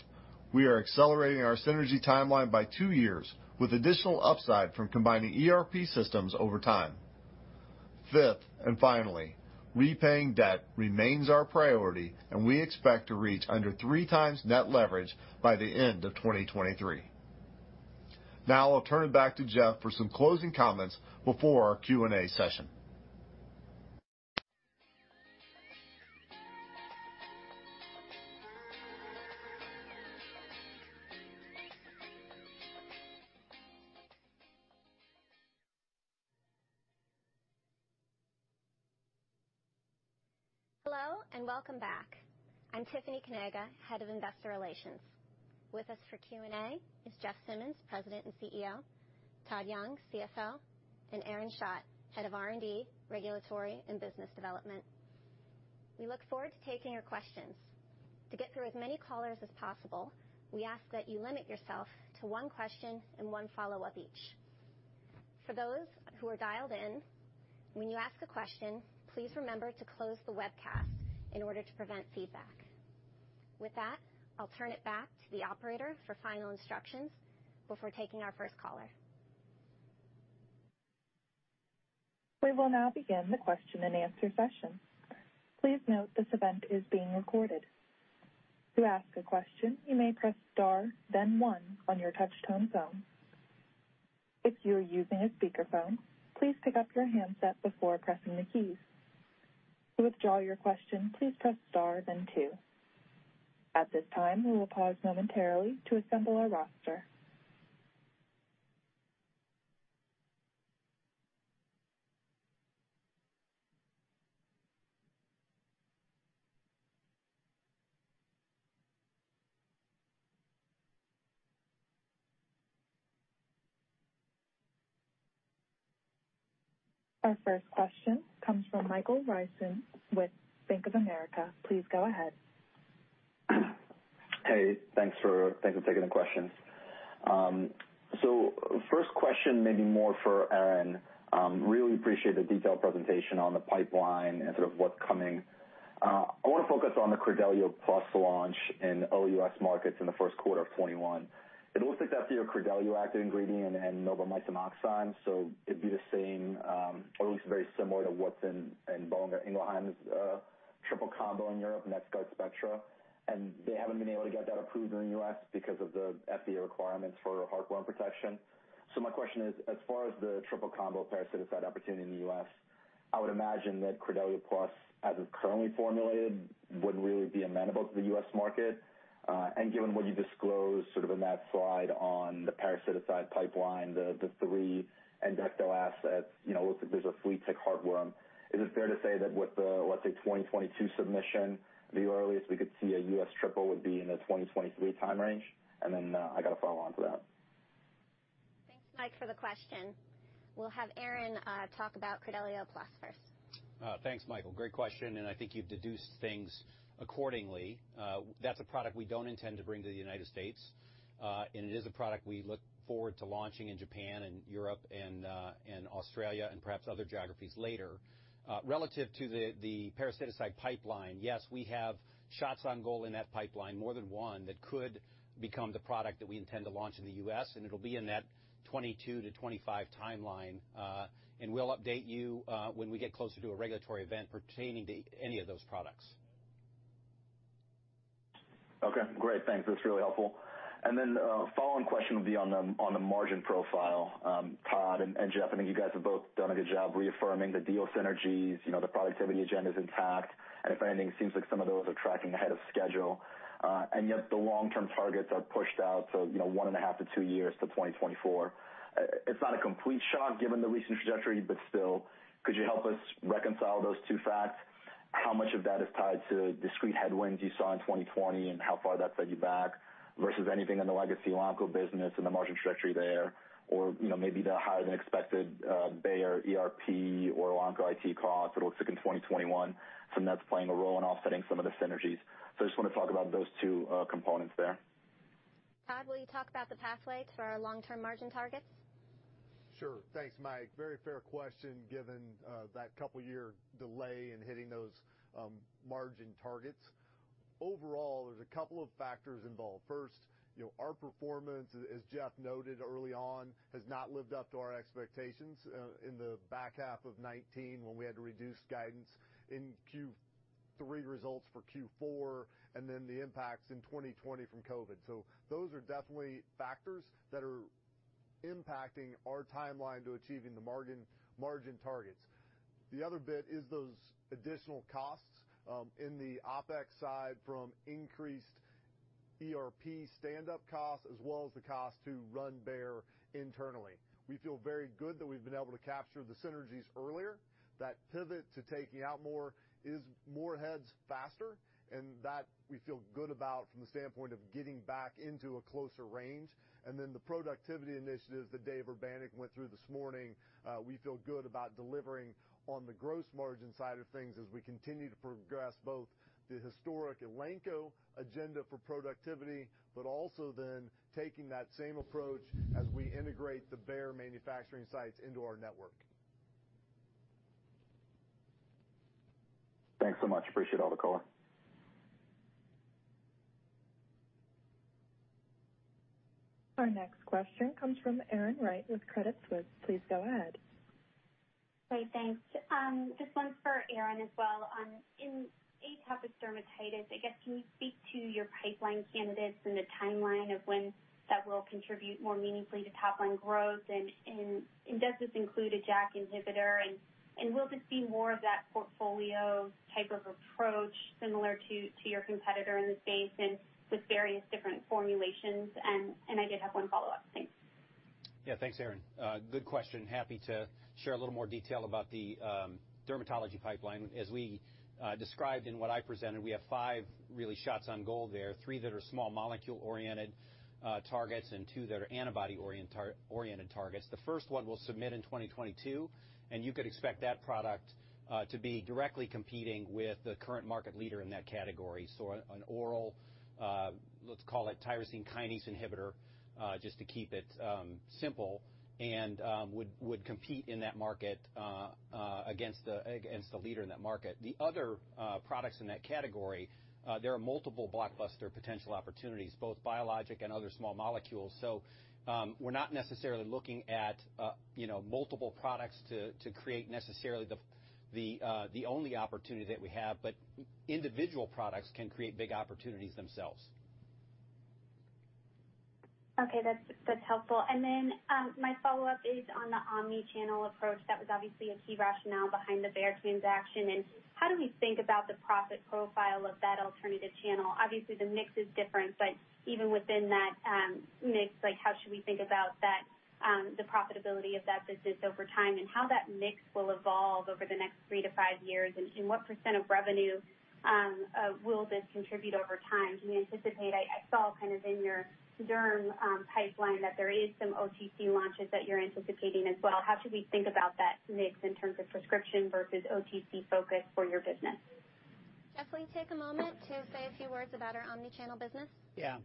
we are accelerating our synergy timeline by two years with additional upside from combining ERP systems over time. Fifth and finally, repaying debt remains our priority, and we expect to reach under three times net leverage by the end of 2023. Now, I'll turn it back to Jeff for some closing comments before our Q&A session. Hello and welcome back. I'm Tiffany Kanaga, head of investor relations. With us for Q&A is Jeff Simmons, President and CEO; Todd Young, CFO; and Aaron Schacht, head of R&D, regulatory, and business development. We look forward to taking your questions. To get through as many callers as possible, we ask that you limit yourself to one question and one follow-up each. For those who are dialed in, when you ask a question, please remember to close the webcast in order to prevent feedback. With that, I'll turn it back to the operator for final instructions before taking our first caller. We will now begin the question and answer session. Please note this event is being recorded. To ask a question, you may press star, then one on your touch tone phone. If you are using a speakerphone, please pick up your handset before pressing the keys. To withdraw your question, please press star, then two. At this time, we will pause momentarily to assemble our roster. Our first question comes from Michael Ryskin with Bank of America. Please go ahead. Hey, thanks for taking the questions. So first question, maybe more for Aaron. Really appreciate the detailed presentation on the pipeline and sort of what's coming. I want to focus on the Credelio Plus launch in all U.S. markets in the first quarter of 2021. It looks like that's your Credelio active ingredient and milbemycin oxime, so it'd be the same or at least very similar to what's in Boehringer Ingelheim's triple combo in Europe, NexGard Spectra. And they haven't been able to get that approved in the U.S. because of the FDA requirements for heartworm protection. So my question is, as far as the triple combo parasiticide opportunity in the U.S., I would imagine that Credelio Plus, as it's currently formulated, wouldn't really be amenable to the U.S. market. Given what you disclosed sort of in that slide on the parasiticide pipeline, the three in development assets, it looks like there's a flea-tick heartworm. Is it fair to say that with the, let's say, 2022 submission, the earliest we could see a U.S. triple would be in the 2023 time range? Then I got to follow on to that. Thanks, Mike, for the question. We'll have Aaron talk about Credelio Plus first. Thanks, Michael. Great question, and I think you've deduced things accordingly. That's a product we don't intend to bring to the United States, and it is a product we look forward to launching in Japan and Europe and Australia and perhaps other geographies later. Relative to the parasiticide pipeline, yes, we have shots on goal in that pipeline, more than one, that could become the product that we intend to launch in the U.S., and it'll be in that 2022 to 2025 timeline. And we'll update you when we get closer to a regulatory event pertaining to any of those products. Okay. Great. Thanks. That's really helpful. And then following question would be on the margin profile. Todd and Jeff, I think you guys have both done a good job reaffirming the deal synergies, the productivity agenda is intact, and if anything, it seems like some of those are tracking ahead of schedule. And yet the long-term targets are pushed out to one and a half to two years to 2024. It's not a complete shock given the recent trajectory, but still, could you help us reconcile those two facts? How much of that is tied to discrete headwinds you saw in 2020 and how far that set you back versus anything in the legacy Elanco business and the margin trajectory there? Or maybe the higher-than-expected Bayer ERP or Elanco IT cost that looks like in 2021, some that's playing a role in offsetting some of the synergies. So I just want to talk about those two components there. Todd, will you talk about the pathway to our long-term margin targets? Sure. Thanks, Mike. Very fair question given that couple-year delay in hitting those margin targets. Overall, there's a couple of factors involved. First, our performance, as Jeff noted early on, has not lived up to our expectations in the back half of 2019 when we had to reduce guidance in Q3 results for Q4 and then the impacts in 2020 from COVID. So those are definitely factors that are impacting our timeline to achieving the margin targets. The other bit is those additional costs in the OpEx side from increased ERP stand-up costs as well as the cost to run Bayer internally. We feel very good that we've been able to capture the synergies earlier. That pivot to taking out more is more heads faster, and that we feel good about from the standpoint of getting back into a closer range. Then the productivity initiatives that Dave Urbanek went through this morning, we feel good about delivering on the gross margin side of things as we continue to progress both the historic Elanco agenda for productivity, but also then taking that same approach as we integrate the Bayer manufacturing sites into our network. Thanks so much. Appreciate all the call. Our next question comes from Erin Wright with Credit Suisse. Please go ahead. Great. Thanks. This one's for Aaron as well. In atopic dermatitis, I guess, can you speak to your pipeline candidates and the timeline of when that will contribute more meaningfully to top-line growth? And does this include a JAK inhibitor? And will this be more of that portfolio type of approach similar to your competitor in the space and with various different formulations? And I did have one follow-up. Thanks. Yeah. Thanks, Erin. Good question. Happy to share a little more detail about the dermatology pipeline. As we described in what I presented, we have five really shots on goal there, three that are small molecule-oriented targets and two that are antibody-oriented targets. The first one we'll submit in 2022, and you could expect that product to be directly competing with the current market leader in that category. So an oral, let's call it tyrosine kinase inhibitor, just to keep it simple, and would compete in that market against the leader in that market. The other products in that category, there are multiple blockbuster potential opportunities, both biologic and other small molecules. We're not necessarily looking at multiple products to create necessarily the only opportunity that we have, but individual products can create big opportunities themselves. Okay. That's helpful. And then my follow-up is on the omnichannel approach. That was obviously a key rationale behind the Bayer transaction. And how do we think about the profit profile of that alternative channel? Obviously, the mix is different, but even within that mix, how should we think about the profitability of that business over time and how that mix will evolve over the next three to five years? And what percent of revenue will this contribute over time? Do you anticipate? I saw kind of in your derm pipeline that there is some OTC launches that you're anticipating as well. How should we think about that mix in terms of prescription versus OTC focus for your business? Jeff, will you take a moment to say a few words about our omnichannel business? Yeah.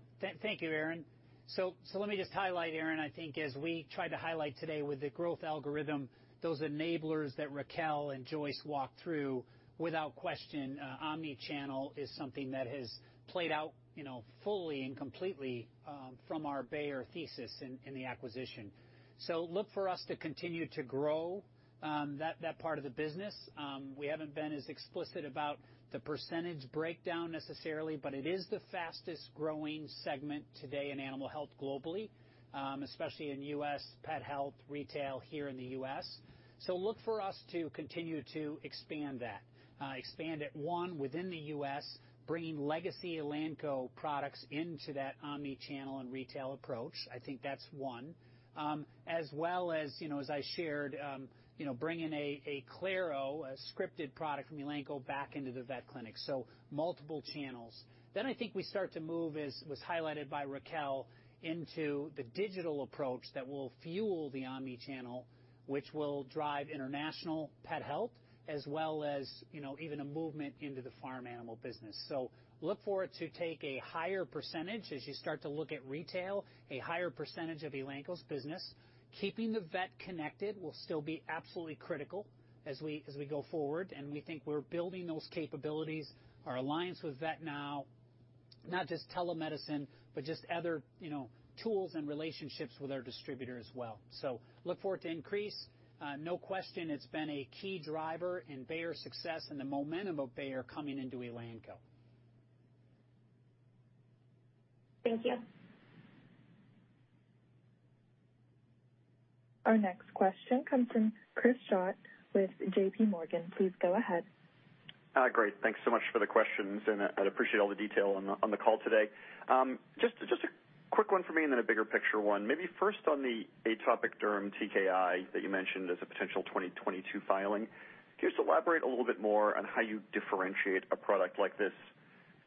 Thank you, Erin. So let me just highlight, Aaron. I think, as we tried to highlight today with the growth algorithm, those enablers that Racquel and Joyce walked through, without question, omnichannel is something that has played out fully and completely from our Bayer thesis in the acquisition. So look for us to continue to grow that part of the business. We haven't been as explicit about the percentage breakdown necessarily, but it is the fastest-growing segment today in animal health globally, especially in U.S. pet health retail here in the U.S. So look for us to continue to expand that, expand a ton within the U.S., bringing legacy Elanco products into that omnichannel and retail approach. I think that's one. As well as, as I shared, bringing a Claro, a scripted product from Elanco, back into the vet clinic. So multiple channels. Then I think we start to move, as was highlighted by Racquel, into the digital approach that will fuel the omnichannel, which will drive international pet health as well as even a movement into the farm animal business. So look forward to take a higher percentage as you start to look at retail, a higher percentage of Elanco's business. Keeping the vet connected will still be absolutely critical as we go forward, and we think we're building those capabilities, our alliance with VetNow, not just telemedicine, but just other tools and relationships with our distributor as well. So look forward to increase. No question, it's been a key driver in Bayer's success and the momentum of Bayer coming into Elanco. Thank you. Our next question comes from Chris Schott with JPMorgan. Please go ahead. Great. Thanks so much for the questions, and I appreciate all the detail on the call today. Just a quick one for me and then a bigger picture one. Maybe first on the atopic derm TKI that you mentioned as a potential 2022 filing. Could you just elaborate a little bit more on how you differentiate a product like this?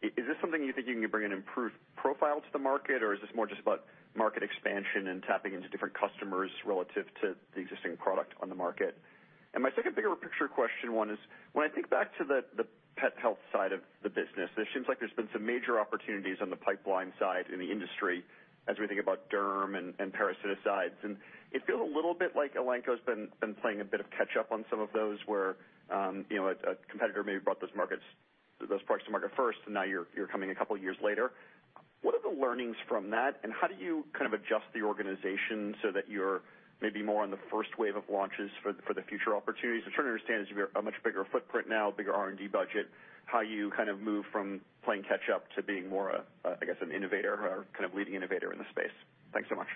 Is this something you think you can bring an improved profile to the market, or is this more just about market expansion and tapping into different customers relative to the existing product on the market? And my second bigger picture question one is, when I think back to the pet health side of the business, it seems like there's been some major opportunities on the pipeline side in the industry as we think about derm and parasiticides. It feels a little bit like Elanco's been playing a bit of catch-up on some of those where a competitor maybe brought those products to market first, and now you're coming a couple of years later. What are the learnings from that, and how do you kind of adjust the organization so that you're maybe more on the first wave of launches for the future opportunities? I'm trying to understand as you have a much bigger footprint now, bigger R&D budget, how you kind of move from playing catch-up to being more, I guess, an innovator or kind of leading innovator in the space. Thanks so much.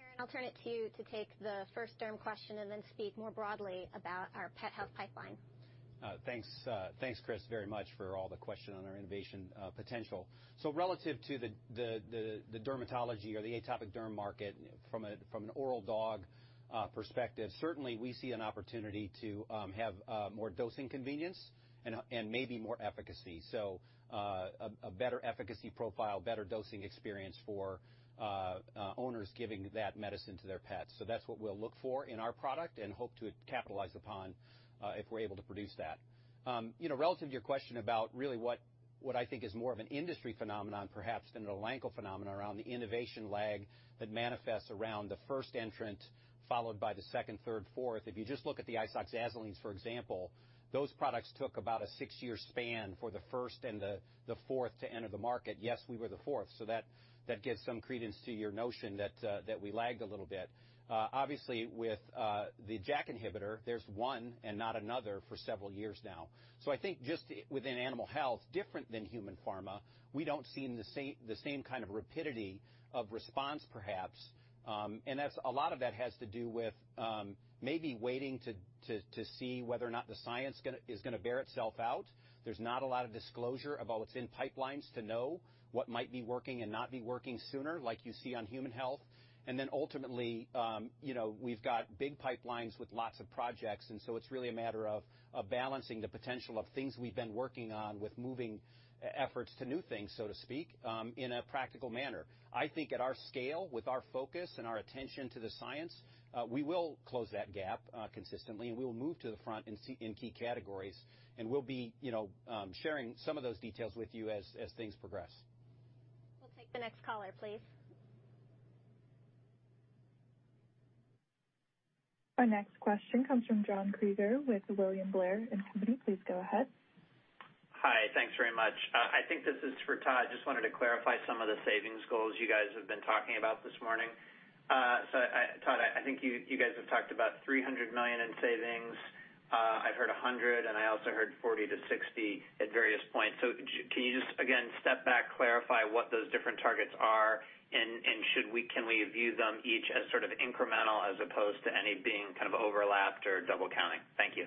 Aaron, I'll turn it to you to take the first derm question and then speak more broadly about our pet health pipeline. Thanks, Chris, very much for all the question on our innovation potential. So relative to the dermatology or the atopic derm market from an oral dog perspective, certainly we see an opportunity to have more dosing convenience and maybe more efficacy. So a better efficacy profile, better dosing experience for owners giving that medicine to their pets. So that's what we'll look for in our product and hope to capitalize upon if we're able to produce that. Relative to your question about really what I think is more of an industry phenomenon, perhaps, than an Elanco phenomenon around the innovation lag that manifests around the first entrant followed by the second, third, fourth, if you just look at the isoxazolines, for example, those products took about a six-year span for the first and the fourth to enter the market. Yes, we were the fourth. So that gives some credence to your notion that we lagged a little bit. Obviously, with the JAK inhibitor, there's one and not another for several years now. So I think just within animal health, different than human pharma, we don't see the same kind of rapidity of response, perhaps. And a lot of that has to do with maybe waiting to see whether or not the science is going to bear itself out. There's not a lot of disclosure about what's in pipelines to know what might be working and not be working sooner, like you see on human health. And then ultimately, we've got big pipelines with lots of projects, and so it's really a matter of balancing the potential of things we've been working on with moving efforts to new things, so to speak, in a practical manner. I think at our scale, with our focus and our attention to the science, we will close that gap consistently, and we will move to the front in key categories, and we'll be sharing some of those details with you as things progress. We'll take the next caller, please. Our next question comes from John Kreger with William Blair & Company. Please go ahead. Hi. Thanks very much. I think this is for Todd. I just wanted to clarify some of the savings goals you guys have been talking about this morning. So Todd, I think you guys have talked about $300 million in savings. I've heard $100 million, and I also heard $40 million-$60 million at various points. So can you just, again, step back, clarify what those different targets are, and can we view them each as sort of incremental as opposed to any being kind of overlapped or double-counting? Thank you.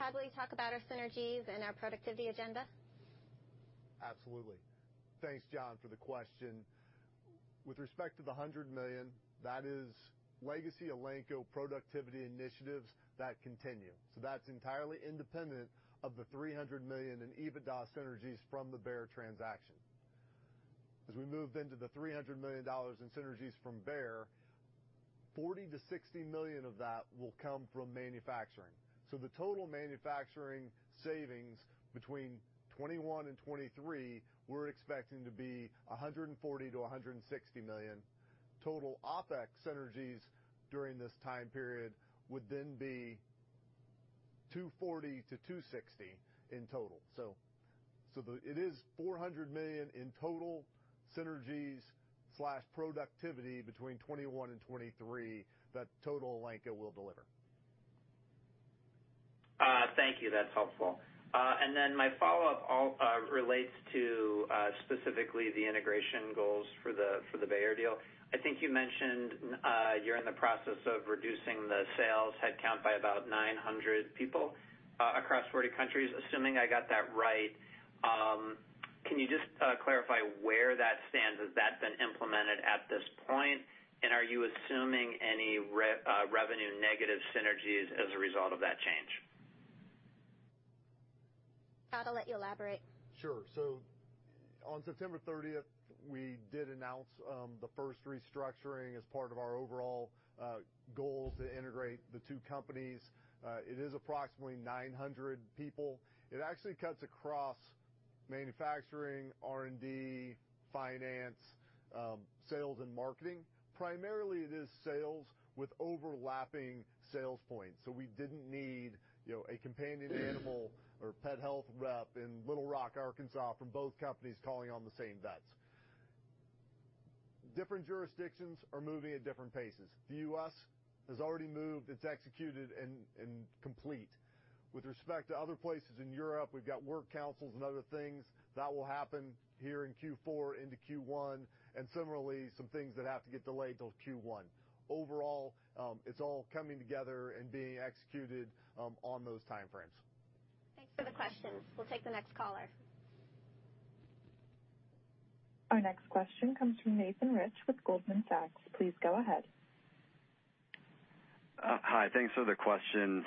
Todd, will you talk about our synergies and our productivity agenda? Absolutely. Thanks, John, for the question. With respect to the $100 million, that is legacy Elanco productivity initiatives that continue. So that's entirely independent of the $300 million in EBITDA synergies from the Bayer transaction. As we move into the $300 million in synergies from Bayer, $40 million-$60 million of that will come from manufacturing. So the total manufacturing savings between 2021 and 2023, we're expecting to be $140 million-$160 million. Total OpEx synergies during this time period would then be $240-$260 in total. So it is $400 million in total synergies/productivity between 2021 and 2023 that total Elanco will deliver. Thank you. That's helpful. And then my follow-up relates to specifically the integration goals for the Bayer deal. I think you mentioned you're in the process of reducing the sales headcount by about 900 people across 40 countries, assuming I got that right. Can you just clarify where that stands? Has that been implemented at this point? And are you assuming any revenue-negative synergies as a result of that change? Todd, I'll let you elaborate. Sure. So on September 30th, we did announce the first restructuring as part of our overall goal to integrate the two companies. It is approximately 900 people. It actually cuts across manufacturing, R&D, finance, sales, and marketing. Primarily, it is sales with overlapping sales points. So we didn't need a companion animal or pet health rep in Little Rock, Arkansas, from both companies calling on the same vets. Different jurisdictions are moving at different paces. The U.S. has already moved. It's executed and complete. With respect to other places in Europe, we've got work councils and other things that will happen here in Q4 into Q1, and similarly, some things that have to get delayed till Q1. Overall, it's all coming together and being executed on those timeframes. Thanks for the questions. We'll take the next caller. Our next question comes from Nathan Rich with Goldman Sachs. Please go ahead. Hi. Thanks for the question.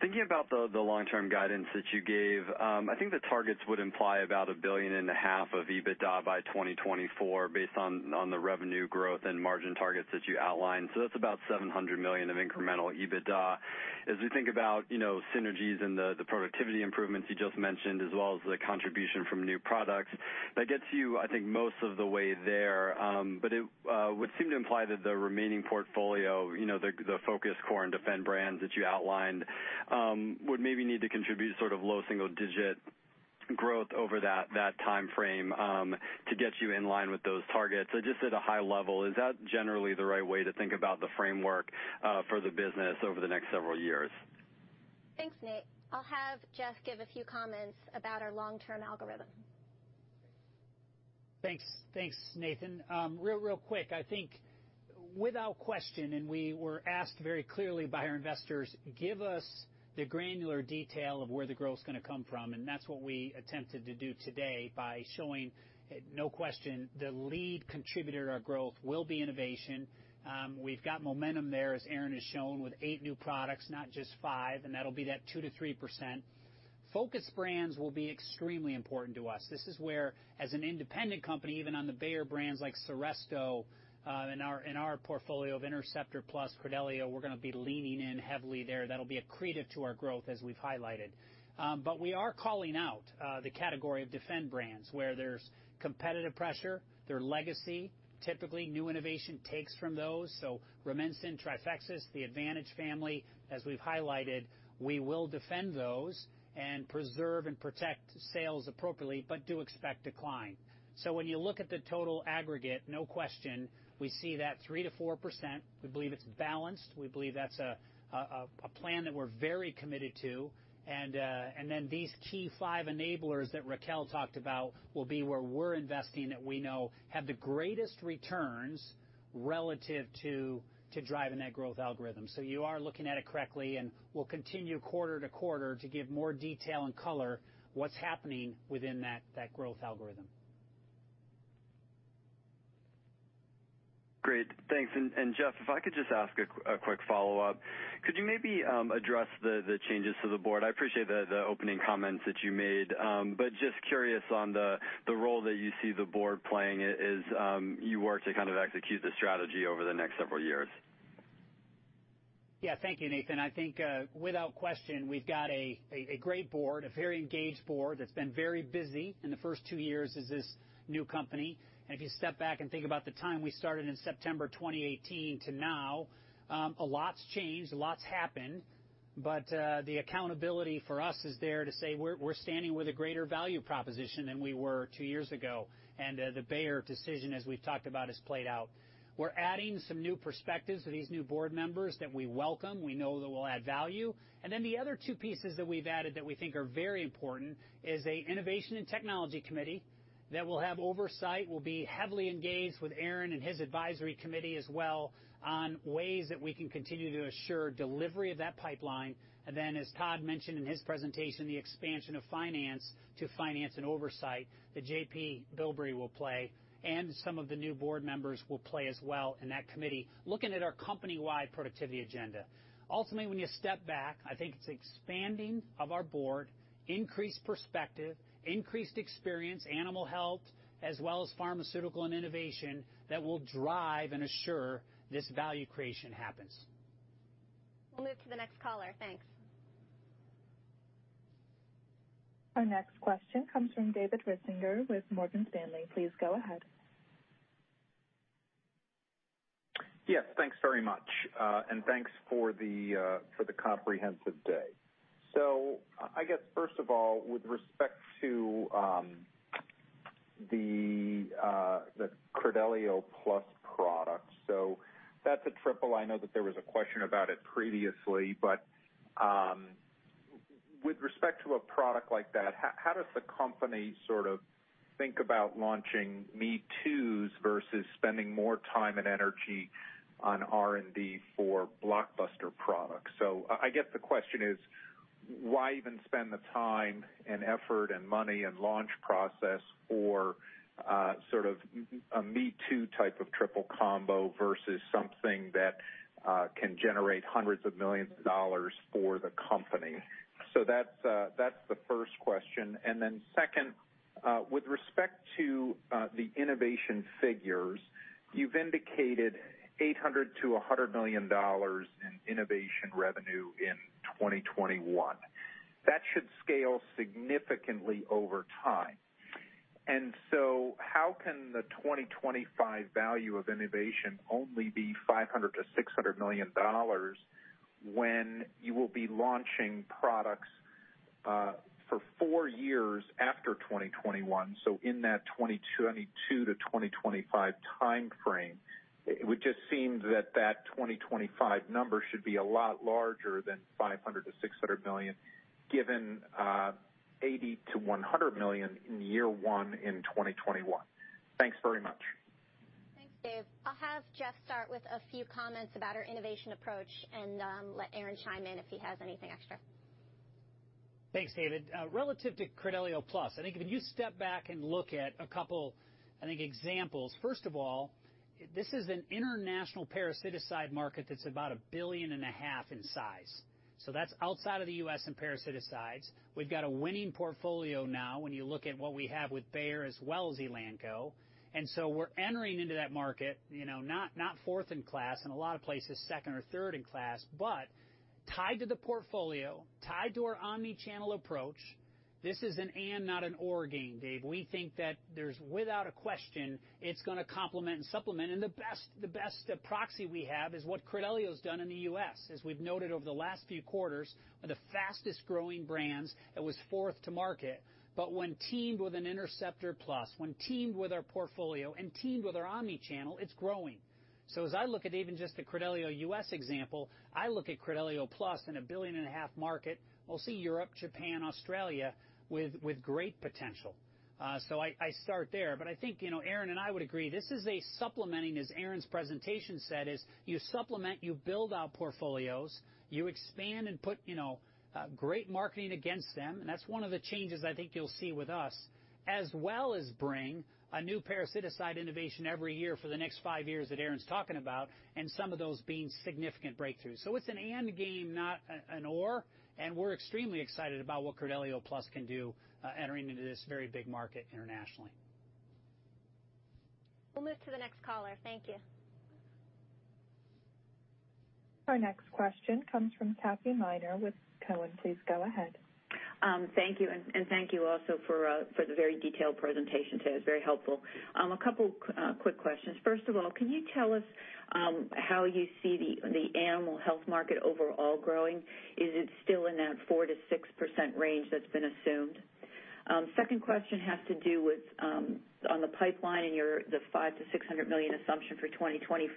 Thinking about the long-term guidance that you gave, I think the targets would imply about $1.5 billion of EBITDA by 2024 based on the revenue growth and margin targets that you outlined. So that's about $700 million of incremental EBITDA. As we think about synergies and the productivity improvements you just mentioned, as well as the contribution from new products, that gets you, I think, most of the way there. But it would seem to imply that the remaining portfolio, the focus core and defend brands that you outlined, would maybe need to contribute sort of low single-digit growth over that timeframe to get you in line with those targets. Just at a high level, is that generally the right way to think about the framework for the business over the next several years? Thanks, Nate. I'll have Jeff give a few comments about our long-term algorithm. Thanks, Nathan. Real, real quick, I think without question, and we were asked very clearly by our investors, give us the granular detail of where the growth is going to come from. That's what we attempted to do today by showing, no question, the lead contributor to our growth will be innovation. We've got momentum there, as Aaron has shown, with eight new products, not just five, and that'll be that 2%-3%. Focus brands will be extremely important to us. This is where, as an independent company, even on the Bayer brands like Seresto and our portfolio of Interceptor Plus Credelio, we're going to be leaning in heavily there. That'll be a contributor to our growth, as we've highlighted. But we are calling out the category of defend brands where there's competitive pressure, their legacy. Typically, new innovation takes from those. Rumensin, Trifexis, the Advantage family, as we've highlighted, we will defend those and preserve and protect sales appropriately, but do expect decline. When you look at the total aggregate, no question, we see that 3%-4%. We believe it's balanced. We believe that's a plan that we're very committed to. These key five enablers that Racquel talked about will be where we're investing that we know have the greatest returns relative to driving that growth algorithm. You are looking at it correctly, and we'll continue quarter to quarter to give more detail and color what's happening within that growth algorithm. Great. Thanks. And Jeff, if I could just ask a quick follow-up, could you maybe address the changes to the board? I appreciate the opening comments that you made, but just curious on the role that you see the board playing as you work to kind of execute the strategy over the next several years? Yeah. Thank you, Nathan. I think without question, we've got a great board, a very engaged board that's been very busy in the first two years as this new company. And if you step back and think about the time we started in September 2018 to now, a lot's changed, a lot's happened, but the accountability for us is there to say we're standing with a greater value proposition than we were two years ago. And the Bayer decision, as we've talked about, has played out. We're adding some new perspectives to these new board members that we welcome. We know that we'll add value. And then the other two pieces that we've added that we think are very important is an Innovation and Technology Committee that will have oversight, will be heavily engaged with Aaron and his advisory committee as well on ways that we can continue to assure delivery of that pipeline. And then, as Todd mentioned in his presentation, the expansion of finance to finance and oversight that J.P. Bilbrey will play, and some of the new board members will play as well in that committee, looking at our company-wide productivity agenda. Ultimately, when you step back, I think it's expanding of our board, increased perspective, increased experience, animal health, as well as pharmaceutical and innovation that will drive and assure this value creation happens. We'll move to the next caller. Thanks. Our next question comes from David Risinger with Morgan Stanley. Please go ahead. Yes. Thanks very much. And thanks for the comprehensive day. So I guess, first of all, with respect to the Credelio Plus product, so that's a triple. I know that there was a question about it previously, but with respect to a product like that, how does the company sort of think about launching me-toos versus spending more time and energy on R&D for blockbuster products? So I guess the question is, why even spend the time and effort and money and launch process for sort of a me-too type of triple combo versus something that can generate hundreds of millions of dollars for the company? So that's the first question. And then second, with respect to the innovation figures, you've indicated $80 million-$100 million in innovation revenue in 2021. That should scale significantly over time. And so how can the 2025 value of innovation only be $500 million-$600 million when you will be launching products for four years after 2021? So in that 2022 to 2025 timeframe, it would just seem that that 2025 number should be a lot larger than $500 million-$600 million, given $80 million-$100 million in year one in 2021. Thanks very much. Thanks, Dave. I'll have Jeff start with a few comments about our innovation approach and let Aaron chime in if he has anything extra. Thanks, David. Relative to Credelio Plus, I think if you step back and look at a couple, I think, examples, first of all, this is an international parasiticide market that's about $1.5 billion in size. So that's outside of the U.S. and parasiticides. We've got a winning portfolio now when you look at what we have with Bayer as well as Elanco. And so we're entering into that market, not fourth in class, in a lot of places second or third in class, but tied to the portfolio, tied to our omnichannel approach. This is an and not an or gain, Dave. We think that there's, without a question, it's going to complement and supplement. And the best proxy we have is what Credelio has done in the U.S. As we've noted over the last few quarters, the fastest-growing brands that was fourth to market. But when teamed with an Interceptor Plus, when teamed with our portfolio and teamed with our omnichannel, it's growing. So as I look at even just the Credelio U.S. example, I look at Credelio Plus in a $1.5 billion market. We'll see Europe, Japan, Australia with great potential. So I start there. But I think Aaron and I would agree. This is a supplementing, as Aaron's presentation said, is you supplement, you build out portfolios, you expand and put great marketing against them. And that's one of the changes I think you'll see with us, as well as bring a new parasiticide innovation every year for the next five years that Aaron's talking about, and some of those being significant breakthroughs. So it's an and game, not an or. And we're extremely excited about what Credelio Plus can do entering into this very big market internationally. We'll move to the next caller. Thank you. Our next question comes from Kathy Miner with Cowen. Please go ahead. Thank you. And thank you also for the very detailed presentation today. It was very helpful. A couple of quick questions. First of all, can you tell us how you see the animal health market overall growing? Is it still in that 4%-6% range that's been assumed? Second question has to do with on the pipeline and the $5 million-$600 million assumption for 2025.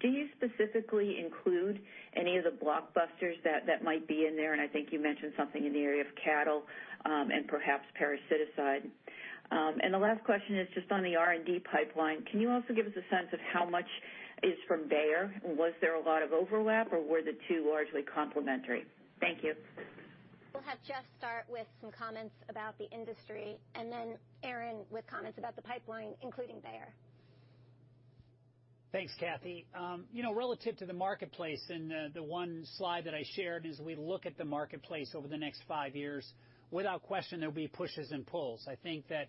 Do you specifically include any of the blockbusters that might be in there? And I think you mentioned something in the area of cattle and perhaps parasiticide. And the last question is just on the R&D pipeline. Can you also give us a sense of how much is from Bayer? Was there a lot of overlap, or were the two largely complementary? Thank you. We'll have Jeff start with some comments about the industry, and then Aaron with comments about the pipeline, including Bayer. Thanks, Kathy. Relative to the marketplace, and the one slide that I shared is we look at the marketplace over the next five years, without question, there will be pushes and pulls. I think that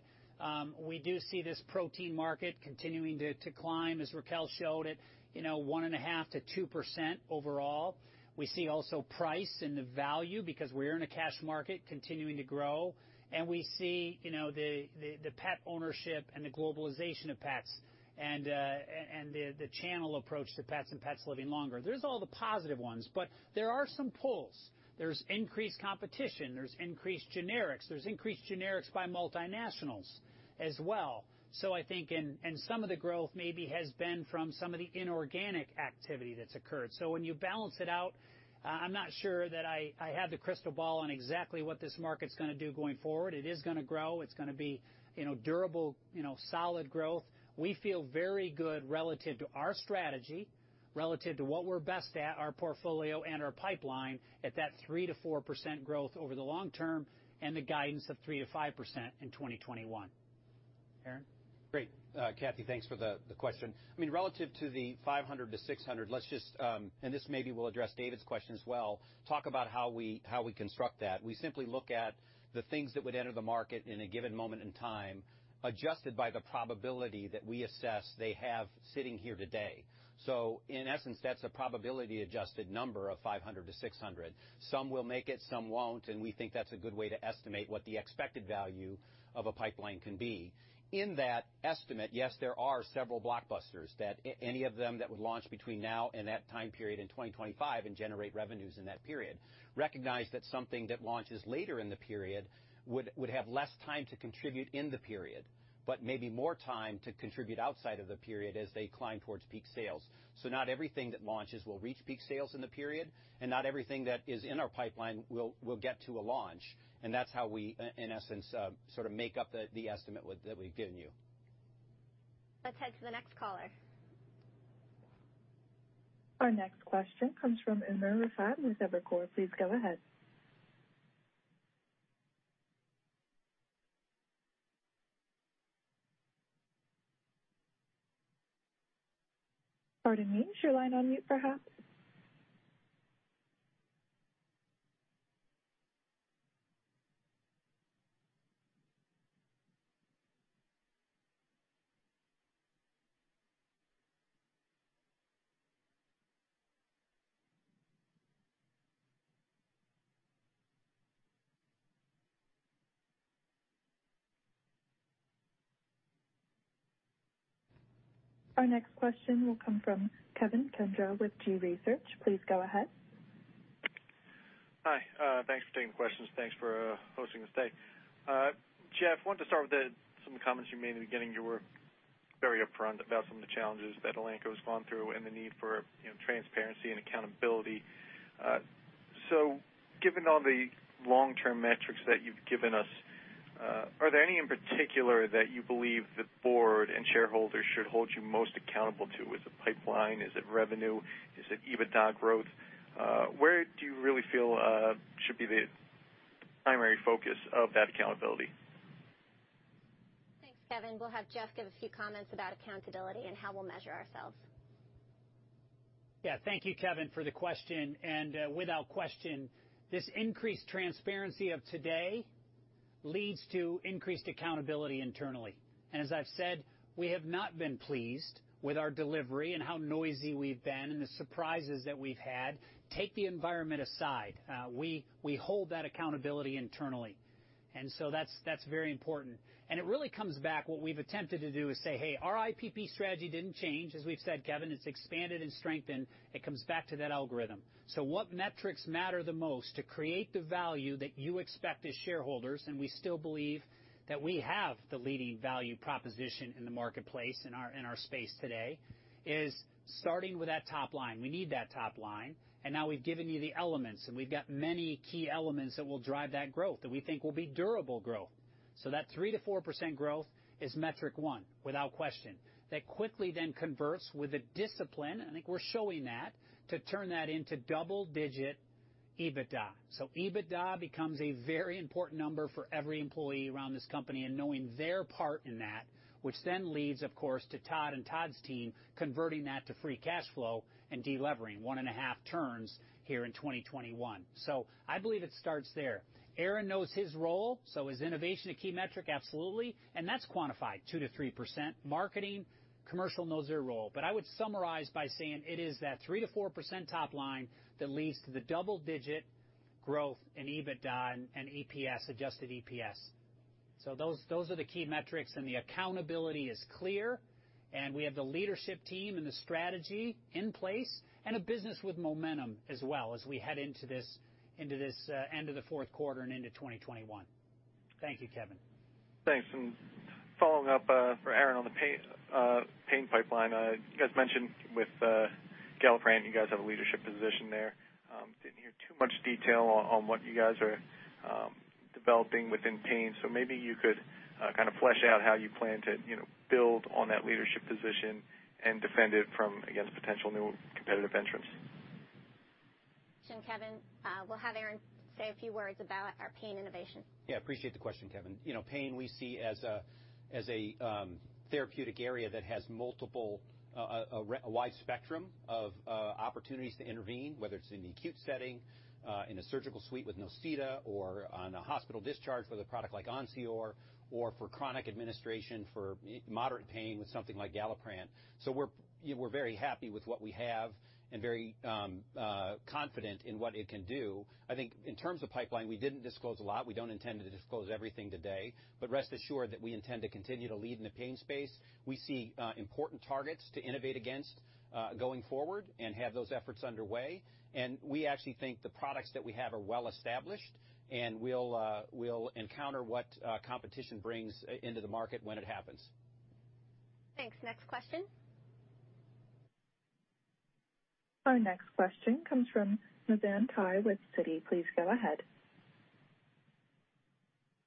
we do see this protein market continuing to climb, as Racquel showed it, 1.5%-2% overall. We see also price and the value because we're in a cash market continuing to grow. And we see the pet ownership and the globalization of pets and the channel approach to pets and pets living longer. There's all the positive ones, but there are some pulls. There's increased competition. There's increased generics. There's increased generics by multinationals as well. So I think some of the growth maybe has been from some of the inorganic activity that's occurred. So when you balance it out, I'm not sure that I have the crystal ball on exactly what this market's going to do going forward. It is going to grow. It's going to be durable, solid growth. We feel very good relative to our strategy, relative to what we're best at, our portfolio, and our pipeline at that 3%-4% growth over the long term and the guidance of 3%-5% in 2021. Aaron? Great. Kathy, thanks for the question. I mean, relative to the $500 million-$600 million, let's just, and this maybe will address David's question as well, talk about how we construct that. We simply look at the things that would enter the market in a given moment in time, adjusted by the probability that we assess they have sitting here today. So in essence, that's a probability-adjusted number of $500 million-$600 million. Some will make it, some won't, and we think that's a good way to estimate what the expected value of a pipeline can be. In that estimate, yes, there are several blockbusters, any of them that would launch between now and that time period in 2025 and generate revenues in that period. Recognize that something that launches later in the period would have less time to contribute in the period, but maybe more time to contribute outside of the period as they climb towards peak sales. So not everything that launches will reach peak sales in the period, and not everything that is in our pipeline will get to a launch. And that's how we, in essence, sort of make up the estimate that we've given you. Let's head to the next caller. Our next question comes from Umer Raffat with Evercore. Please go ahead. Pardon me, is your line on mute, perhaps? Our next question will come from Kevin Kedra with G.Research. Please go ahead. Hi. Thanks for taking the questions. Thanks for hosting us today. Jeff, I wanted to start with some of the comments you made in the beginning. You were very upfront about some of the challenges that Elanco has gone through and the need for transparency and accountability. So given all the long-term metrics that you've given us, are there any in particular that you believe the board and shareholders should hold you most accountable to? Is it pipeline? Is it revenue? Is it EBITDA growth? Where do you really feel should be the primary focus of that accountability? Thanks, Kevin. We'll have Jeff give a few comments about accountability and how we'll measure ourselves. Yeah. Thank you, Kevin, for the question and without question, this increased transparency of today leads to increased accountability internally and as I've said, we have not been pleased with our delivery and how noisy we've been and the surprises that we've had. Take the environment aside. We hold that accountability internally and so that's very important and it really comes back. What we've attempted to do is say, "Hey, our IPP strategy didn't change." As we've said, Kevin, it's expanded and strengthened. It comes back to that algorithm so what metrics matter the most to create the value that you expect as shareholders, and we still believe that we have the leading value proposition in the marketplace in our space today, is starting with that top line. We need that top line. And now we've given you the elements, and we've got many key elements that will drive that growth that we think will be durable growth. So that 3%-4% growth is metric one, without question. That quickly then converts with a discipline, and I think we're showing that, to turn that into double-digit EBITDA. So EBITDA becomes a very important number for every employee around this company and knowing their part in that, which then leads, of course, to Todd and Todd's team converting that to free cash flow and delivering one and a half turns here in 2021. So I believe it starts there. Aaron knows his role. So is innovation a key metric? Absolutely. And that's quantified, 2%-3%. Marketing, commercial knows their role. But I would summarize by saying it is that 3%-4% top line that leads to the double-digit growth in EBITDA and adjusted EPS. So those are the key metrics, and the accountability is clear. And we have the leadership team and the strategy in place and a business with momentum as well as we head into this end of the fourth quarter and into 2021. Thank you, Kevin. Thanks. And following up for Aaron on the pain pipeline, you guys mentioned with Galliprant, you guys have a leadership position there. Didn't hear too much detail on what you guys are developing within pain. So maybe you could kind of flesh out how you plan to build on that leadership position and defend it against potential new competitive entrants. Question, Kevin. We'll have Aaron say a few words about our pain innovation. Yeah. I appreciate the question, Kevin. Pain we see as a therapeutic area that has a wide spectrum of opportunities to intervene, whether it's in the acute setting, in a surgical suite with Nocita, or on a hospital discharge with a product like Onsior, or for chronic administration for moderate pain with something like Galliprant. So we're very happy with what we have and very confident in what it can do. I think in terms of pipeline, we didn't disclose a lot. We don't intend to disclose everything today. But rest assured that we intend to continue to lead in the pain space. We see important targets to innovate against going forward and have those efforts underway. And we actually think the products that we have are well established, and we'll encounter what competition brings into the market when it happens. Thanks. Next question. Our next question comes from Navann Ty with Citi. Please go ahead.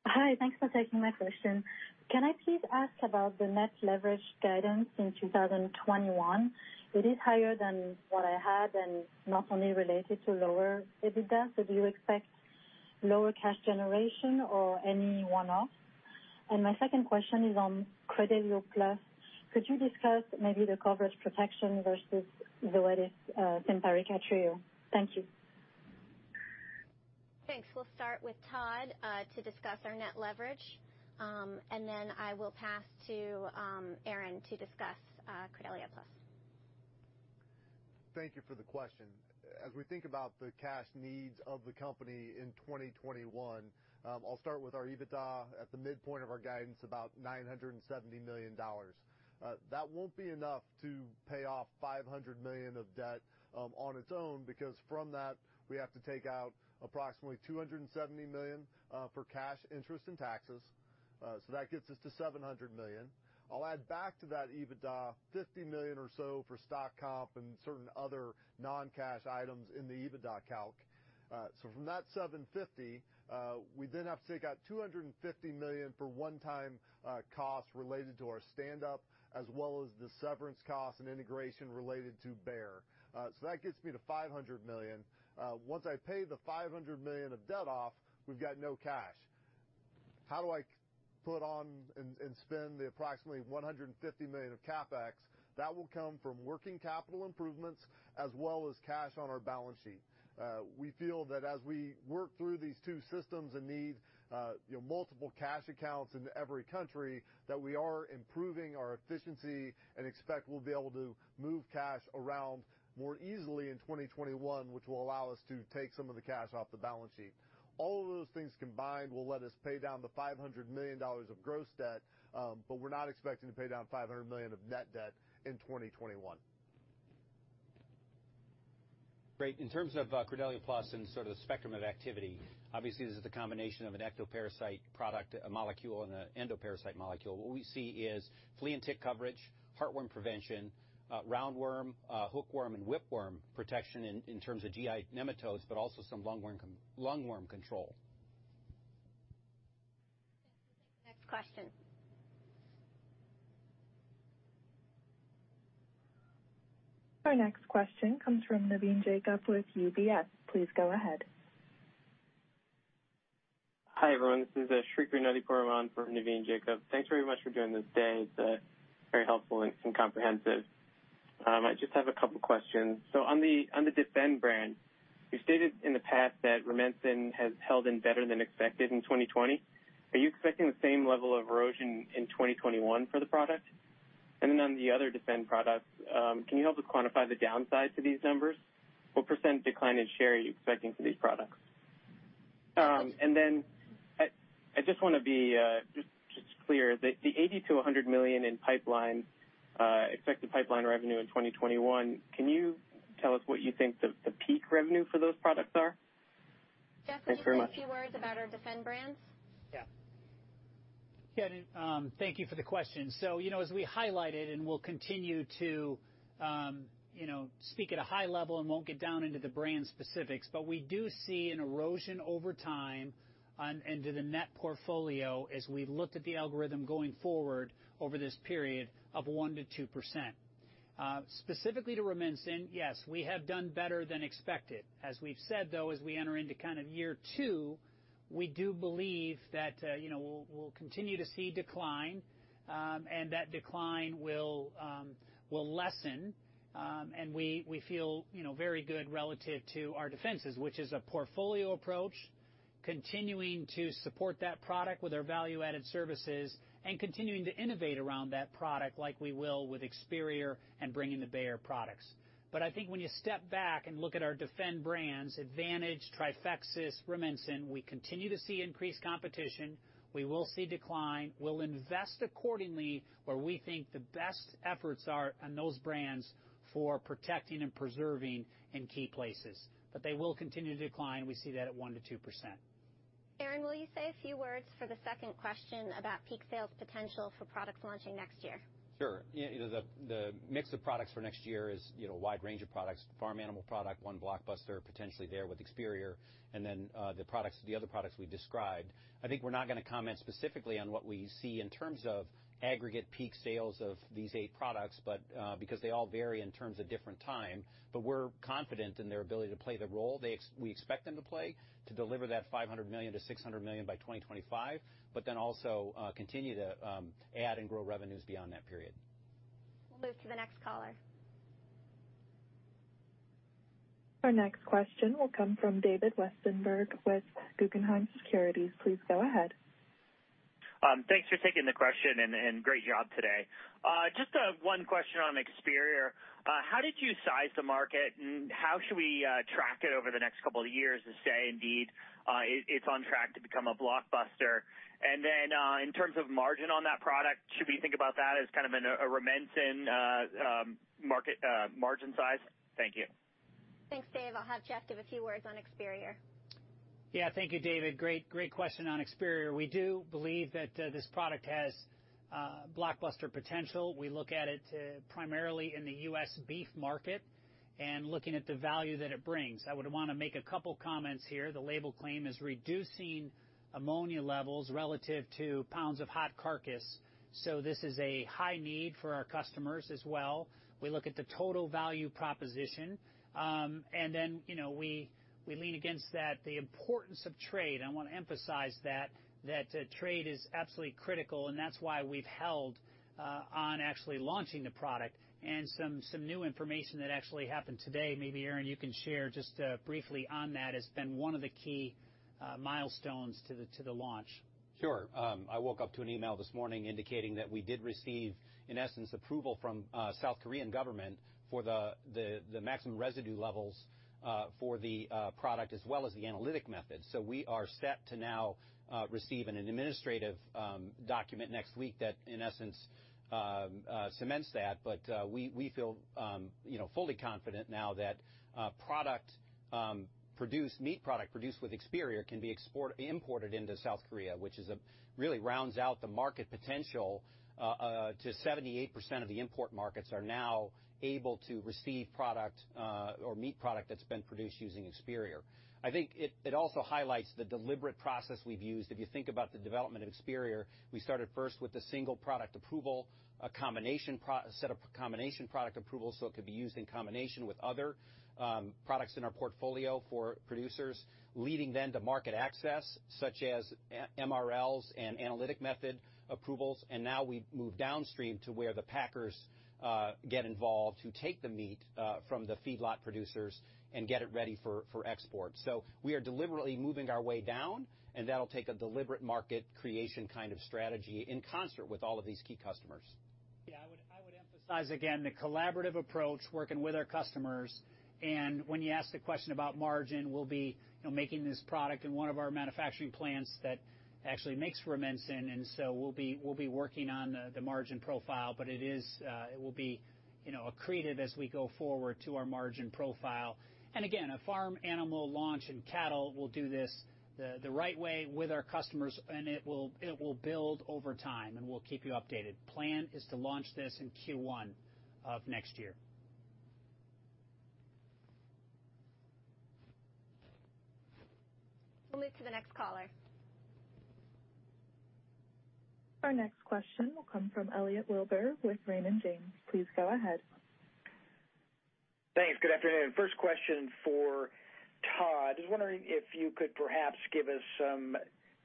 Hi. Thanks for taking my question. Can I please ask about the net leverage guidance in 2021? It is higher than what I had and not only related to lower EBITDA. So do you expect lower cash generation or any one-off? And my second question is on Credelio Plus. Could you discuss maybe the coverage protection versus the leading Simparica Trio? Thank you. Thanks. We'll start with Todd to discuss our net leverage. And then I will pass to Aaron to discuss Credelio Plus. Thank you for the question. As we think about the cash needs of the company in 2021, I'll start with our EBITDA at the midpoint of our guidance, about $970 million. That won't be enough to pay off $500 million of debt on its own because from that, we have to take out approximately $270 million for cash, interest, and taxes. So that gets us to $700 million. I'll add back to that EBITDA, $50 million or so for stock comp and certain other non-cash items in the EBITDA calc. So from that $750 million, we then have to take out $250 million for one-time costs related to our stand-up, as well as the severance costs and integration related to Bayer. So that gets me to $500 million. Once I pay the $500 million of debt off, we've got no cash. How do I put on and spend the approximately $150 million of CapEx? That will come from working capital improvements as well as cash on our balance sheet. We feel that as we work through these two systems and need multiple cash accounts in every country, that we are improving our efficiency and expect we'll be able to move cash around more easily in 2021, which will allow us to take some of the cash off the balance sheet. All of those things combined will let us pay down the $500 million of gross debt, but we're not expecting to pay down $500 million of net debt in 2021. Great. In terms of Credelio Plus and sort of the spectrum of activity, obviously, this is the combination of an ectoparasite product molecule and an endoparasite molecule. What we see is flea and tick coverage, heartworm prevention, roundworm, hookworm, and whipworm protection in terms of GI nematodes, but also some lungworm control. Thanks. Next question. Our next question comes from Navin Jacob with UBS. Please go ahead. Hi, everyone. This is Shri Krishnadi Puraman from Navin Jacob. Thanks very much for joining us today. It's very helpful and comprehensive. I just have a couple of questions. So on the Defend brand, you stated in the past that Rumensin has held in better than expected in 2020. Are you expecting the same level of erosion in 2021 for the product? And then on the other Defend products, can you help us quantify the downside to these numbers? What percent decline in share are you expecting for these products? And then I just want to be just clear. The $80 million-$100 million in expected pipeline revenue in 2021, can you tell us what you think the peak revenue for those products are? Jeff, can you give a few words about our Defend brands? Yeah. Yeah. Thank you for the question. So as we highlighted, and we'll continue to speak at a high level and won't get down into the brand specifics, but we do see an erosion over time into the net portfolio as we've looked at the algorithm going forward over this period of 1%-2%. Specifically to Rumensin, yes, we have done better than expected. As we've said, though, as we enter into kind of year two, we do believe that we'll continue to see decline, and that decline will lessen. And we feel very good relative to our defenses, which is a portfolio approach, continuing to support that product with our value-added services and continuing to innovate around that product like we will with Experior and bringing the Bayer products. But I think when you step back and look at our Defend brands, Advantage, Trifexis, Rumensin, we continue to see increased competition. We will see decline. We'll invest accordingly where we think the best efforts are on those brands for protecting and preserving in key places. But they will continue to decline. We see that at 1%-2%. Aaron, will you say a few words for the second question about peak sales potential for products launching next year? Sure. The mix of products for next year is a wide range of products: farm animal product, one blockbuster potentially there with Experior, and then the other products we described. I think we're not going to comment specifically on what we see in terms of aggregate peak sales of these eight products because they all vary in terms of different time. but we're confident in their ability to play the role we expect them to play to deliver that $500 million-$600 million by 2025, but then also continue to add and grow revenues beyond that period. We'll move to the next caller. Our next question will come from David Westenberg with Guggenheim Securities. Please go ahead. Thanks for taking the question and great job today. Just one question on Experior. How did you size the market, and how should we track it over the next couple of years to say, indeed, it's on track to become a blockbuster? And then in terms of margin on that product, should we think about that as kind of a Rumensin margin size? Thank you. Thanks, Dave. I'll have Jeff give a few words on Experior. Yeah. Thank you, David. Great question on Experior. We do believe that this product has blockbuster potential. We look at it primarily in the U.S. beef market and looking at the value that it brings. I would want to make a couple of comments here. The label claim is reducing ammonia levels relative to pounds of hot carcass. So this is a high need for our customers as well. We look at the total value proposition. And then we lean against that the importance of trade. I want to emphasize that trade is absolutely critical, and that's why we've held on actually launching the product. And some new information that actually happened today, maybe Aaron, you can share just briefly on that, has been one of the key milestones to the launch. Sure. I woke up to an email this morning indicating that we did receive, in essence, approval from the South Korean government for the maximum residue levels for the product as well as the analytical method. So we are set to now receive an administrative document next week that, in essence, cements that. But we feel fully confident now that meat product produced with Experior can be imported into South Korea, which really rounds out the market potential to 78% of the import markets are now able to receive meat product that's been produced using Experior. I think it also highlights the deliberate process we've used. If you think about the development of Experior, we started first with a single product approval, a set of combination product approvals so it could be used in combination with other products in our portfolio for producers, leading then to market access such as MRLs and analytical method approvals. And now we've moved downstream to where the packers get involved to take the meat from the feedlot producers and get it ready for export. So we are deliberately moving our way down, and that'll take a deliberate market creation kind of strategy in concert with all of these key customers. Yeah. I would emphasize again the collaborative approach, working with our customers, and when you ask the question about margin, we'll be making this product in one of our manufacturing plants that actually makes Rumensin, and so we'll be working on the margin profile, but it will be accretive as we go forward to our margin profile, and again, a farm animal launch in cattle will do this the right way with our customers, and it will build over time, and we'll keep you updated. The plan is to launch this in Q1 of next year. We'll move to the next caller. Our next question will come from Elliot Wilbur with Raymond James. Please go ahead. Thanks. Good afternoon. First question for Todd. I was wondering if you could perhaps give us some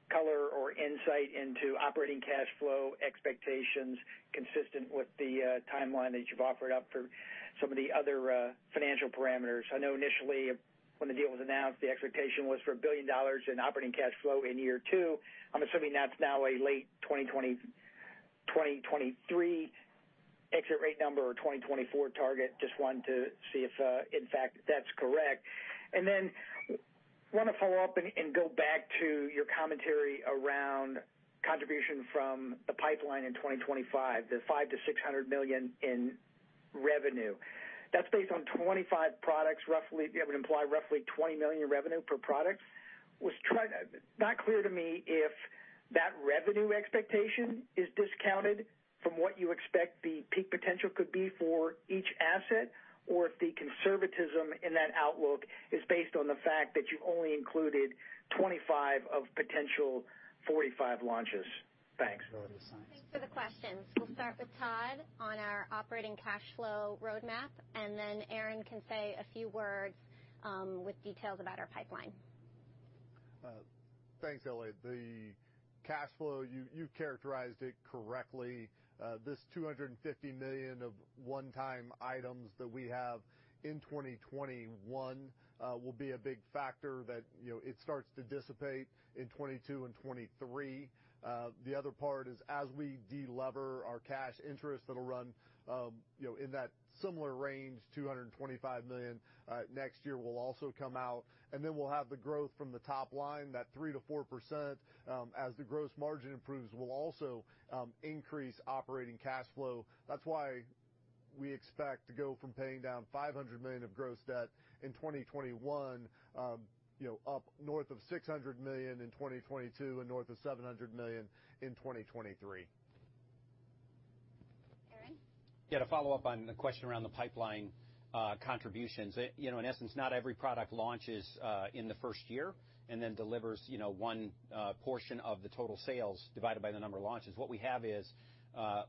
color or insight into operating cash flow expectations consistent with the timeline that you've offered up for some of the other financial parameters. I know initially when the deal was announced, the expectation was for $1 billion in operating cash flow in year two. I'm assuming that's now a late 2023 exit rate number or 2024 target. Just wanted to see if, in fact, that's correct. And then I want to follow up and go back to your commentary around contribution from the pipeline in 2025, the $500 million-$600 million in revenue. That's based on 25 products roughly. It would imply roughly $20 million in revenue per product. It was not clear to me if that revenue expectation is discounted from what you expect the peak potential could be for each asset or if the conservatism in that outlook is based on the fact that you've only included 25 of potential 45 launches? Thanks. Thanks for the questions. We'll start with Todd on our operating cash flow roadmap, and then Aaron can say a few words with details about our pipeline. Thanks, Elliot. The cash flow, you characterized it correctly. This $250 million of one-time items that we have in 2021 will be a big factor that it starts to dissipate in 2022 and 2023. The other part is as we deleverage our cash interest, it'll run in that similar range, $225 million next year will also come out. And then we'll have the growth from the top line, that 3%-4%. As the gross margin improves, we'll also increase operating cash flow. That's why we expect to go from paying down $500 million of gross debt in 2021 up north of $600 million in 2022 and north of $700 million in 2023. Aaron? Yeah. To follow up on the question around the pipeline contributions, in essence, not every product launches in the first year and then delivers one portion of the total sales divided by the number of launches. What we have is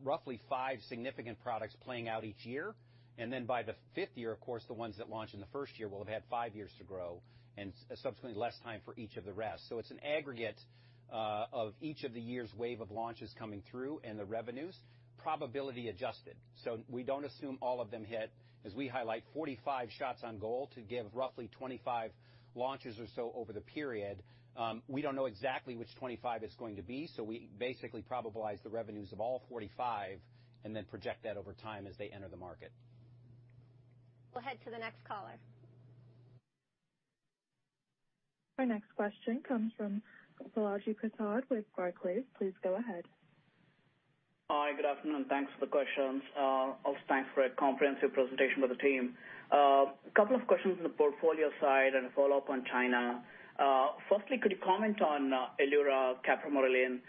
roughly five significant products playing out each year. Then by the fifth year, of course, the ones that launch in the first year will have had five years to grow and subsequently less time for each of the rest. So it's an aggregate of each of the year's wave of launches coming through and the revenues, probability adjusted. So we don't assume all of them hit. As we highlight, 45 shots on goal to give roughly 2025 launches or so over the period. We don't know exactly which 2025 it's going to be. So we basically probabilize the revenues of all 45 and then project that over time as they enter the market. We'll head to the next caller. Our next question comes from Balaji Prasad with Barclays. Please go ahead. Hi. Good afternoon. Thanks for the questions. Also thanks for a comprehensive presentation by the team. A couple of questions on the portfolio side and a follow-up on China. Firstly, could you comment on Elura capromorelin?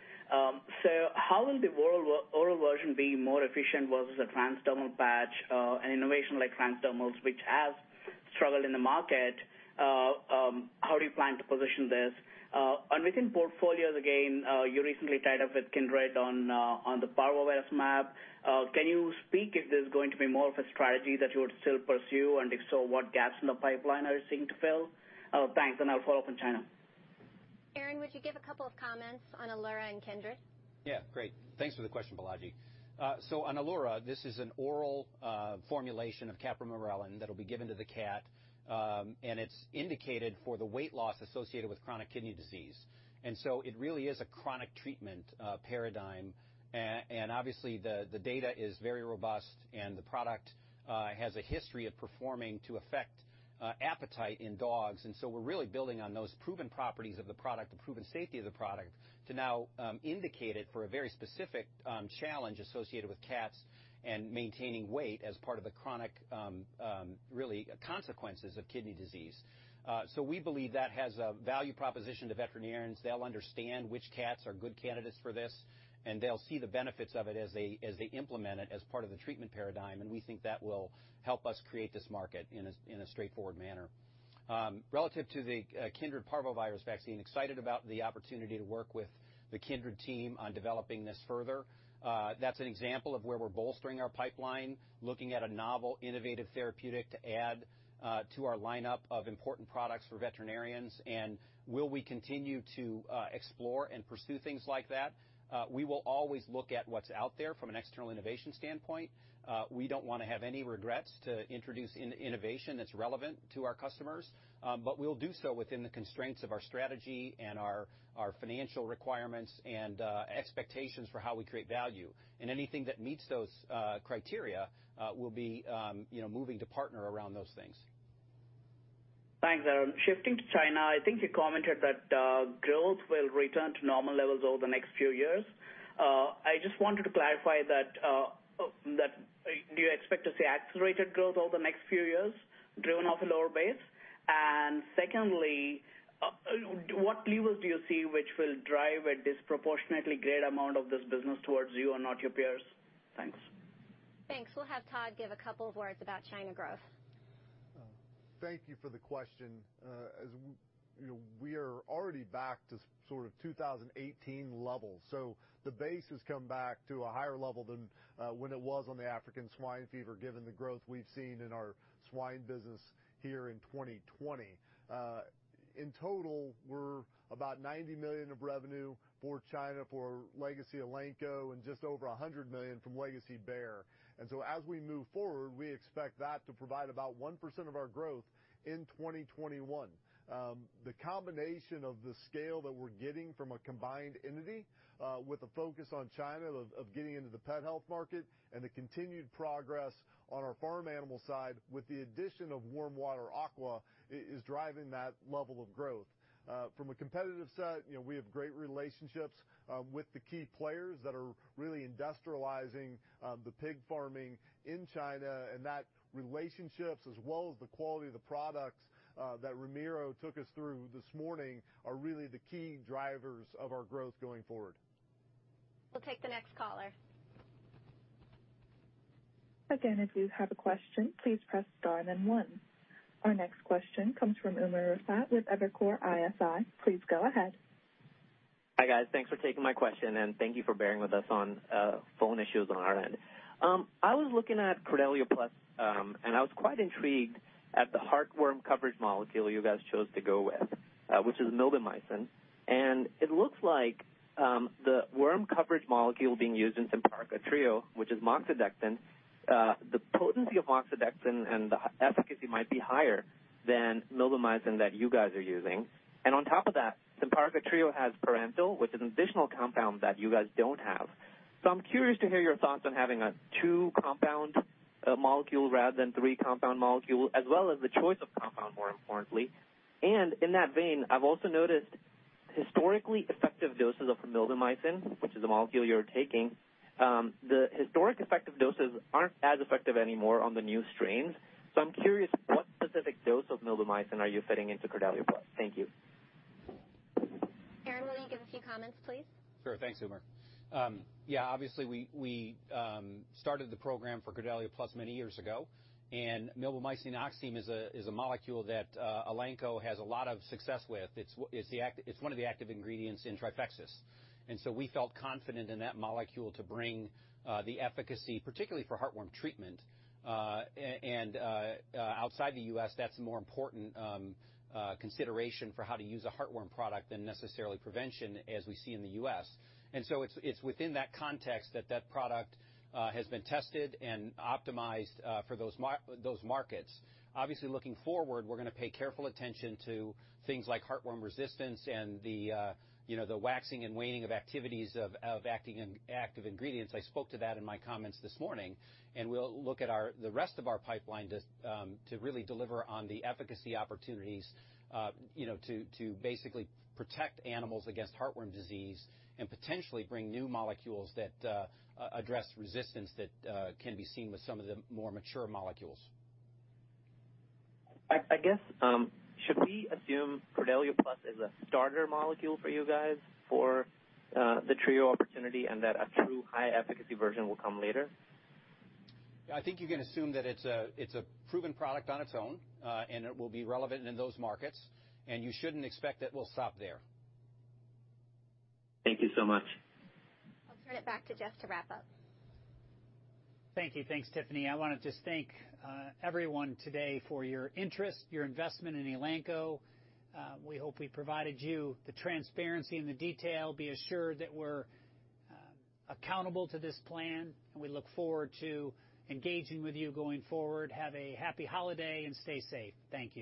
So how will the oral version be more efficient versus a transdermal patch and innovation like transdermals, which has struggled in the market? How do you plan to position this? And within portfolios, again, you recently tied up with Kindred on the parvovirus mAb. Can you speak if there's going to be more of a strategy that you would still pursue? And if so, what gaps in the pipeline are you seeing to fill? Thanks. And I'll follow up on China. Aaron, would you give a couple of comments on Elura and Kindred? Yeah. Great. Thanks for the question, Balaji. So on Elura, this is an oral formulation of capromorelin that'll be given to the cat. And it's indicated for the weight loss associated with chronic kidney disease. And so it really is a chronic treatment paradigm. And obviously, the data is very robust, and the product has a history of performing to affect appetite in dogs. And so we're really building on those proven properties of the product, the proven safety of the product to now indicate it for a very specific challenge associated with cats and maintaining weight as part of the chronic, really, consequences of kidney disease. So we believe that has a value proposition to veterinarians. They'll understand which cats are good candidates for this, and they'll see the benefits of it as they implement it as part of the treatment paradigm. We think that will help us create this market in a straightforward manner. Relative to the Kindred parvovirus vaccine, excited about the opportunity to work with the Kindred team on developing this further. That's an example of where we're bolstering our pipeline, looking at a novel innovative therapeutic to add to our lineup of important products for veterinarians. Will we continue to explore and pursue things like that? We will always look at what's out there from an external innovation standpoint. We don't want to have any regrets to introduce innovation that's relevant to our customers. But we'll do so within the constraints of our strategy and our financial requirements and expectations for how we create value. Anything that meets those criteria will be moving to partner around those things. Thanks, Aaron. Shifting to China, I think you commented that growth will return to normal levels over the next few years. I just wanted to clarify that. Do you expect to see accelerated growth over the next few years driven off a lower base? And secondly, what levers do you see which will drive a disproportionately great amount of this business towards you and not your peers? Thanks. Thanks. We'll have Todd give a couple of words about China growth. Thank you for the question. We are already back to sort of 2018 levels. The base has come back to a higher level than when it was on the African Swine Fever given the growth we've seen in our swine business here in 2020. In total, we're about $90 million of revenue for China for Legacy Elanco and just over $100 million from Legacy Bayer. As we move forward, we expect that to provide about 1% of our growth in 2021. The combination of the scale that we're getting from a combined entity with a focus on China of getting into the pet health market and the continued progress on our farm animal side with the addition of warm water aqua is driving that level of growth. From a competitive set, we have great relationships with the key players that are really industrializing the pig farming in China, and that relationship, as well as the quality of the products that Ramiro took us through this morning, are really the key drivers of our growth going forward. We'll take the next caller. Again, if you have a question, please press star then one. Our next question comes from Umer Raffat with Evercore ISI. Please go ahead. Hi guys. Thanks for taking my question. And thank you for bearing with us on phone issues on our end. I was looking at Credelio Plus, and I was quite intrigued at the heartworm coverage molecule you guys chose to go with, which is milbemycin. And it looks like the worm coverage molecule being used in Simparica Trio, which is moxidectin, the potency of moxidectin and the efficacy might be higher than milbemycin that you guys are using. And on top of that, Simparica Trio has pyrantel, which is an additional compound that you guys don't have. So I'm curious to hear your thoughts on having a two-compound molecule rather than three-compound molecule, as well as the choice of compound, more importantly. And in that vein, I've also noticed historically effective doses of milbemycin, which is the molecule you're taking. The historic effective doses aren't as effective anymore on the new strains. So I'm curious what specific dose of milbemycin are you fitting into Credelio Plus? Thank you. Aaron, will you give a few comments, please? Sure. Thanks, Umer. Yeah. Obviously, we started the program for Credelio Plus many years ago. And milbemycin oxime is a molecule that Elanco has a lot of success with. It's one of the active ingredients in Trifexis. And so we felt confident in that molecule to bring the efficacy, particularly for heartworm treatment. And outside the U.S., that's a more important consideration for how to use a heartworm product than necessarily prevention, as we see in the U.S. And so it's within that context that that product has been tested and optimized for those markets. Obviously, looking forward, we're going to pay careful attention to things like heartworm resistance and the waxing and waning of activities of active ingredients. I spoke to that in my comments this morning. We'll look at the rest of our pipeline to really deliver on the efficacy opportunities to basically protect animals against heartworm disease and potentially bring new molecules that address resistance that can be seen with some of the more mature molecules. I guess, should we assume Credelio Plus is a starter molecule for you guys for the Trio opportunity and that a true high-efficacy version will come later? I think you can assume that it's a proven product on its own, and it will be relevant in those markets. And you shouldn't expect that we'll stop there. Thank you so much. I'll turn it back to Jeff to wrap up. Thank you. Thanks, Tiffany. I want to just thank everyone today for your interest, your investment in Elanco. We hope we provided you the transparency and the detail. Be assured that we're accountable to this plan. We look forward to engaging with you going forward. Have a happy holiday and stay safe. Thank you.